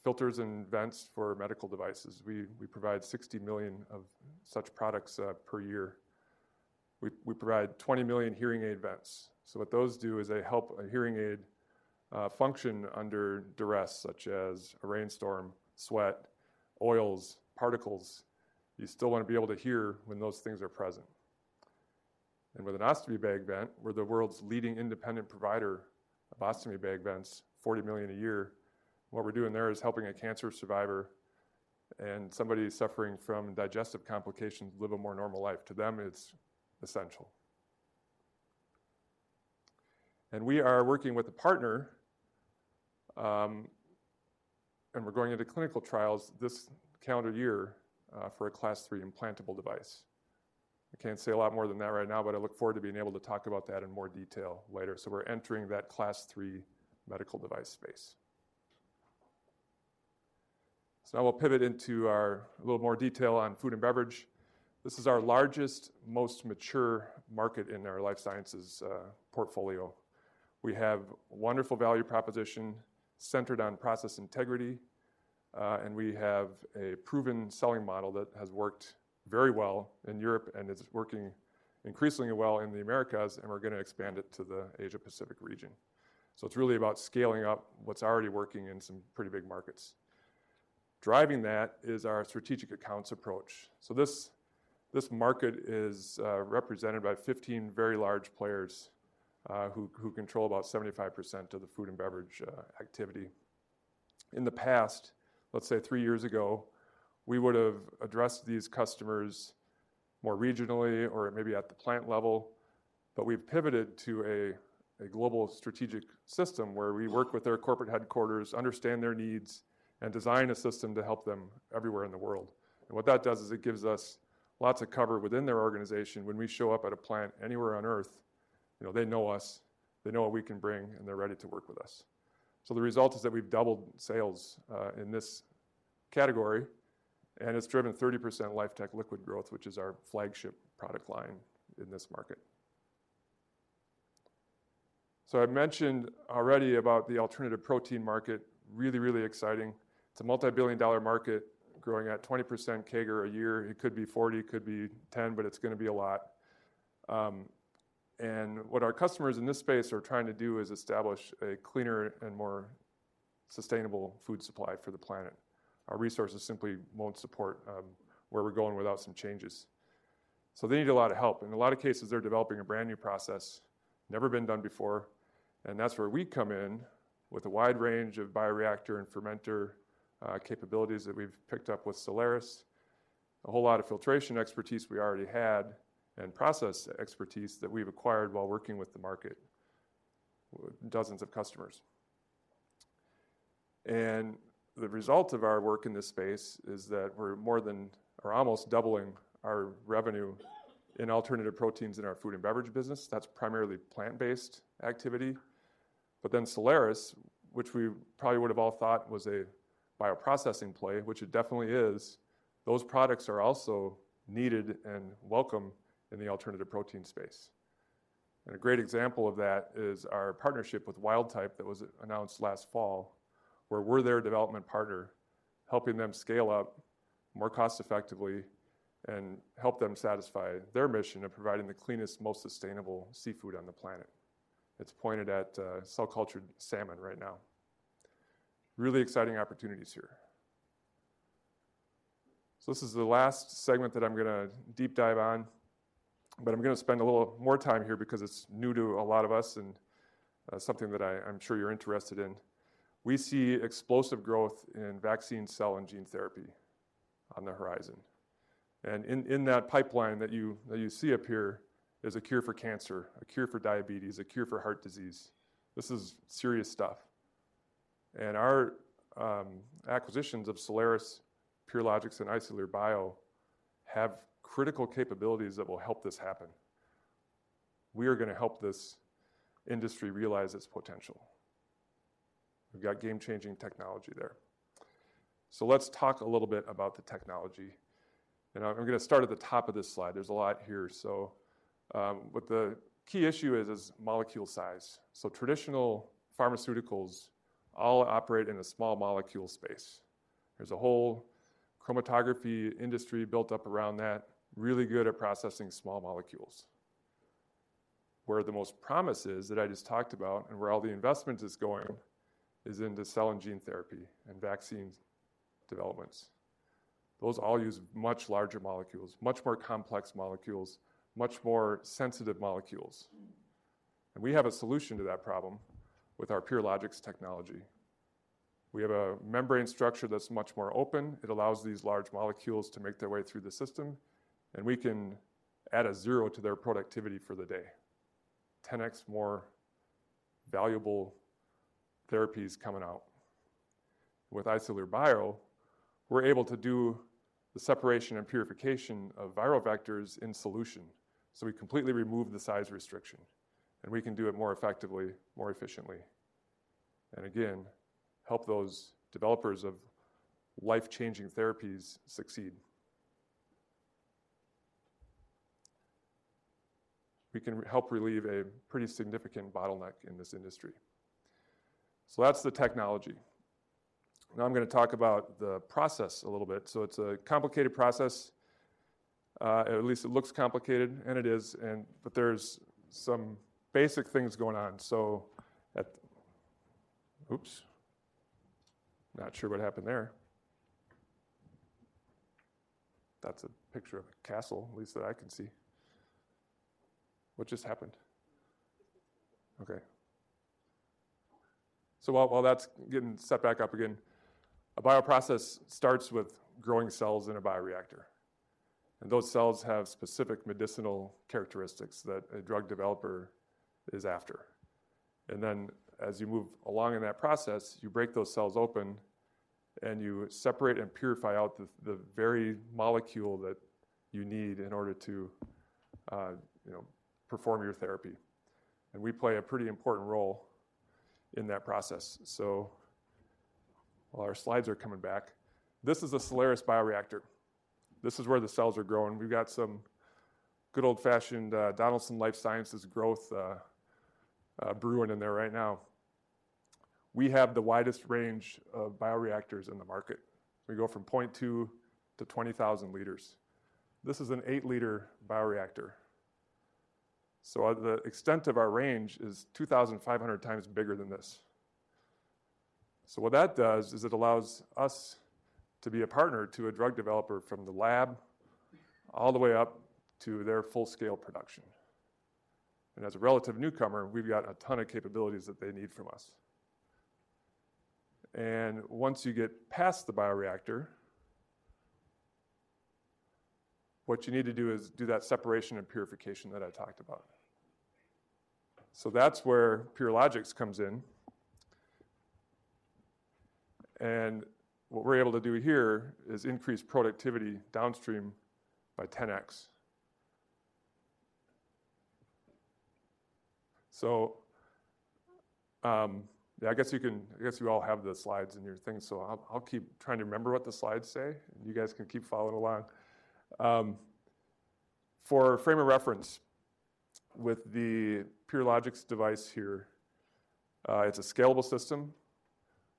filters and vents for medical devices. We provide $60 million of such products per year. We provide $20 million hearing aid vents. What those do is they help a hearing aid function under duress, such as a rainstorm, sweat, oils, particles. You still wanna be able to hear when those things are present. With an ostomy bag vent, we're the world's leading independent provider of ostomy bag vents, $40 million a year. What we're doing there is helping a cancer survivor and somebody suffering from digestive complications live a more normal life. To them, it's essential. We are working with a partner, and we're going into clinical trials this calendar year for a Class III implantable device. I can't say a lot more than that right now, but I look forward to being able to talk about that in more detail later. We're entering that Class III medical device space. Now we'll pivot into little more detail on food and beverage. This is our largest, most mature market in our life sciences portfolio. We have wonderful value proposition centered on process integrity, and we have a proven selling model that has worked very well in Europe and is working increasingly well in the Americas, and we're going to expand it to the Asia-Pacific region. It's really about scaling up what's already working in some pretty big markets. Driving that is our strategic accounts approach. This market is represented by 15 very large players who control about 75% of the food and beverage activity. In the past, let's say three years ago, we would have addressed these customers more regionally or maybe at the plant level. We've pivoted to a global strategic system where we work with their corporate headquarters, understand their needs, and design a system to help them everywhere in the world. What that does is it gives us lots of cover within their organization. When we show up at a plant anywhere on Earth, you know, they know us, they know what we can bring, and they're ready to work with us. The result is that we've doubled sales in this category, and it's driven 30% LifeTech liquid growth, which is our flagship product line in this market. I mentioned already about the alternative protein market. Really exciting. It's a multi-billion dollar market growing at 20% CAGR a year. It could be 40, it could be 10, it's gonna be a lot. What our customers in this space are trying to do is establish a cleaner and more sustainable food supply for the planet. Our resources simply won't support where we're going without some changes. They need a lot of help. In a lot of cases, they're developing a brand-new process, never been done before, and that's where we come in with a wide range of bioreactor and fermenter capabilities that we've picked up with Solaris, a whole lot of filtration expertise we already had, and process expertise that we've acquired while working with the market, dozens of customers. The result of our work in this space is that we're more than or almost doubling our revenue in alternative proteins in our food and beverage business. That's primarily plant-based activity. Solaris, which we probably would have all thought was a bioprocessing play, which it definitely is, those products are also needed and welcome in the alternative protein space. A great example of that is our partnership with Wildtype that was announced last fall, where we're their development partner, helping them scale up more cost effectively and help them satisfy their mission of providing the cleanest, most sustainable seafood on the planet. It's pointed at cell-cultured salmon right now. Really exciting opportunities here. This is the last segment that I'm gonna deep dive on, but I'm gonna spend a little more time here because it's new to a lot of us and something that I'm sure you're interested in. We see explosive growth in vaccine cell and gene therapy on the horizon. In, in that pipeline that you, that you see up here is a cure for cancer, a cure for diabetes, a cure for heart disease. This is serious stuff. Our acquisitions of Solaris, Purilogics, and Isolere Bio have critical capabilities that will help this happen. We are gonna help this industry realize its potential. We've got game-changing technology there. Let's talk a little bit about the technology. I'm gonna start at the top of this slide. There's a lot here. What the key issue is molecule size. Traditional pharmaceuticals all operate in a small molecule space. There's a whole chromatography industry built up around that, really good at processing small molecules. Where the most promise is that I just talked about, and where all the investment is going, is into cell and gene therapy and vaccine developments. Those all use much larger molecules, much more complex molecules, much more sensitive molecules. We have a solution to that problem with our Purilogics technology. We have a membrane structure that's much more open. It allows these large molecules to make their way through the system, and we can add a zero to their productivity for the day. 10X more valuable therapies coming out. With Isolere Bio, we're able to do the separation and purification of viral vectors in solution, we completely remove the size restriction, we can do it more effectively, more efficiently, and again, help those developers of life-changing therapies succeed. We can help relieve a pretty significant bottleneck in this industry. That's the technology. Now I'm gonna talk about the process a little bit. It's a complicated process. At least it looks complicated, and it is, but there's some basic things going on. Oops. Not sure what happened there. That's a picture of a castle, at least that I can see. What just happened? Okay. While that's getting set back up again, a bioprocess starts with growing cells in a bioreactor, and those cells have specific medicinal characteristics that a drug developer is after. Then as you move along in that process, you break those cells open, and you separate and purify out the very molecule that you need in order to, you know, perform your therapy. We play a pretty important role in that process. While our slides are coming back, this is a Solaris bioreactor. This is where the cells are growing. We've got some good old-fashioned Donaldson Life Sciences growth brewing in there right now. We have the widest range of bioreactors in the market. We go from 0.2 to 20,000 liters. This is an 8-liter bioreactor. The extent of our range is 2,500 times bigger than this. What that does is it allows us to be a partner to a drug developer from the lab all the way up to their full-scale production. As a relative newcomer, we've got a ton of capabilities that they need from us. Once you get past the bioreactor, what you need to do is do that separation and purification that I talked about. That's where Purilogics comes in. What we're able to do here is increase productivity downstream by 10X. Yeah, I guess you all have the slides in your thing, so I'll keep trying to remember what the slides say, and you guys can keep following along. For frame of reference, with the Purilogics device here, it's a scalable system.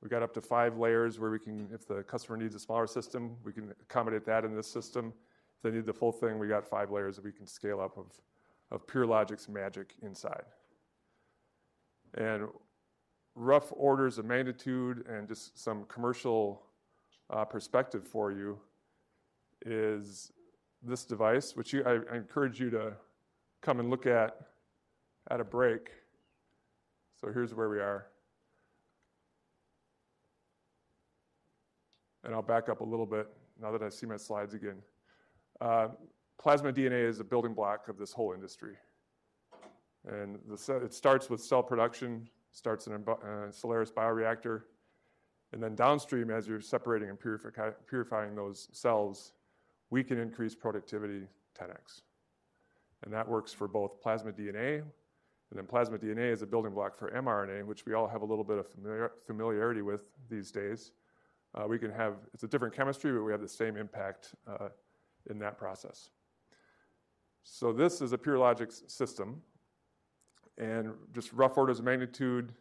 We got up to five layers where we can accommodate that in this system. If they need the full thing, we got five layers that we can scale up of Purilogics magic inside. Rough orders of magnitude and just some commercial perspective for you is this device, which I encourage you to come and look at at a break. Here's where we are. I'll back up a little bit now that I see my slides again. Plasmid DNA is a building block of this whole industry. It starts with cell production, starts in a Solaris bioreactor, and then downstream as you're separating and purifying those cells, we can increase productivity 10x. That works for both plasmid DNA, and then plasmid DNA is a building block for mRNA, which we all have a little bit of familiarity with these days. It's a different chemistry, but we have the same impact in that process. This is a Purilogics system, and just rough order of magnitude,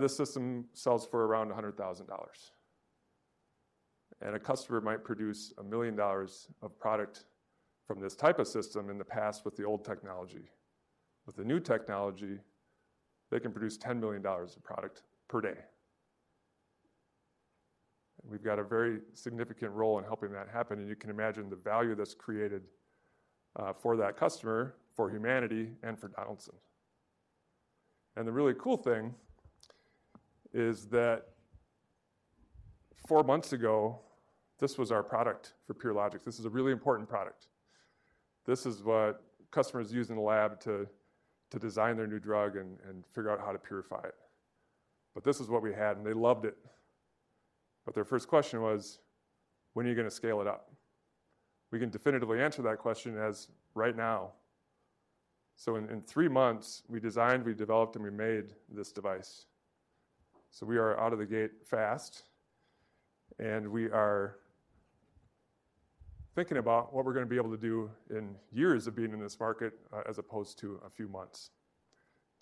this system sells for around $100,000. A customer might produce $1 million of product from this type of system in the past with the old technology. With the new technology, they can produce $10 million of product per day. We've got a very significant role in helping that happen, and you can imagine the value that's created for that customer, for humanity, and for Donaldson. The really cool thing is that four months ago, this was our product for Purilogics. This is a really important product. This is what customers use in the lab to design their new drug and figure out how to purify it. This is what we had, and they loved it. Their first question was, "When are you gonna scale it up?" We can definitively answer that question as right now. In three months, we designed, we developed, and we made this device. We are out of the gate fast, and we are thinking about what we're gonna be able to do in years of being in this market, as opposed to a few months.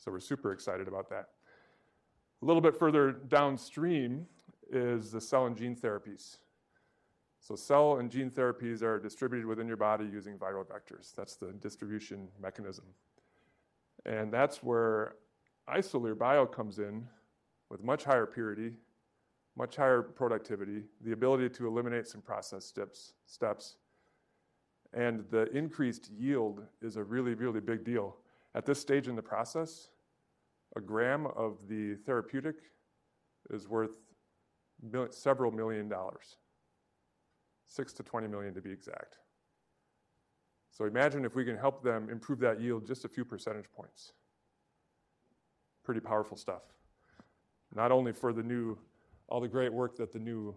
We're super excited about that. A little bit further downstream is the cell and gene therapies. Cell and gene therapies are distributed within your body using viral vectors. That's the distribution mechanism. That's where Isolere Bio comes in with much higher purity, much higher productivity, the ability to eliminate some process steps, and the increased yield is a really big deal. At this stage in the process, a gram of the therapeutic is worth several million dollars, $6 million-$20 million to be exact. Imagine if we can help them improve that yield just a few percentage points. Pretty powerful stuff, not only for the new all the great work that the new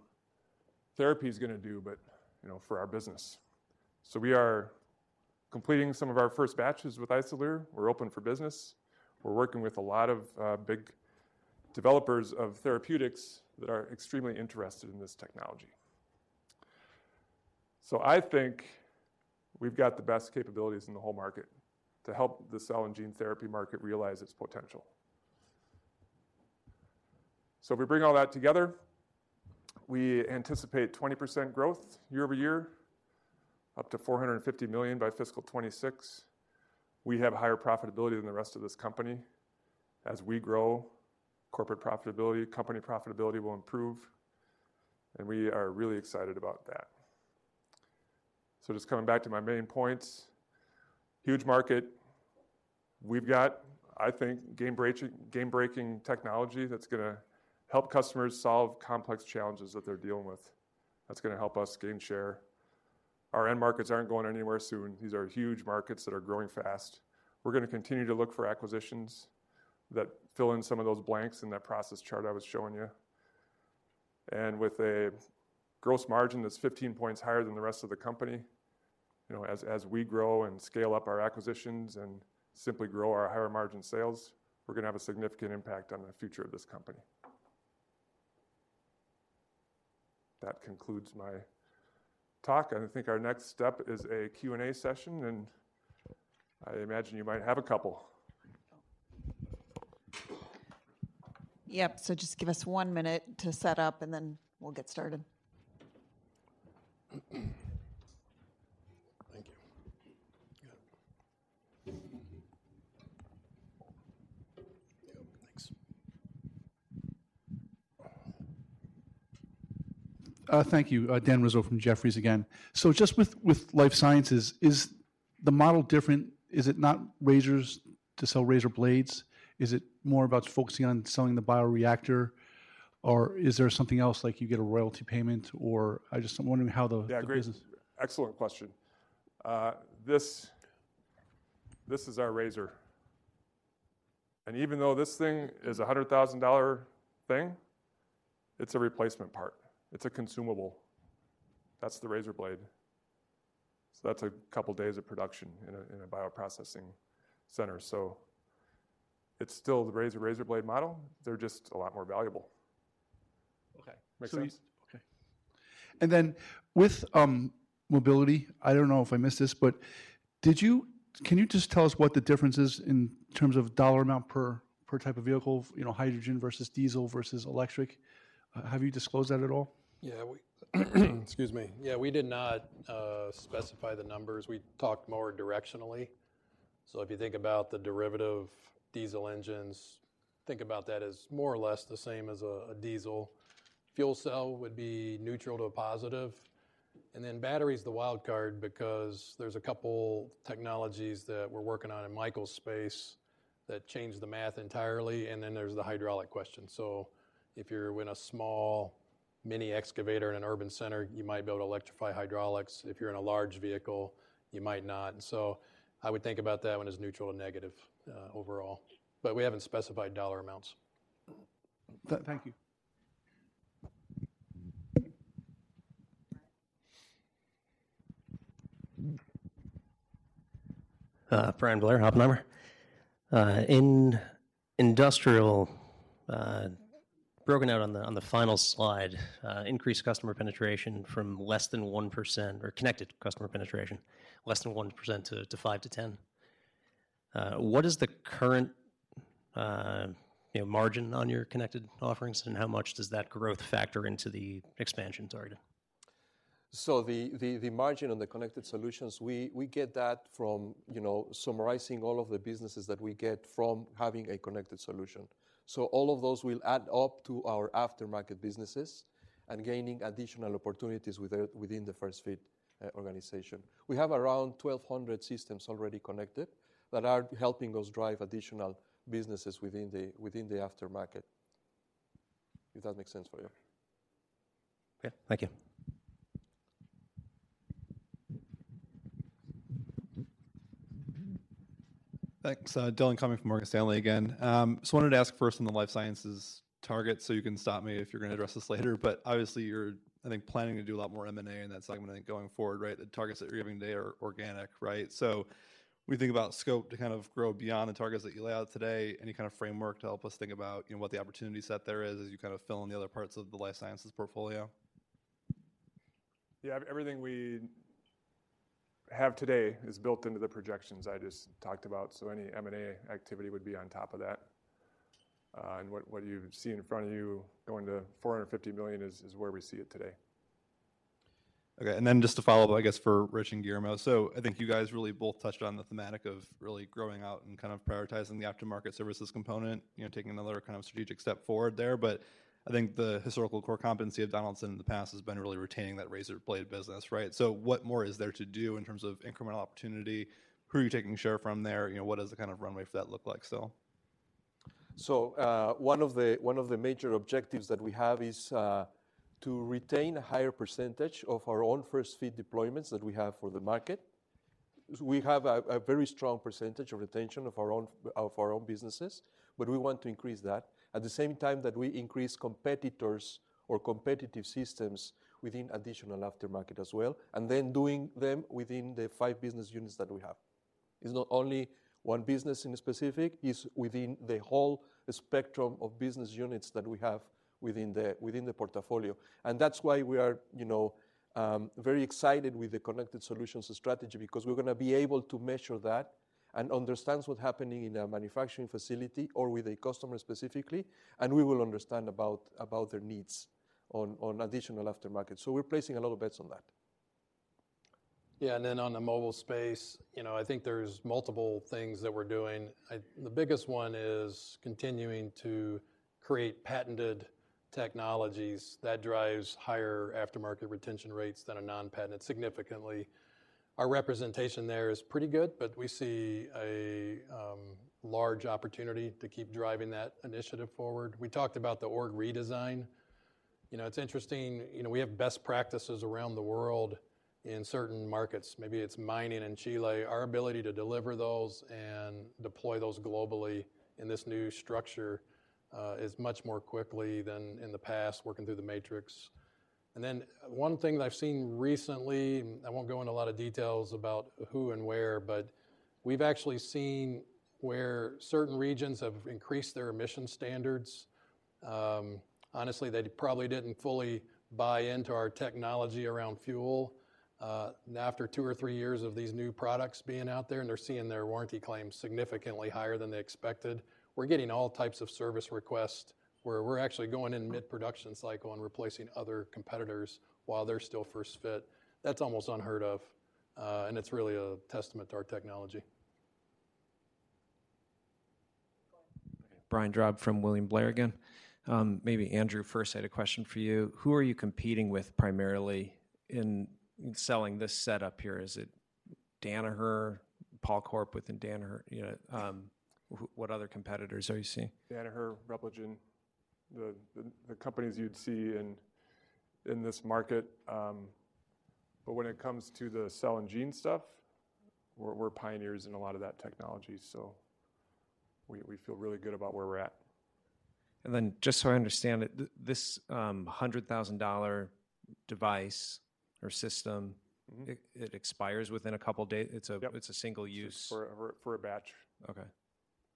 therapy is gonna do, but, you know, for our business. We are completing some of our first batches with Isolere. We're open for business. We're working with a lot of big developers of therapeutics that are extremely interested in this technology. I think we've got the best capabilities in the whole market to help the cell and gene therapy market realize its potential. If we bring all that together, we anticipate 20% growth year-over-year, up to $450 million by fiscal 26. We have higher profitability than the rest of this company. As we grow, corporate profitability, company profitability will improve, and we are really excited about that. Just coming back to my main points, huge market. We've got, I think, game-breaking technology that's gonna help customers solve complex challenges that they're dealing with. That's gonna help us gain share. Our end markets aren't going anywhere soon. These are huge markets that are growing fast. We're gonna continue to look for acquisitions that fill in some of those blanks in that process chart I was showing you. With a gross margin that's 15 points higher than the rest of the company, you know, as we grow and scale up our acquisitions and simply grow our higher margin sales, we're gonna have a significant impact on the future of this company. That concludes my talk. I think our next step is a Q&A session. I imagine you might have a couple. Yep. Just give us one minute to set up, and then we'll get started. Thank you. Yeah. Yep, thanks. Thank you. Dan Rizzo from Jefferies again. Just with Life Sciences, is the model different? Is it not razors to sell razor blades? Is it more about focusing on selling the bioreactor, or is there something else like you get a royalty payment, or I just am wondering how the business- Yeah, great. Excellent question. This is our razor. Even though this thing is a $100,000 thing, it's a replacement part. It's a consumable. That's the razor blade. That's a couple days of production in a bioprocessing center. It's still the razor blade model. They're just a lot more valuable. Okay. Makes sense. Okay. And then with mobility, I don't know if I missed this, but can you just tell us what the difference is in terms of dollar amount per type of vehicle, you know, hydrogen versus diesel versus electric? Have you disclosed that at all? Excuse me. Yeah, we did not specify the numbers. We talked more directionally. If you think about the derivative diesel engines, think about that as more or less the same as a diesel. Fuel cell would be neutral to a positive. Battery is the wild card because there's a couple technologies that we're working on in Michael's space that change the math entirely. There's the hydraulic question. If you're in a small mini excavator in an urban center, you might be able to electrify hydraulics. If you're in a large vehicle, you might not. I would think about that one as neutral to negative overall. We haven't specified dollar amounts. Thank you. Bryan Blair, Oppenheimer. In industrial, broken out on the final slide, increased customer penetration from less than 1% or connected customer penetration less than 1%-5%-10%. What is the current, you know, margin on your connected offerings, and how much does that growth factor into the expansion target? The margin on the connected solutions, we get that from, you know, summarizing all of the businesses that we get from having a connected solution. All of those will add up to our aftermarket businesses and gaining additional opportunities within the first fit organization. We have around 1,200 systems already connected that are helping us drive additional businesses within the aftermarket, if that makes sense for you. Okay. Thank you. Thanks. Dillon Cumming from Morgan Stanley again. Just wanted to ask first on the Life Sciences target, you can stop me if you're gonna address this later. Obviously you're, I think, planning to do a lot more M&A in that segment, I think going forward, right? The targets that you're giving today are organic, right? When you think about scope to kind of grow beyond the targets that you laid out today, any kind of framework to help us think about, you know, what the opportunity set there is as you kind of fill in the other parts of the Life Sciences portfolio? Yeah. Everything we have today is built into the projections I just talked about. Any M&A activity would be on top of that. What you see in front of you going to $450 million is where we see it today. Okay. Just to follow up, I guess, for Rich Lewis and Guillermo Briseno. I think you guys really both touched on the thematic of really growing out and kind of prioritizing the aftermarket services component, you know, taking another kind of strategic step forward there. I think the historical core competency of Donaldson in the past has been really retaining that razor blade business, right? What more is there to do in terms of incremental opportunity? Who are you taking share from there? You know, what does the kind of runway for that look like? One of the major objectives that we have is to retain a higher percentage of our own first fit deployments that we have for the market. We have a very strong percentage of retention of our own businesses, but we want to increase that at the same time that we increase competitors or competitive systems within additional aftermarket as well. Then doing them within the five business units that we have. It's not only one business in specific, it's within the whole spectrum of business units that we have within the portfolio. That's why we are, you know, very excited with the connected solutions strategy because we're gonna be able to measure that and understand what's happening in a manufacturing facility or with a customer specifically, and we will understand about their needs on additional aftermarket. We're placing a lot of bets on that. Yeah. On the mobile space, you know, I think there's multiple things that we're doing. The biggest one is continuing to create patented technologies that drives higher aftermarket retention rates than a non-patent significantly. Our representation there is pretty good, but we see a large opportunity to keep driving that initiative forward. We talked about the org redesign. You know, it's interesting. You know, we have best practices around the world in certain markets. Maybe it's mining in Chile. Our ability to deliver those and deploy those globally in this new structure is much more quickly than in the past, working through the matrix. One thing that I've seen recently, I won't go into a lot of details about who and where, but we've actually seen where certain regions have increased their emission standards. Honestly, they probably didn't fully buy into our technology around fuel. After two or three years of these new products being out there, and they're seeing their warranty claims significantly higher than they expected. We're getting all types of service requests where we're actually going in mid-production cycle and replacing other competitors while they're still first fit. That's almost unheard of, and it's really a testament to our technology. Brian Drab from William Blair again. Maybe Andrew first, I had a question for you. Who are you competing with primarily in selling this setup here? Is it Danaher, Pall Corporation within Danaher? You know, what other competitors are you seeing? Danaher, Repligen, the companies you'd see in this market. When it comes to the cell and gene stuff, we're pioneers in a lot of that technology, so we feel really good about where we're at. Just so I understand it, this $100,000 device or system? Mm-hmm. it expires within a couple day. It's Yep. It's a single use. for a batch Okay.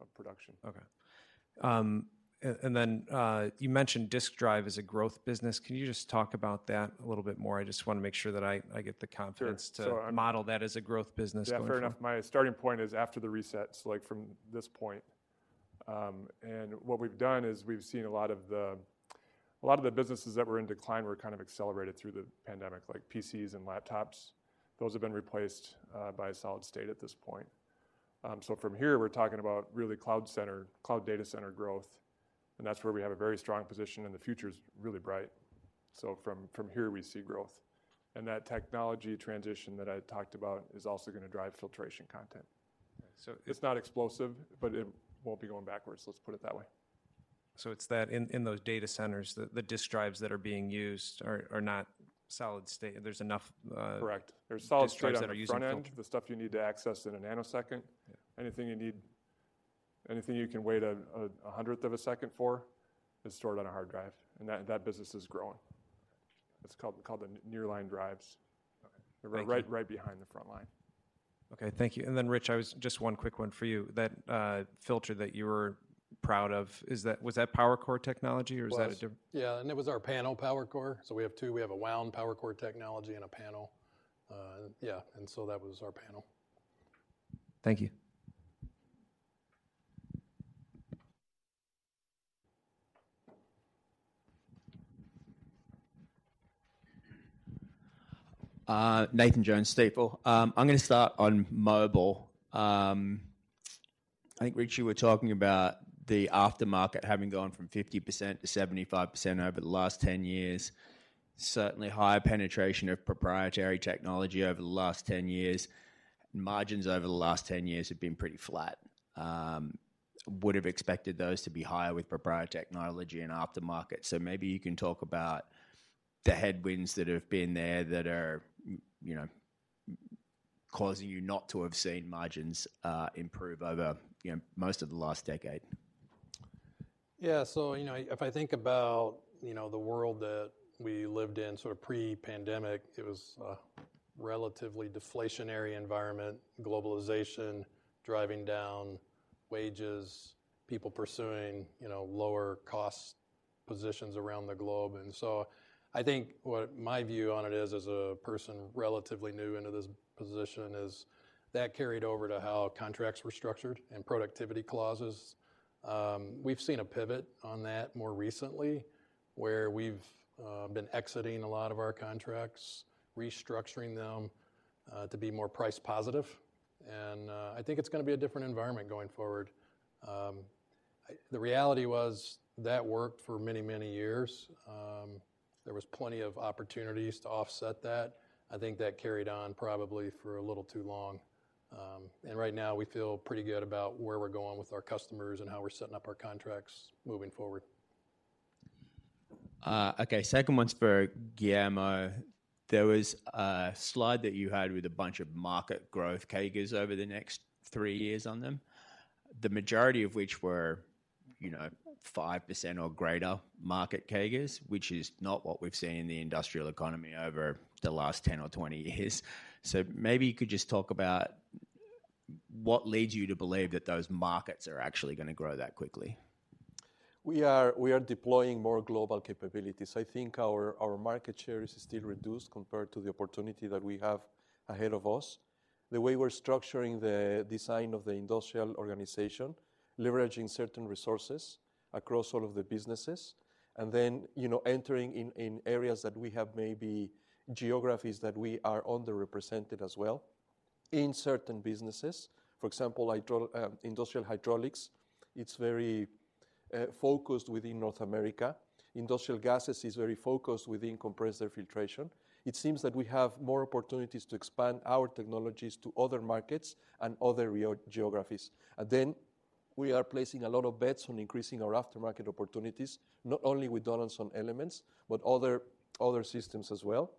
of production. Okay. You mentioned disk drive as a growth business. Can you just talk about that a little bit more? I just wanna make sure that I get the confidence. Sure. to model that as a growth business going forward. Yeah, fair enough. My starting point is after the reset, so like from this point. What we've done is we've seen a lot of the businesses that were in decline were kind of accelerated through the pandemic, like PCs and laptops. Those have been replaced by solid state at this point. From here, we're talking about really cloud center, cloud data center growth, and that's where we have a very strong position, and the future's really bright. From here we see growth. That technology transition that I talked about is also gonna drive filtration content. Okay. It's not explosive, but it won't be going backwards, let's put it that way. It's that in those data centers, the disk drives that are being used are not solid state. There's enough. Correct. There's solid state Disk drives that are used in filter. on the front end, the stuff you need to access in a nanosecond. Yeah. Anything you need. Anything you can wait a hundredth of a second for is stored on a hard drive, that business is growing. It's called the nearline drives. Okay. Thank you. They're right behind the front line. Okay. Thank you. Rich, just one quick one for you. That filter that you were proud of, was that PowerCore technology, or is that a. It was. It was our panel PowerCore. We have two. We have a wound PowerCore technology and a panel. That was our panel. Thank you. Nathan Jones, Stifel. I'm gonna start on Mobile. I think, Rich, you were talking about the aftermarket having gone from 50% to 75% over the last 10 years. Certainly higher penetration of proprietary technology over the last 10 years. Margins over the last 10 years have been pretty flat. Would have expected those to be higher with proprietary technology and aftermarket. Maybe you can talk about the headwinds that have been there that are, you know, causing you not to have seen margins improve over, you know, most of the last decade. Yeah. You know, if I think about, you know, the world that we lived in sort of pre-pandemic, it was a relatively deflationary environment, globalization driving down wages, people pursuing, you know, lower cost positions around the globe. I think what my view on it is as a person relatively new into this position is that carried over to how contracts were structured and productivity clauses. We've seen a pivot on that more recently, where we've been exiting a lot of our contracts, restructuring them to be more price positive. I think it's gonna be a different environment going forward. The reality was that worked for many, many years. There was plenty of opportunities to offset that. I think that carried on probably for a little too long. Right now we feel pretty good about where we're going with our customers and how we're setting up our contracts moving forward. Okay. Second one's for Guillermo. There was a slide that you had with a bunch of market growth CAGRs over the next three years on them. The majority of which were, you know, 5% or greater market CAGRs, which is not what we've seen in the industrial economy over the last 10 or 20 years. Maybe you could just talk about what leads you to believe that those markets are actually gonna grow that quickly. We are deploying more global capabilities. I think our market share is still reduced compared to the opportunity that we have ahead of us. The way we're structuring the design of the industrial organization, leveraging certain resources across all of the businesses, and then, you know, entering in areas that we have maybe geographies that we are underrepresented as well in certain businesses. For example, industrial hydraulics, it's very focused within North America. Industrial gases is very focused within compressor filtration. It seems that we have more opportunities to expand our technologies to other markets and other geographies. We are placing a lot of bets on increasing our aftermarket opportunities, not only with Donaldson Elements, but other systems as well,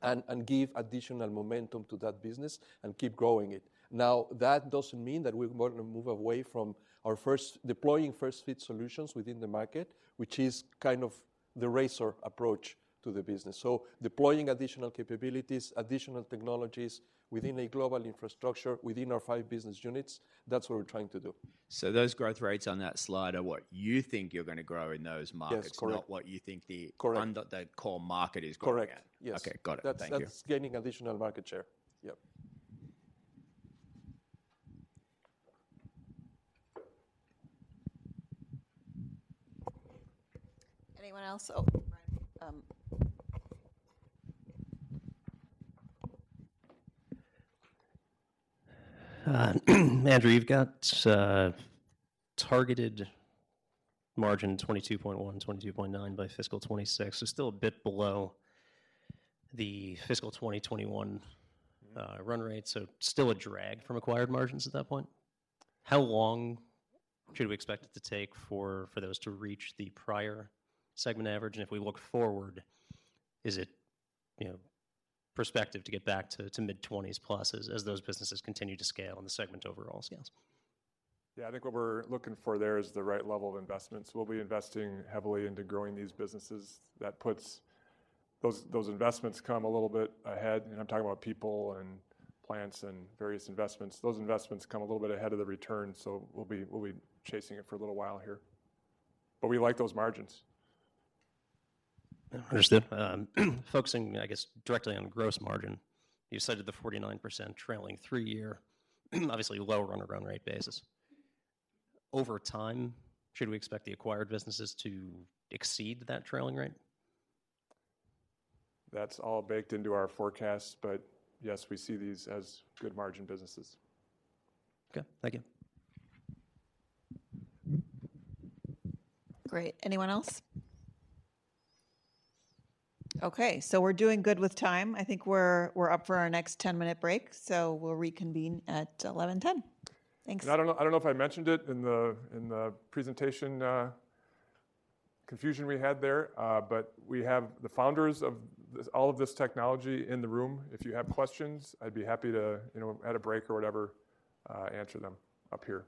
and give additional momentum to that business and keep growing it. That doesn't mean that we're going to move away from our deploying first fit solutions within the market, which is kind of the racer approach to the business. Deploying additional capabilities, additional technologies within a global infrastructure, within our five business units, that's what we're trying to do. Those growth rates on that slide are what you think you're gonna grow in those markets. Yes, correct. not what you think the Correct. under the core market is growing at. Correct. Yes. Okay. Got it. Thank you. That's gaining additional market share. Yep. Anyone else? Oh, Brian. Andrew, you've got targeted margin 22.1%-22.9% by fiscal 2026. Still a bit below the fiscal 2021- run rate, still a drag from acquired margins at that point. How long should we expect it to take for those to reach the prior segment average? If we look forward, is it, you know, perspective to get back to mid-20s plus as those businesses continue to scale in the segment overall scales? Yeah. I think what we're looking for there is the right level of investments. We'll be investing heavily into growing these businesses. Those investments come a little bit ahead. I'm talking about people and plants and various investments. Those investments come a little bit ahead of the return, so we'll be chasing it for a little while here. We like those margins. Understood. Focusing, I guess, directly on gross margin, you cited the 49% trailing three-year, obviously lower on a run rate basis. Over time, should we expect the acquired businesses to exceed that trailing rate? That's all baked into our forecast, but yes, we see these as good margin businesses. Okay. Thank you. Great. Anyone else? Okay, we're doing good with time. I think we're up for our next 10 minute break. We'll reconvene at 11:10. Thanks. I don't know if I mentioned it in the, in the presentation. confusion we had there. We have the founders of all of this technology in the room. If you have questions, I'd be happy to, you know, at a break or whatever, answer them up here.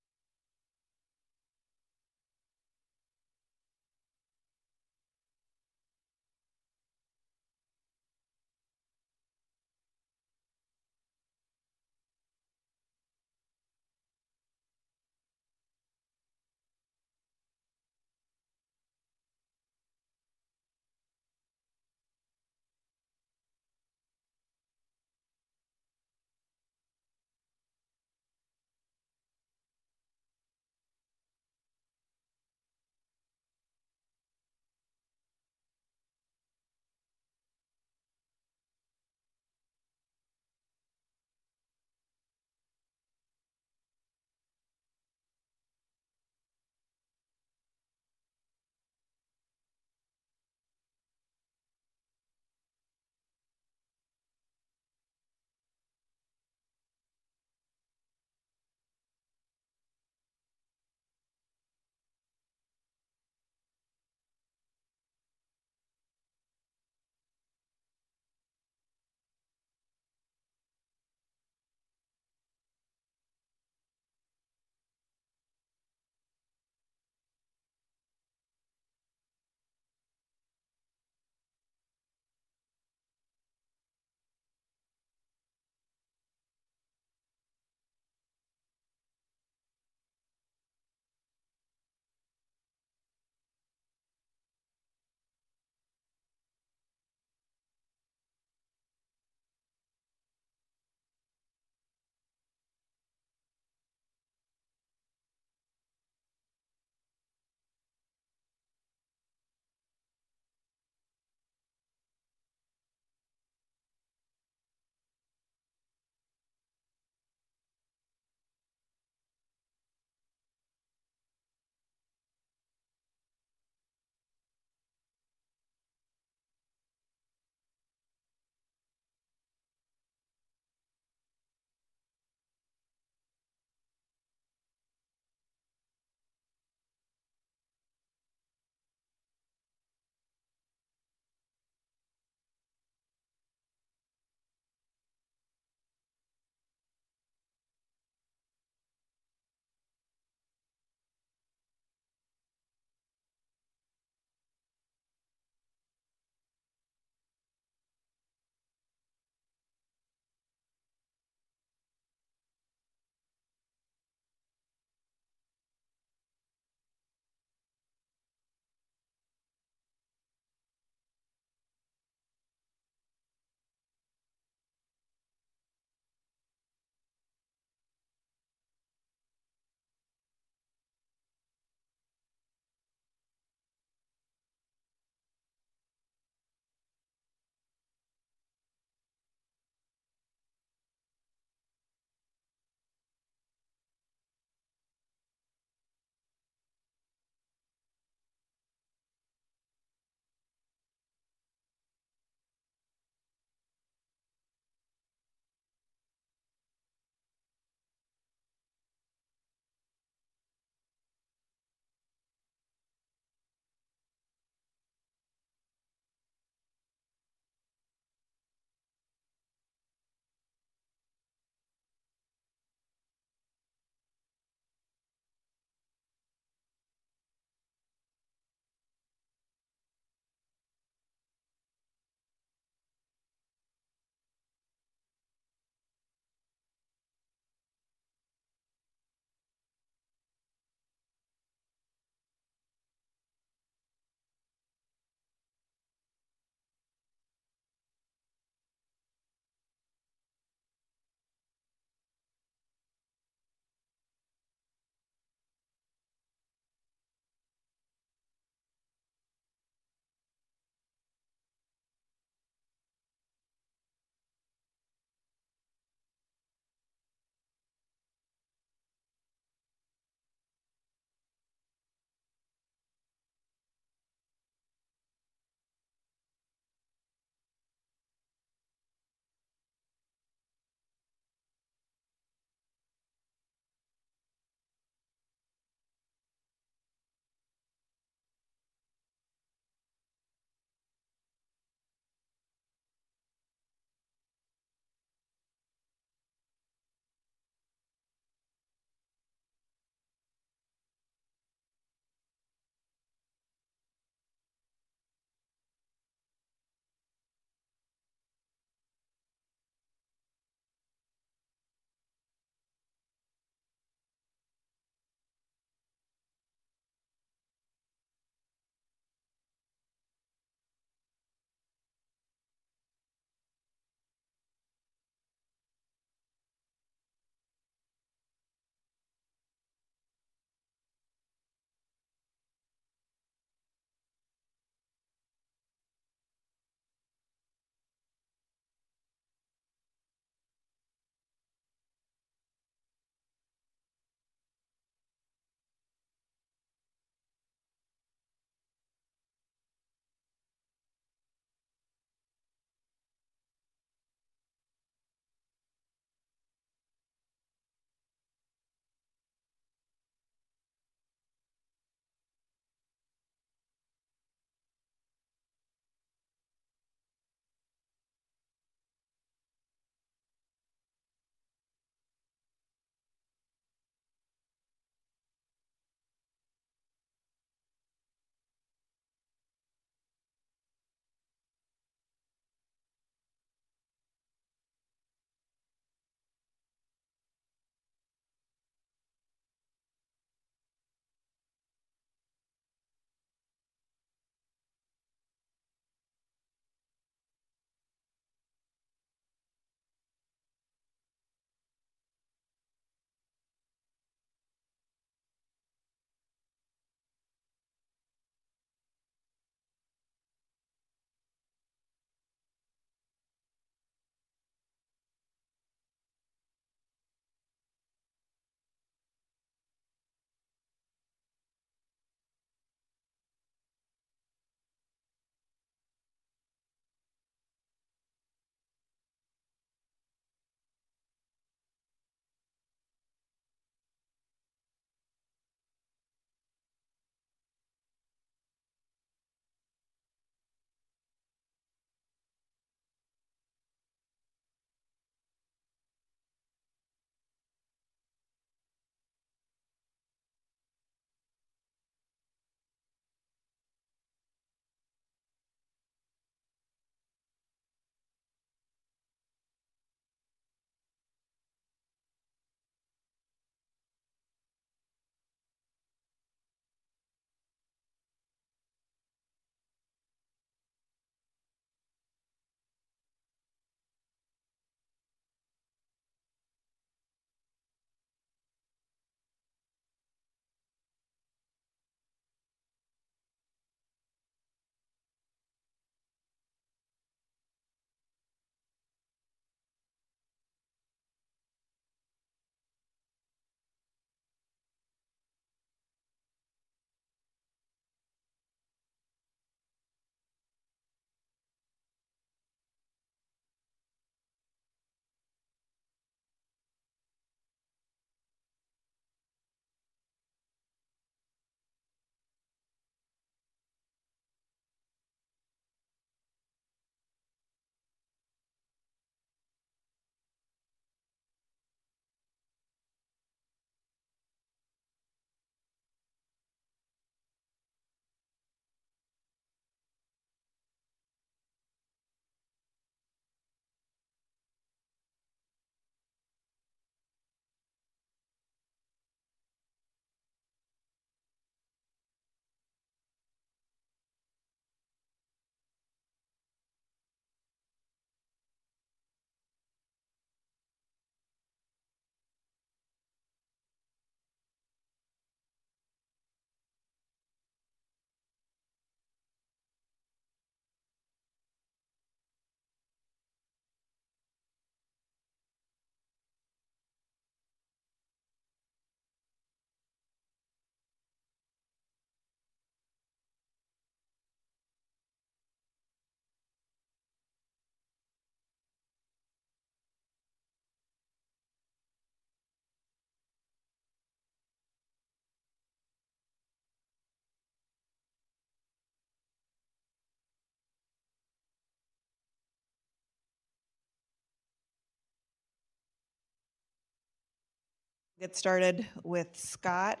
Get started with Scott.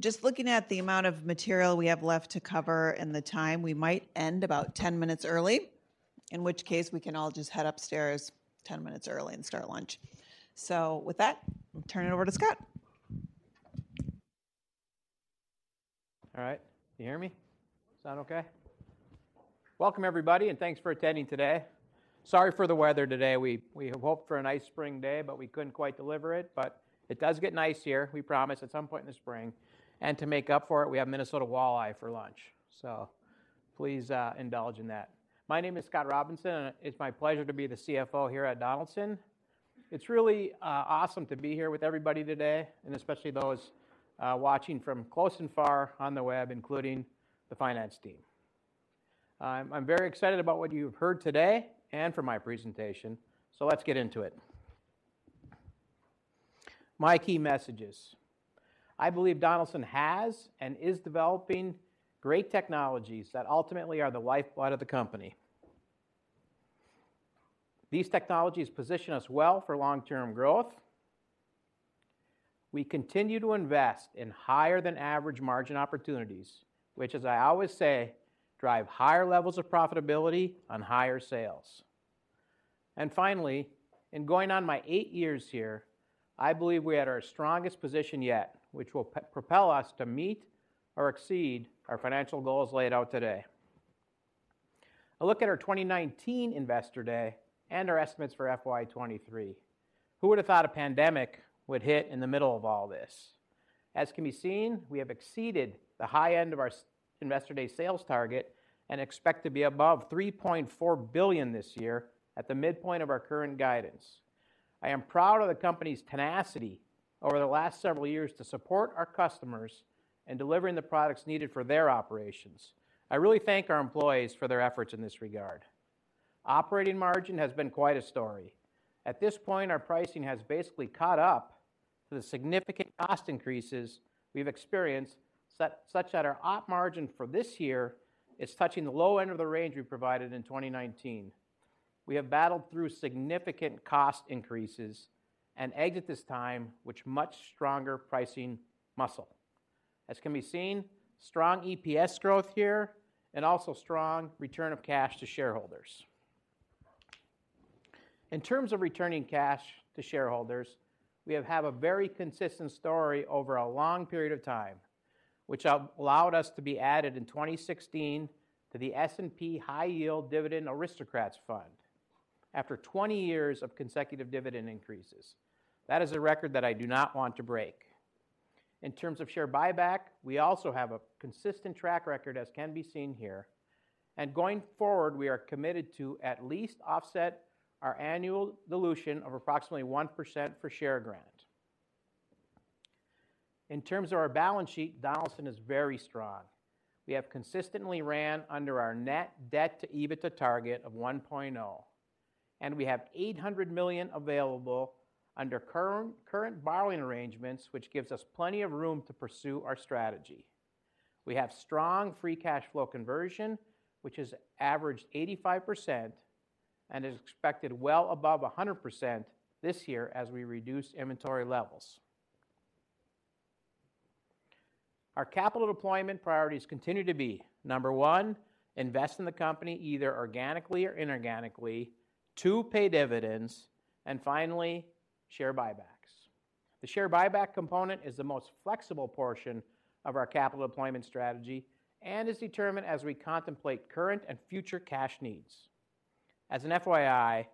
Just looking at the amount of material we have left to cover and the time, we might end about 10 minutes early, in which case we can all just head upstairs 10 minutes early and start lunch. With that, I'll turn it over to Scott. All right. Can you hear me? Sound okay? Welcome, everybody. Thanks for attending today. Sorry for the weather today. We had hoped for a nice spring day. We couldn't quite deliver it. It does get nice here, we promise, at some point in the spring. To make up for it, we have Minnesota walleye for lunch. Please indulge in that. My name is Scott Robinson. It's my pleasure to be the CFO here at Donaldson. It's really awesome to be here with everybody today and especially those watching from close and far on the web, including the finance team. I'm very excited about what you've heard today and for my presentation. Let's get into it. My key messages. I believe Donaldson has and is developing great technologies that ultimately are the lifeblood of the company. These technologies position us well for long-term growth. We continue to invest in higher than average margin opportunities, which, as I always say, drive higher levels of profitability on higher sales. Finally, in going on my eight years here, I believe we had our strongest position yet, which will propel us to meet or exceed our financial goals laid out today. A look at our 2019 investor day and our estimates for FY 2023. Who would have thought a pandemic would hit in the middle of all this? As can be seen, we have exceeded the high end of our investor day sales target and expect to be above $3.4 billion this year at the midpoint of our current guidance. I am proud of the company's tenacity over the last several years to support our customers in delivering the products needed for their operations. I really thank our employees for their efforts in this regard. Operating margin has been quite a story. At this point, our pricing has basically caught up to the significant cost increases we've experienced, such that our op margin for this year is touching the low end of the range we provided in 2019. We have battled through significant cost increases and exit this time with much stronger pricing muscle. As can be seen, strong EPS growth here and also strong return of cash to shareholders. In terms of returning cash to shareholders, we have a very consistent story over a long period of time, which allowed us to be added in 2016 to the S&P High Yield Dividend Aristocrats Fund after 20 years of consecutive dividend increases. That is a record that I do not want to break. In terms of share buyback, we also have a consistent track record, as can be seen here. Going forward, we are committed to at least offset our annual dilution of approximately 1% for share grant. In terms of our balance sheet, Donaldson is very strong. We have consistently ran under our net debt to EBITDA target of 1.0, and we have $800 million available under current borrowing arrangements, which gives us plenty of room to pursue our strategy. We have strong free cash flow conversion, which has averaged 85% and is expected well above 100% this year as we reduce inventory levels. Our capital deployment priorities continue to be, number one, invest in the company, either organically or inorganically, two, pay dividends, and finally, share buybacks. The share buyback component is the most flexible portion of our capital deployment strategy and is determined as we contemplate current and future cash needs. As an FYI,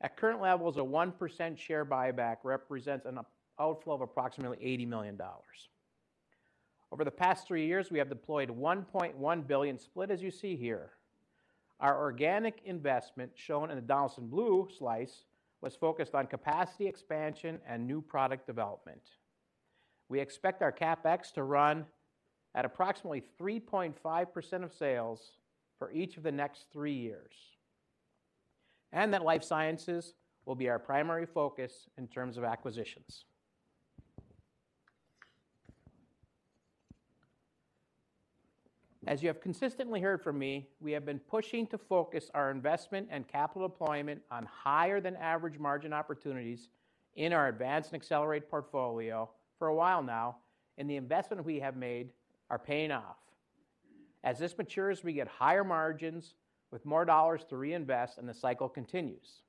at current levels, a 1% share buyback represents an outflow of approximately $80 million. Over the past three years, we have deployed $1.1 billion split, as you see here. Our organic investment, shown in the Donaldson blue slice, was focused on capacity expansion and new product development. We expect our CapEx to run at approximately 3.5% of sales for each of the next three years, and that Life Sciences will be our primary focus in terms of acquisitions. As you have consistently heard from me, we have been pushing to focus our investment and capital deployment on higher than average margin opportunities in our advance and accelerate portfolio for a while now, and the investment we have made are paying off. As this matures, we get higher margins with more dollars to reinvest, and the cycle continues.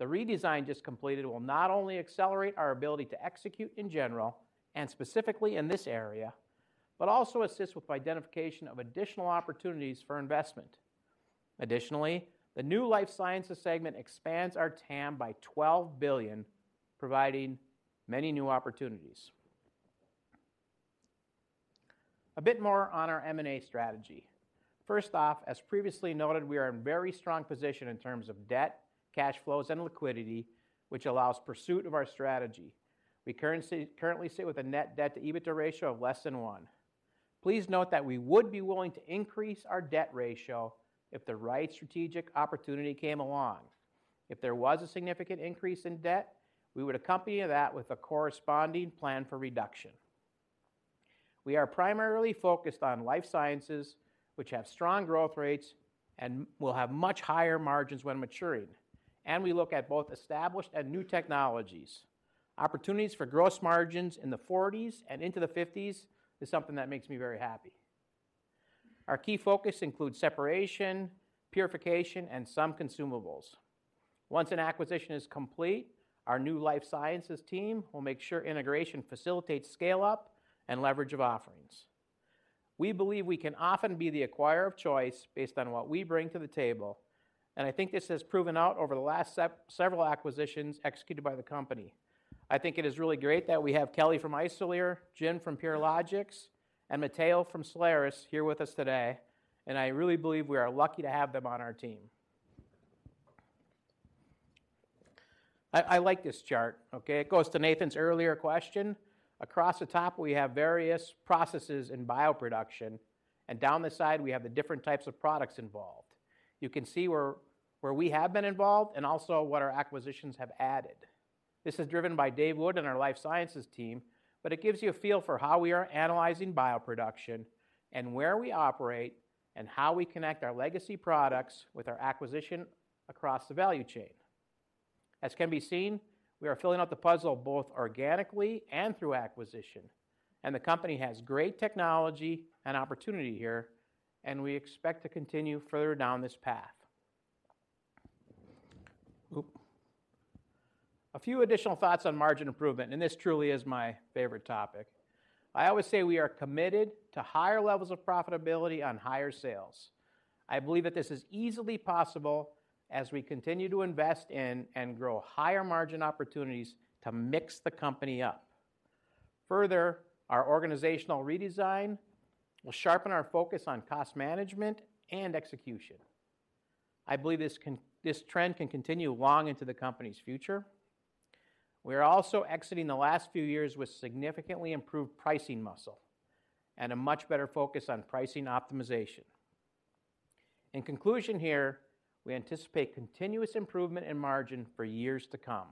The redesign just completed will not only accelerate our ability to execute in general and specifically in this area, but also assist with identification of additional opportunities for investment. Additionally, the new Life Sciences segment expands our TAM by $12 billion, providing many new opportunities. A bit more on our M&A strategy. First off, as previously noted, we are in very strong position in terms of debt, cash flows, and liquidity, which allows pursuit of our strategy. We currently sit with a net debt to EBITDA ratio of less than 1. Please note that we would be willing to increase our debt ratio if the right strategic opportunity came along. If there was a significant increase in debt, we would accompany that with a corresponding plan for reduction. We are primarily focused on life sciences, which have strong growth rates and will have much higher margins when maturing. We look at both established and new technologies. Opportunities for gross margins in the 40s% and into the 50s% is something that makes me very happy. Our key focus includes separation, purification, and some consumables. Once an acquisition is complete, our new life sciences team will make sure integration facilitates scale-up and leverage of offerings. We believe we can often be the acquirer of choice based on what we bring to the table, and I think this has proven out over the last several acquisitions executed by the company. I think it is really great that we have Kelly from Isolere, Jin from Purilogics, and Matteo from Solaris here with us today. I really believe we are lucky to have them on our team. I like this chart, okay? It goes to Nathan's earlier question. Across the top, we have various processes in bioproduction. Down the side we have the different types of products involved. You can see where we have been involved and also what our acquisitions have added. This is driven by Dave Wood and our life sciences team, but it gives you a feel for how we are analyzing bioproduction and where we operate and how we connect our legacy products with our acquisition across the value chain. As can be seen, we are filling out the puzzle both organically and through acquisition, and the company has great technology and opportunity here, and we expect to continue further down this path. A few additional thoughts on margin improvement, and this truly is my favorite topic. I always say we are committed to higher levels of profitability on higher sales. I believe that this is easily possible as we continue to invest in and grow higher margin opportunities to mix the company up. Further, our organizational redesign will sharpen our focus on cost management and execution. I believe this trend can continue long into the company's future. We are also exiting the last few years with significantly improved pricing muscle and a much better focus on pricing optimization. In conclusion here, we anticipate continuous improvement in margin for years to come.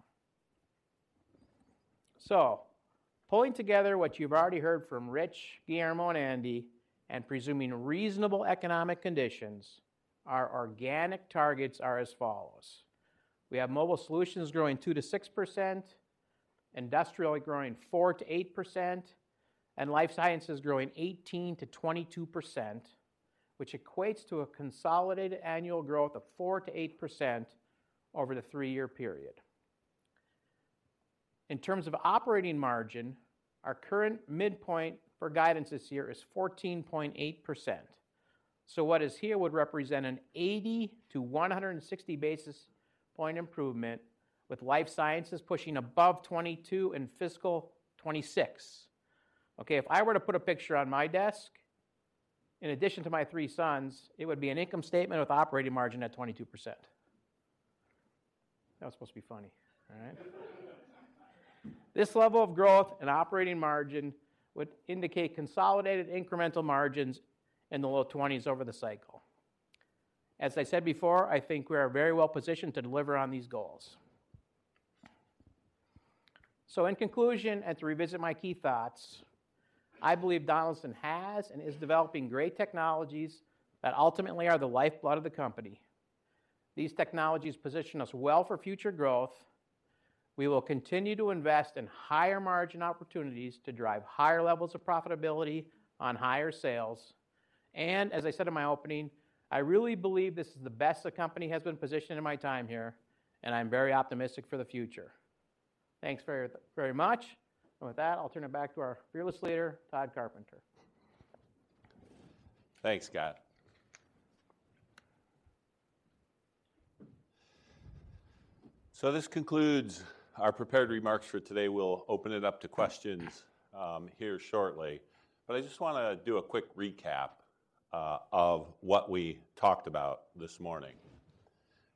Pulling together what you've already heard from Rich, Guillermo, and Andy, and presuming reasonable economic conditions, our organic targets are as follows. We have Mobile Solutions growing 2%-6%, Industrial Solutions growing 4%-8%, and Life Sciences growing 18%-22%, which equates to a consolidated annual growth of 4%-8% over the three year period. In terms of operating margin, our current midpoint for guidance this year is 14.8%. What is here would represent an 80-160 basis point improvement with Life Sciences pushing above 22% in fiscal 2026. If I were to put a picture on my desk, in addition to my three sons, it would be an income statement with operating margin at 22%. That was supposed to be funny, all right? This level of growth and operating margin would indicate consolidated incremental margins in the low 20s% over the cycle. As I said before, I think we are very well positioned to deliver on these goals. In conclusion, and to revisit my key thoughts, I believe Donaldson has and is developing great technologies that ultimately are the lifeblood of the company. These technologies position us well for future growth. We will continue to invest in higher margin opportunities to drive higher levels of profitability on higher sales. As I said in my opening, I really believe this is the best the company has been positioned in my time here, and I'm very optimistic for the future. Thanks very, very much. With that, I'll turn it back to our fearless leader, Tod Carpenter. Thanks, Scott. This concludes our prepared remarks for today. We'll open it up to questions here shortly. I just wanna do a quick recap of what we talked about this morning.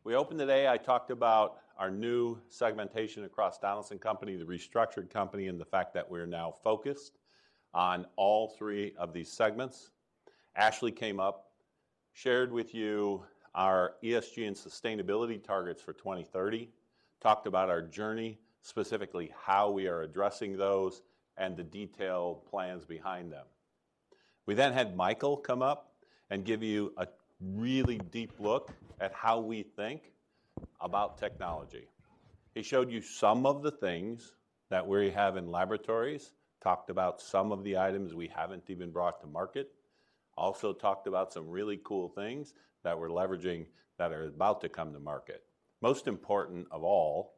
We opened today, I talked about our new segmentation across Donaldson Company, the restructured company, and the fact that we're now focused on all three of these segments. Ashley came up, shared with you our ESG and sustainability targets for 2030, talked about our journey, specifically how we are addressing those and the detailed plans behind them. We had Michael come up and give you a really deep look at how we think about technology. He showed you some of the things that we have in laboratories, talked about some of the items we haven't even brought to market, also talked about some really cool things that we're leveraging that are about to come to market. Most important of all,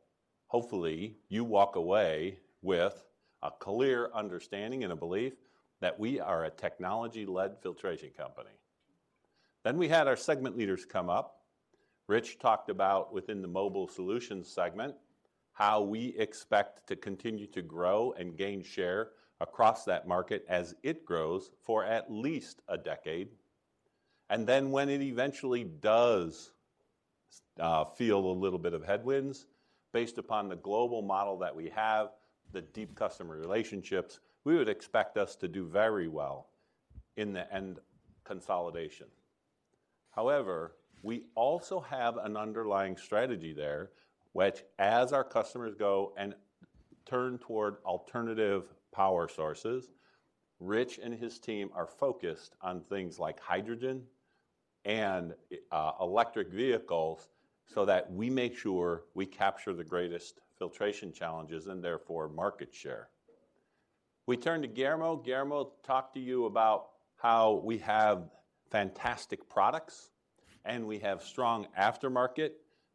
hopefully you walk away with a clear understanding and a belief that we are a technology-led filtration company. We had our segment leaders come up. Rich talked about within the Mobile Solutions segment, how we expect to continue to grow and gain share across that market as it grows for at least a decade. When it eventually does feel a little bit of headwinds, based upon the global model that we have, the deep customer relationships, we would expect us to do very well in the end consolidation. We also have an underlying strategy there, which as our customers go and turn toward alternative power sources, Rich and his team are focused on things like hydrogen and electric vehicles so that we make sure we capture the greatest filtration challenges and therefore market share. We turn to Guillermo. Guillermo talked to you about how we have fantastic products and we have strong aftermarket.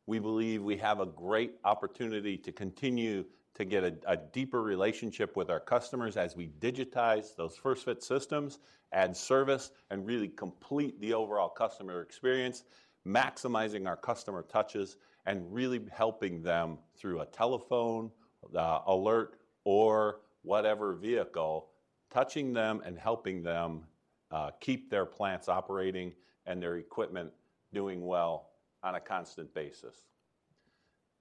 We believe we have a great opportunity to continue to get a deeper relationship with our customers as we digitize those first-fit systems, add service, and really complete the overall customer experience, maximizing our customer touches, and really helping them through a telephone, the alert, or whatever vehicle, touching them and helping them keep their plants operating and their equipment doing well on a constant basis.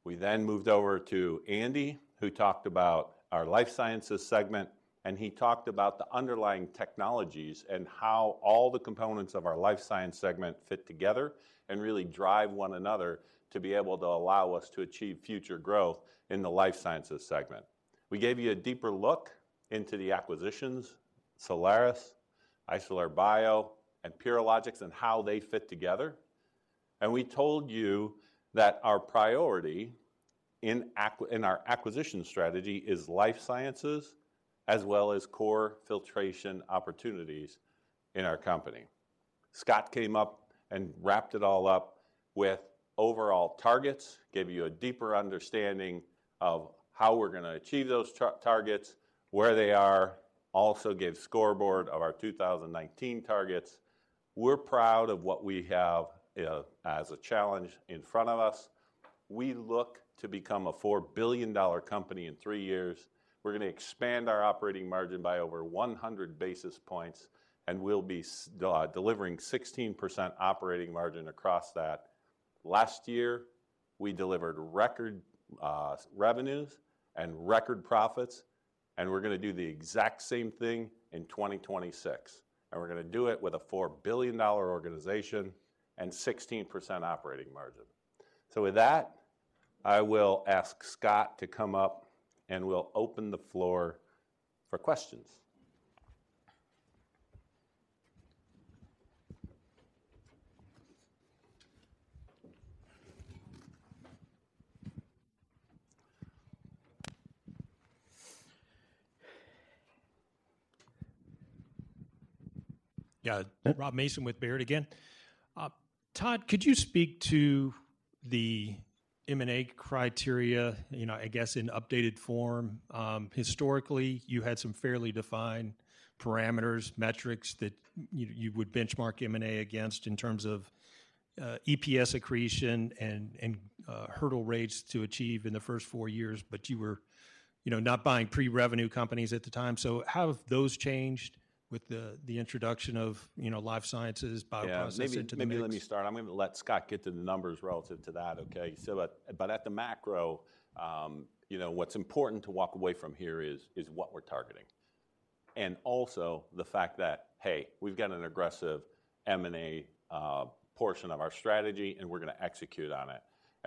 We then moved over to Andy, who talked about our Life Sciences segment, and he talked about the underlying technologies and how all the components of our Life Sciences segment fit together and really drive one another to be able to allow us to achieve future growth in the Life Sciences segment. We gave you a deeper look into the acquisitions, Solaris, Isolere Bio, and Purilogics, and how they fit together. We told you that our priority in in our acquisition strategy is Life Sciences, as well as core filtration opportunities in our company. Scott came up and wrapped it all up with overall targets, gave you a deeper understanding of how we're gonna achieve those targets, where they are, also gave scoreboard of our 2019 targets. We're proud of what we have as a challenge in front of us. We look to become a $4 billion company in three years. We're gonna expand our operating margin by over 100 basis points, and we'll be delivering 16% operating margin across that. Last year, we delivered record revenues and record profits, we're gonna do the exact same thing in 2026. We're gonna do it with a $4 billion organization and 16% operating margin. With that, I will ask Scott to come up, and we'll open the floor for questions. Yeah. Rob Mason with Baird again. Tod, could you speak to the M&A criteria, you know, I guess in updated form? Historically, you had some fairly defined parameters, metrics that you would benchmark M&A against in terms of EPS accretion and hurdle rates to achieve in the first four years, but you were, you know, not buying pre-revenue companies at the time. How have those changed with the introduction of, you know, life sciences, bioprocessing to the mix? Yeah. Maybe let me start. I'm gonna let Scott get to the numbers relative to that, okay? But at the macro, you know, what's important to walk away from here is what we're targeting. Also the fact that, hey, we've got an aggressive M&A portion of our strategy, and we're gonna execute on it.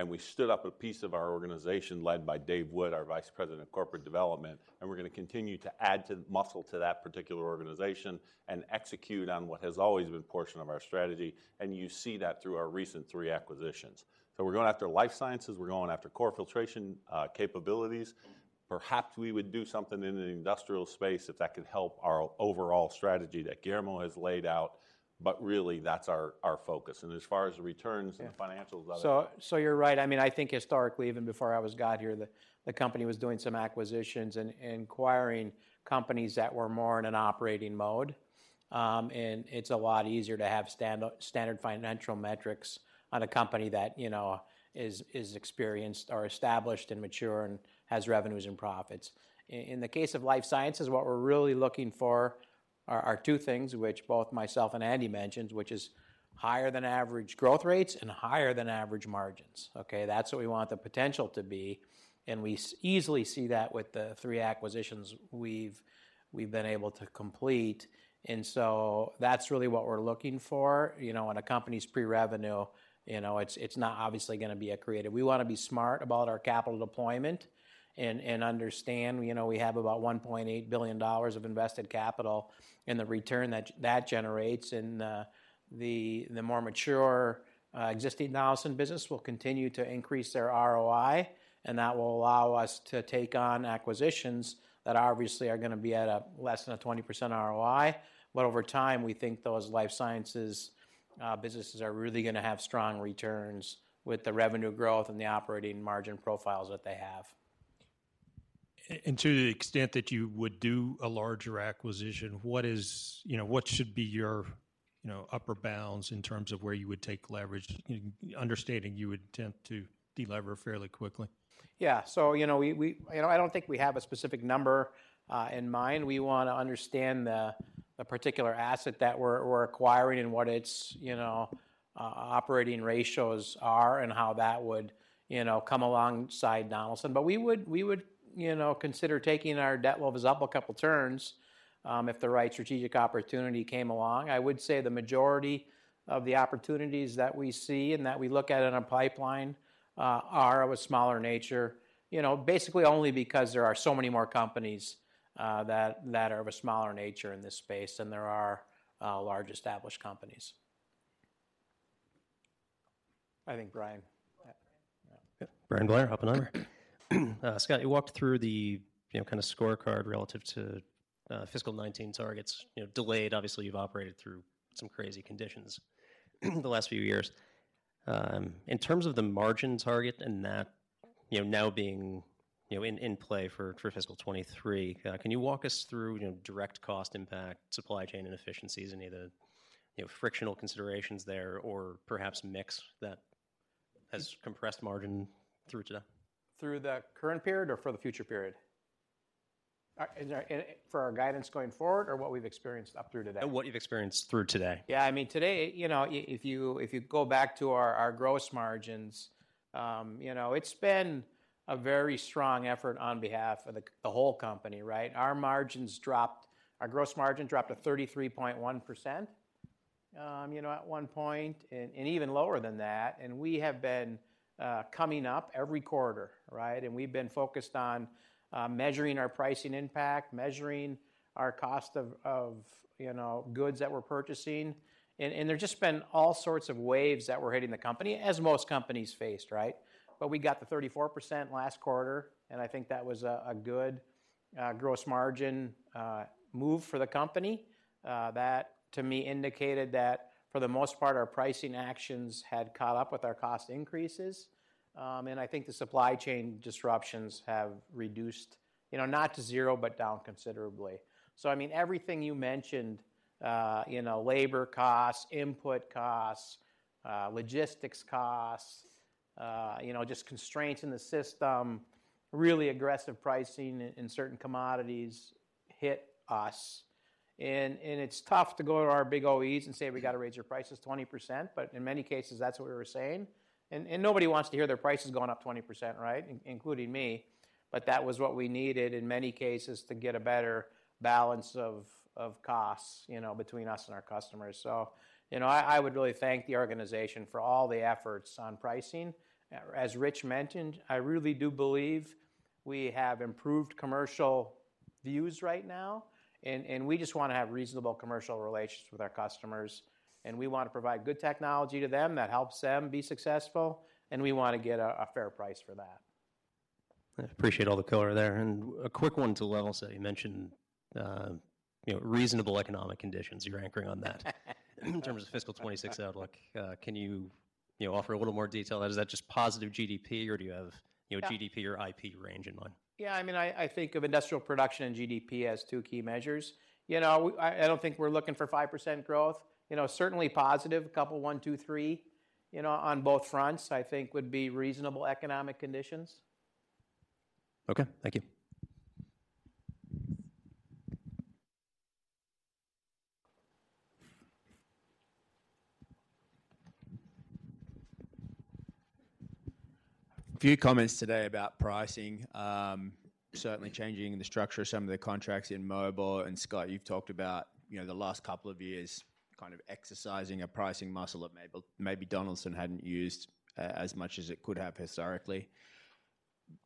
We stood up a piece of our organization led by Dave Wood, our Vice President of Corporate Development, and we're gonna continue to add to the muscle to that particular organization and execute on what has always been portion of our strategy. You see that through our recent three acquisitions. We're going after Life Sciences, we're going after core filtration capabilities. Perhaps we would do something in the industrial space if that could help our overall strategy that Guillermo has laid out. Really, that's our focus. As far as the returns and financials of that- You're right. I mean, I think historically, even before I was got here, the company was doing some acquisitions and acquiring companies that were more in an operating mode. It's a lot easier to have standard financial metrics on a company that, you know, is experienced or established and mature and has revenues and profits. In the case of Life Sciences, what we're really looking for are two things, which both myself and Andy mentioned, which is higher than average growth rates and higher than average margins. Okay. That's what we want the potential to be, and we easily see that with the three acquisitions we've been able to complete. That's really what we're looking for. You know, when a company's pre-revenue, you know, it's not obviously gonna be accretive. We wanna be smart about our capital deployment and understand, you know, we have about $1.8 billion of invested capital and the return that generates and the more mature existing Nelson business will continue to increase their ROI, and that will allow us to take on acquisitions that obviously are gonna be at a less than a 20% ROI. Over time, we think those life sciences businesses are really gonna have strong returns with the revenue growth and the operating margin profiles that they have. To the extent that you would do a larger acquisition, what is, you know, what should be your, you know, upper bounds in terms of where you would take leverage, understanding you would attempt to delever fairly quickly? Yeah. You know, we, you know, I don't think we have a specific number in mind. We wanna understand the particular asset that we're acquiring and what its, you know, operating ratios are and how that would, you know, come alongside Donaldson. We would, you know, consider taking our debt levels up a couple turns if the right strategic opportunity came along. I would say the majority of the opportunities that we see and that we look at in a pipeline are of a smaller nature, you know, basically only because there are so many more companies that are of a smaller nature in this space than there are large established companies. I think Bryan. Go ahead, Bryan. Yeah. Yeah. Bryan Blair, Oppenheimer. Scott, you walked through the, you know, kind of scorecard relative to fiscal 2019 targets, you know, delayed. Obviously, you've operated through some crazy conditions the last few years. In terms of the margin target and that, you know, now being, you know, in play for fiscal 2023, can you walk us through, you know, direct cost impact, supply chain inefficiencies, any of the, you know, frictional considerations there, or perhaps mix that has compressed margin through today? Through the current period or for the future period? For our guidance going forward or what we've experienced up through today? What you've experienced through today. Yeah, I mean, today, you know, if you, if you go back to our gross margins, you know, it's been a very strong effort on behalf of the whole company, right? Our gross margin dropped to 33.1%, you know, at one point, and even lower than that. We have been coming up every quarter, right? We've been focused on measuring our pricing impact, measuring our cost of, you know, goods that we're purchasing. There's just been all sorts of waves that were hitting the company, as most companies faced, right? We got to 34% last quarter, and I think that was a good gross margin move for the company. That to me indicated that for the most part, our pricing actions had caught up with our cost increases. And I think the supply chain disruptions have reduced, you know, not to zero, but down considerably. I mean, everything you mentioned, you know, labor costs, input costs, logistics costs, you know, just constraints in the system, really aggressive pricing in certain commodities hit us. It's tough to go to our big OEs and say, "We gotta raise your prices 20%," but in many cases, that's what we were saying. Nobody wants to hear their price is going up 20%, right? Including me. That was what we needed in many cases to get a better balance of costs, you know, between us and our customers. You know, I would really thank the organization for all the efforts on pricing. As Rich mentioned, I really do believe we have improved commercial views right now, and we just wanna have reasonable commercial relations with our customers, and we wanna provide good technology to them that helps them be successful, and we wanna get a fair price for that. I appreciate all the color there. A quick one to level set. You mentioned, you know, reasonable economic conditions. You're anchoring in terms of fiscal 2026 outlook. Can you know, offer a little more detail? Is that just positive GDP, or do you have, you know, GDP or IP range in mind? Yeah, I mean, I think of industrial production and GDP as two key measures. You know, I don't think we're looking for 5% growth. You know, certainly positive, a couple, 1%, 2%, 3%, you know, on both fronts, I think would be reasonable economic conditions. Okay. Thank you. Few comments today about pricing, certainly changing the structure of some of the contracts in mobile. Scott, you've talked about, you know, the last couple of years kind of exercising a pricing muscle that maybe Donaldson hadn't used as much as it could have historically.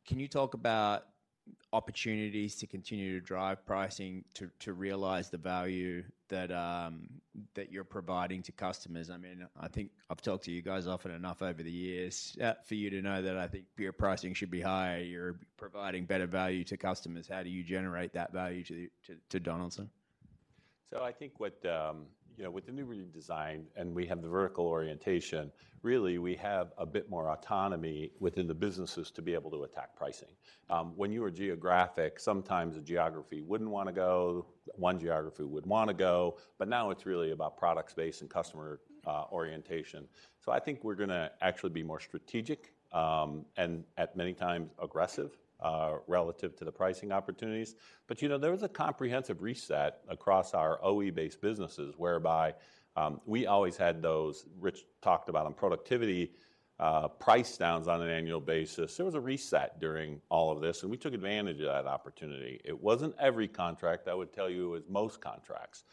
Can you talk about opportunities to continue to drive pricing to realize the value that you're providing to customers? I mean, I think I've talked to you guys often enough over the years, for you to know that I think your pricing should be higher. You're providing better value to customers. How do you generate that value to Donaldson? I think what, you know, with the new redesign, and we have the vertical orientation, really, we have a bit more autonomy within the businesses to be able to attack pricing. When you were geographic, sometimes a geography wouldn't wanna go, one geography would wanna go, but now it's really about product space and customer orientation. I think we're gonna actually be more strategic and at many times aggressive relative to the pricing opportunities. You know, there was a comprehensive reset across our OE-based businesses whereby we always had those, Rich talked about on productivity, price downs on an annual basis. There was a reset during all of this, and we took advantage of that opportunity. It wasn't every contract. I would tell you it was most contracts.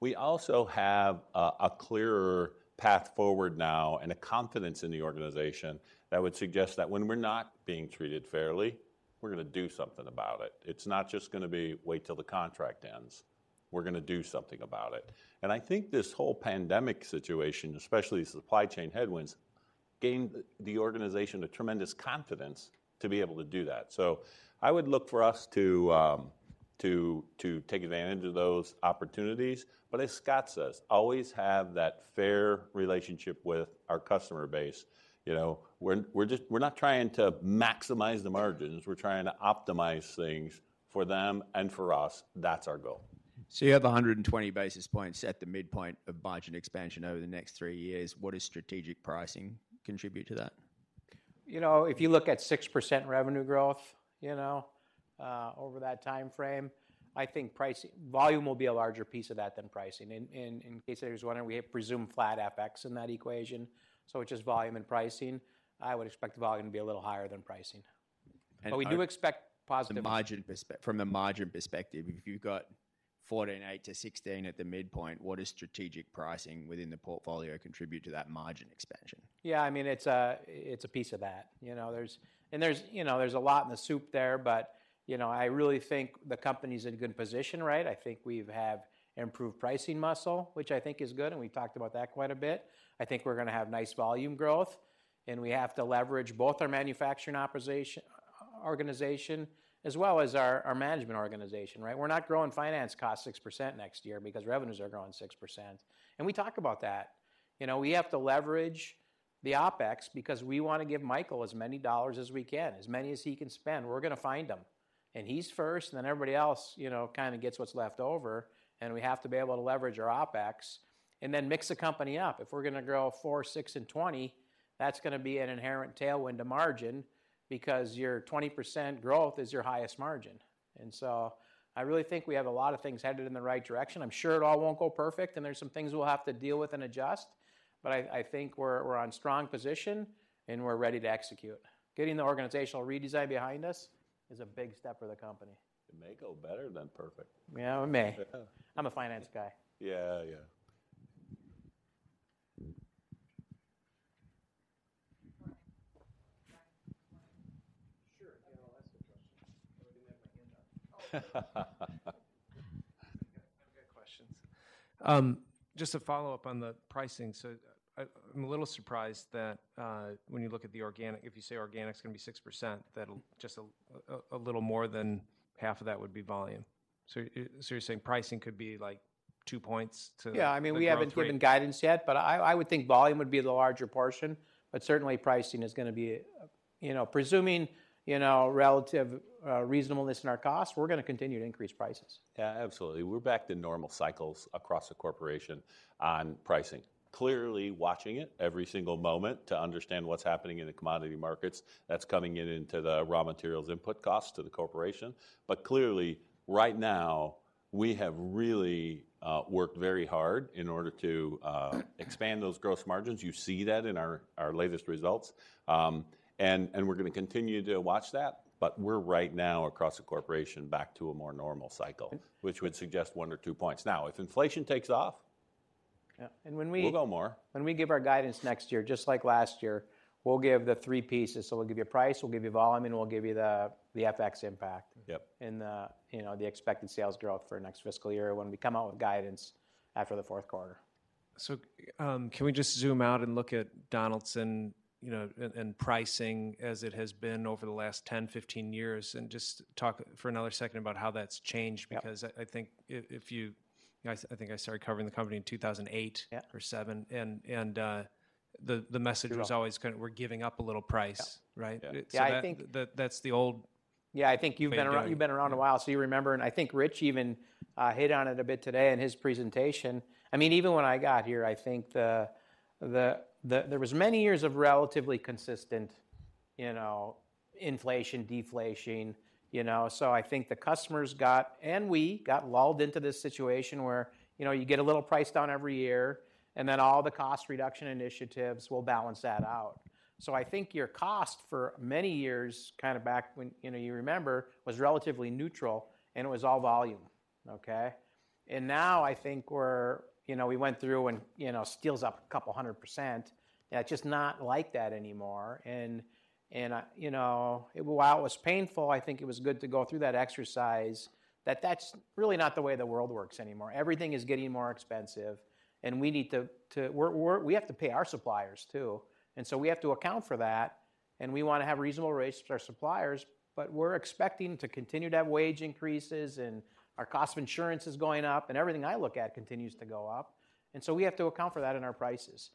We also have a clearer path forward now and a confidence in the organization that would suggest that when we're not being treated fairly, we're gonna do something about it. It's not just gonna be wait till the contract ends. We're gonna do something about it. I think this whole pandemic situation, especially supply chain headwinds, gained the organization a tremendous confidence to be able to do that. I would look for us to take advantage of those opportunities. As Scott says, always have that fair relationship with our customer base. You know, we're not trying to maximize the margins, we're trying to optimize things for them and for us. That's our goal. You have 120 basis points at the midpoint of margin expansion over the next three years. What does strategic pricing contribute to that? You know, if you look at 6% revenue growth, you know, over that timeframe, I think pricing, volume will be a larger piece of that than pricing. In case anyone was wondering, we have presumed flat FX in that equation, so it's just volume and pricing. I would expect the volume to be a little higher than pricing. And, um- We do expect. The margin from a margin perspective, if you've got 14.8%-16% at the midpoint, what does strategic pricing within the portfolio contribute to that margin expansion? Yeah. I mean, it's a, it's a piece of that. You know, there's. There's, you know, there's a lot in the soup there, but, you know, I really think the company's in a good position, right? I think we've have improved pricing muscle, which I think is good, and we talked about that quite a bit. I think we're gonna have nice volume growth, and we have to leverage both our manufacturing organization as well as our management organization, right? We're not growing finance costs 6% next year because revenues are growing 6%. We talk about that. You know, we have to leverage the OpEx because we wanna give Michael as many dollars as we can, as many as he can spend. We're gonna find them. He's first, and then everybody else, you know, kinda gets what's left over, and we have to be able to leverage our OpEx and then mix the company up. If we're gonna grow 4%, 6%, and 20%, that's gonna be an inherent tailwind to margin because your 20% growth is your highest margin. I really think we have a lot of things headed in the right direction. I'm sure it all won't go perfect, and there's some things we'll have to deal with and adjust. I think we're on strong position and we're ready to execute. Getting the organizational redesign behind us is a big step for the company. It may go better than perfect. Yeah, it may. I'm a finance guy. Yeah. Brian. Sure. Yeah, I'll ask a question. I didn't have my hand up. I've got questions. Just to follow up on the pricing. I'm a little surprised that when you look at the organic, if you say organic's gonna be 6%, just a little more than half of that would be volume. You're saying pricing could be, like, two points to. Yeah. I mean, we haven't given guidance yet, but I would think volume would be the larger portion, but certainly pricing is gonna be. You know, presuming, you know, relative reasonableness in our costs, we're gonna continue to increase prices. Yeah, absolutely. We're back to normal cycles across the corporation on pricing. Clearly watching it every single moment to understand what's happening in the commodity markets that's coming into the raw materials input costs to the corporation. Clearly, right now, we have really worked very hard in order to expand those gross margins. You see that in our latest results. We're gonna continue to watch that, but we're right now across the corporation back to a more normal cycle. Okay which would suggest one or two points. Now, if inflation takes off Yeah. we'll go more. When we give our guidance next year, just like last year, we'll give the three pieces. We'll give you price, we'll give you volume, and we'll give you the FX impact. Yep and the, you know, the expected sales growth for next fiscal year when we come out with guidance after the fourth quarter. Can we just zoom out and look at Donaldson, you know, and pricing as it has been over the last 10, 15 years, and just talk for another second about how that's changed? Yeah because I think if you know, I think I started covering the company in 2008. Yeah or seven. The message. Sure was always kind of we're giving up a little price. Yeah. Right? Yeah. Yeah. That's the. Yeah, I think you've been around. way of doing it you've been around a while, so you remember. I think Rich even hit on it a bit today in his presentation. I mean, even when I got here, I think there was many years of relatively consistent, you know, inflation, deflation, you know. I think the customers got, and we got lulled into this situation where, you know, you get a little price down every year, and then all the cost reduction initiatives will balance that out. I think your cost for many years, kind of back when, you know, you remember, was relatively neutral, and it was all volume, okay? Now I think we're, you know, we went through and, you know, steel's up a couple hundred %. Yeah, just not like that anymore. I, you know, while it was painful, I think it was good to go through that exercise, that that's really not the way the world works anymore. Everything is getting more expensive, and we need to pay our suppliers, too. We have to account for that, and we wanna have reasonable rates with our suppliers, but we're expecting to continue to have wage increases, and our cost of insurance is going up, and everything I look at continues to go up. We have to account for that in our prices.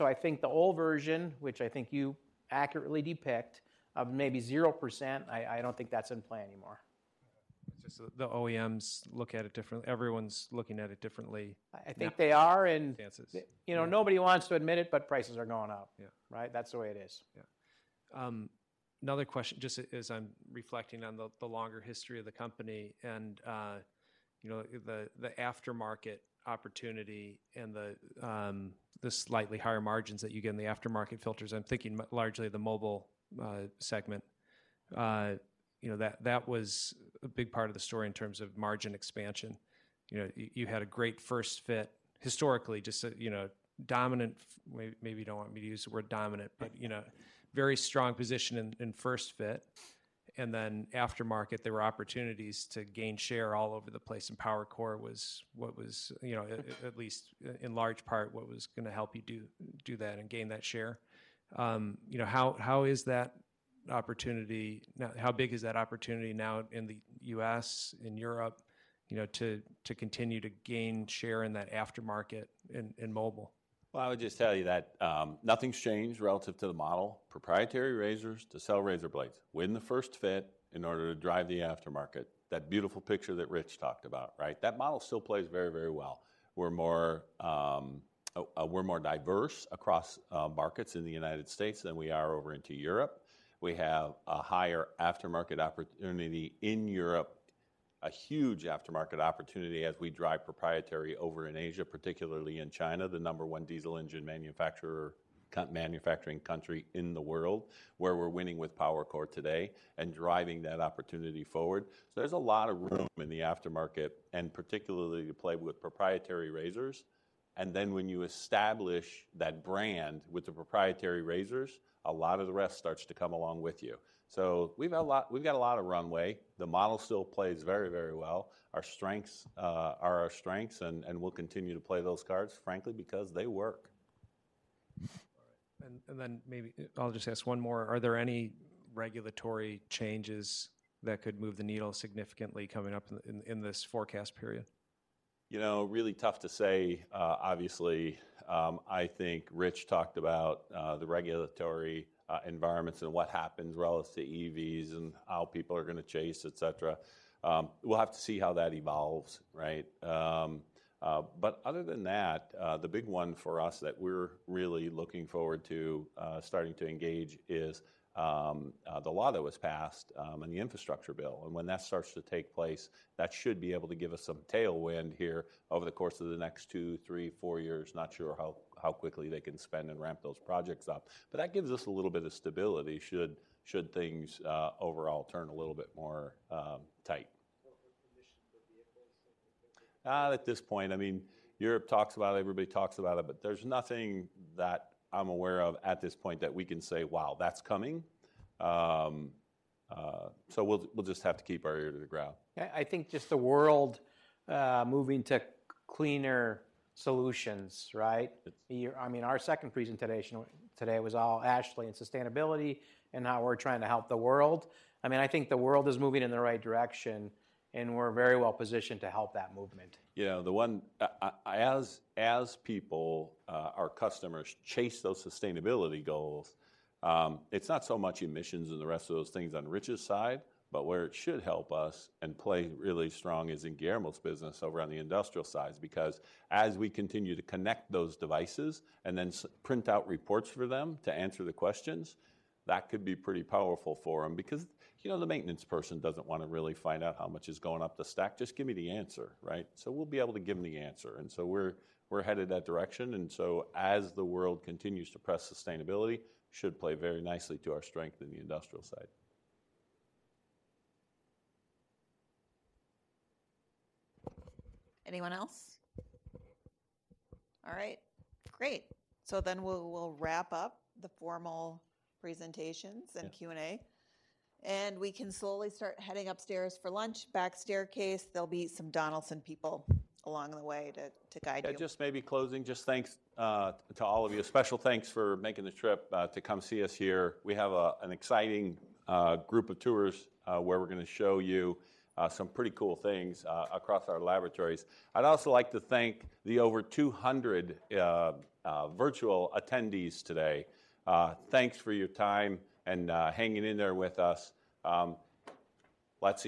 I think the old version, which I think you accurately depict, of maybe 0%, I don't think that's in play anymore. Just the OEMs look at it different. Everyone's looking at it differently. I think they are. Chances you know, nobody wants to admit it, but prices are going up. Yeah. Right? That's the way it is. Another question. Just as I'm reflecting on the longer history of the company and, you know, the aftermarket opportunity and the slightly higher margins that you get in the aftermarket filters, I'm thinking largely the mobile segment. You know, that was a big part of the story in terms of margin expansion. You know, you had a great first fit historically, just a, you know, dominant maybe you don't want me to use the word dominant. Yeah You know, very strong position in first fit. Then aftermarket, there were opportunities to gain share all over the place, and PowerCore was what was, you know, at least in large part, what was gonna help you do that and gain that share. You know, how is that opportunity now? How big is that opportunity now in the U.S., in Europe, you know, to continue to gain share in that aftermarket in mobile? Well, I would just tell you that nothing's changed relative to the model. Proprietary razors to sell razor blades. Win the first fit in order to drive the aftermarket. That beautiful picture that Rich talked about, right? That model still plays very, very well. We're more diverse across markets in the United States than we are over into Europe. We have a higher aftermarket opportunity in Europe, a huge aftermarket opportunity as we drive proprietary over in Asia, particularly in China, the number one diesel engine manufacturing country in the world, where we're winning with PowerCore today and driving that opportunity forward. There's a lot of room in the aftermarket, and particularly to play with proprietary razors. Then when you establish that brand with the proprietary razors, a lot of the rest starts to come along with you. We've got a lot of runway. The model still plays very, very well. Our strengths are our strengths, and we'll continue to play those cards, frankly, because they work. Maybe I'll just ask one more. Are there any regulatory changes that could move the needle significantly coming up in this forecast period? You know, really tough to say. Obviously, I think Rich talked about the regulatory environments and what happens relative to EVs and how people are gonna chase, et cetera. We'll have to see how that evolves, right? But other than that, the big one for us that we're really looking forward to starting to engage is the law that was passed and the infrastructure bill. When that starts to take place, that should be able to give us some tailwind here over the course of the next two, three, four years. Not sure how quickly they can spend and ramp those projects up. That gives us a little bit of stability should things overall turn a little bit more tight. The commission for vehicles. At this point, I mean, Europe talks about it, everybody talks about it, but there's nothing that I'm aware of at this point that we can say, "Wow, that's coming." We'll just have to keep our ear to the ground. Yeah, I think just the world moving to cleaner solutions, right? It's- I mean, our second presentation today was all Ashley and sustainability and how we're trying to help the world. I mean, I think the world is moving in the right direction, and we're very well positioned to help that movement. Yeah. As people, our customers chase those sustainability goals, it's not so much emissions and the rest of those things on Rich's side, but where it should help us and play really strong is in Guillermo's business over on the industrial side. As we continue to connect those devices and then print out reports for them to answer the questions, that could be pretty powerful for them because, you know, the maintenance person doesn't wanna really find out how much is going up the stack. Just give me the answer, right? We'll be able to give them the answer. We're headed that direction. As the world continues to press sustainability, should play very nicely to our strength in the industrial side. Anyone else? All right. Great. We'll wrap up the formal presentations. Yeah. Q&A. We can slowly start heading upstairs for lunch. Back staircase, there'll be some Donaldson people along the way to guide you. Yeah, just maybe closing, just thanks to all of you. A special thanks for making the trip to come see us here. We have an exciting group of tours where we're gonna show you some pretty cool things across our laboratories. I'd also like to thank the over 200 virtual attendees today. Thanks for your time and hanging in there with us.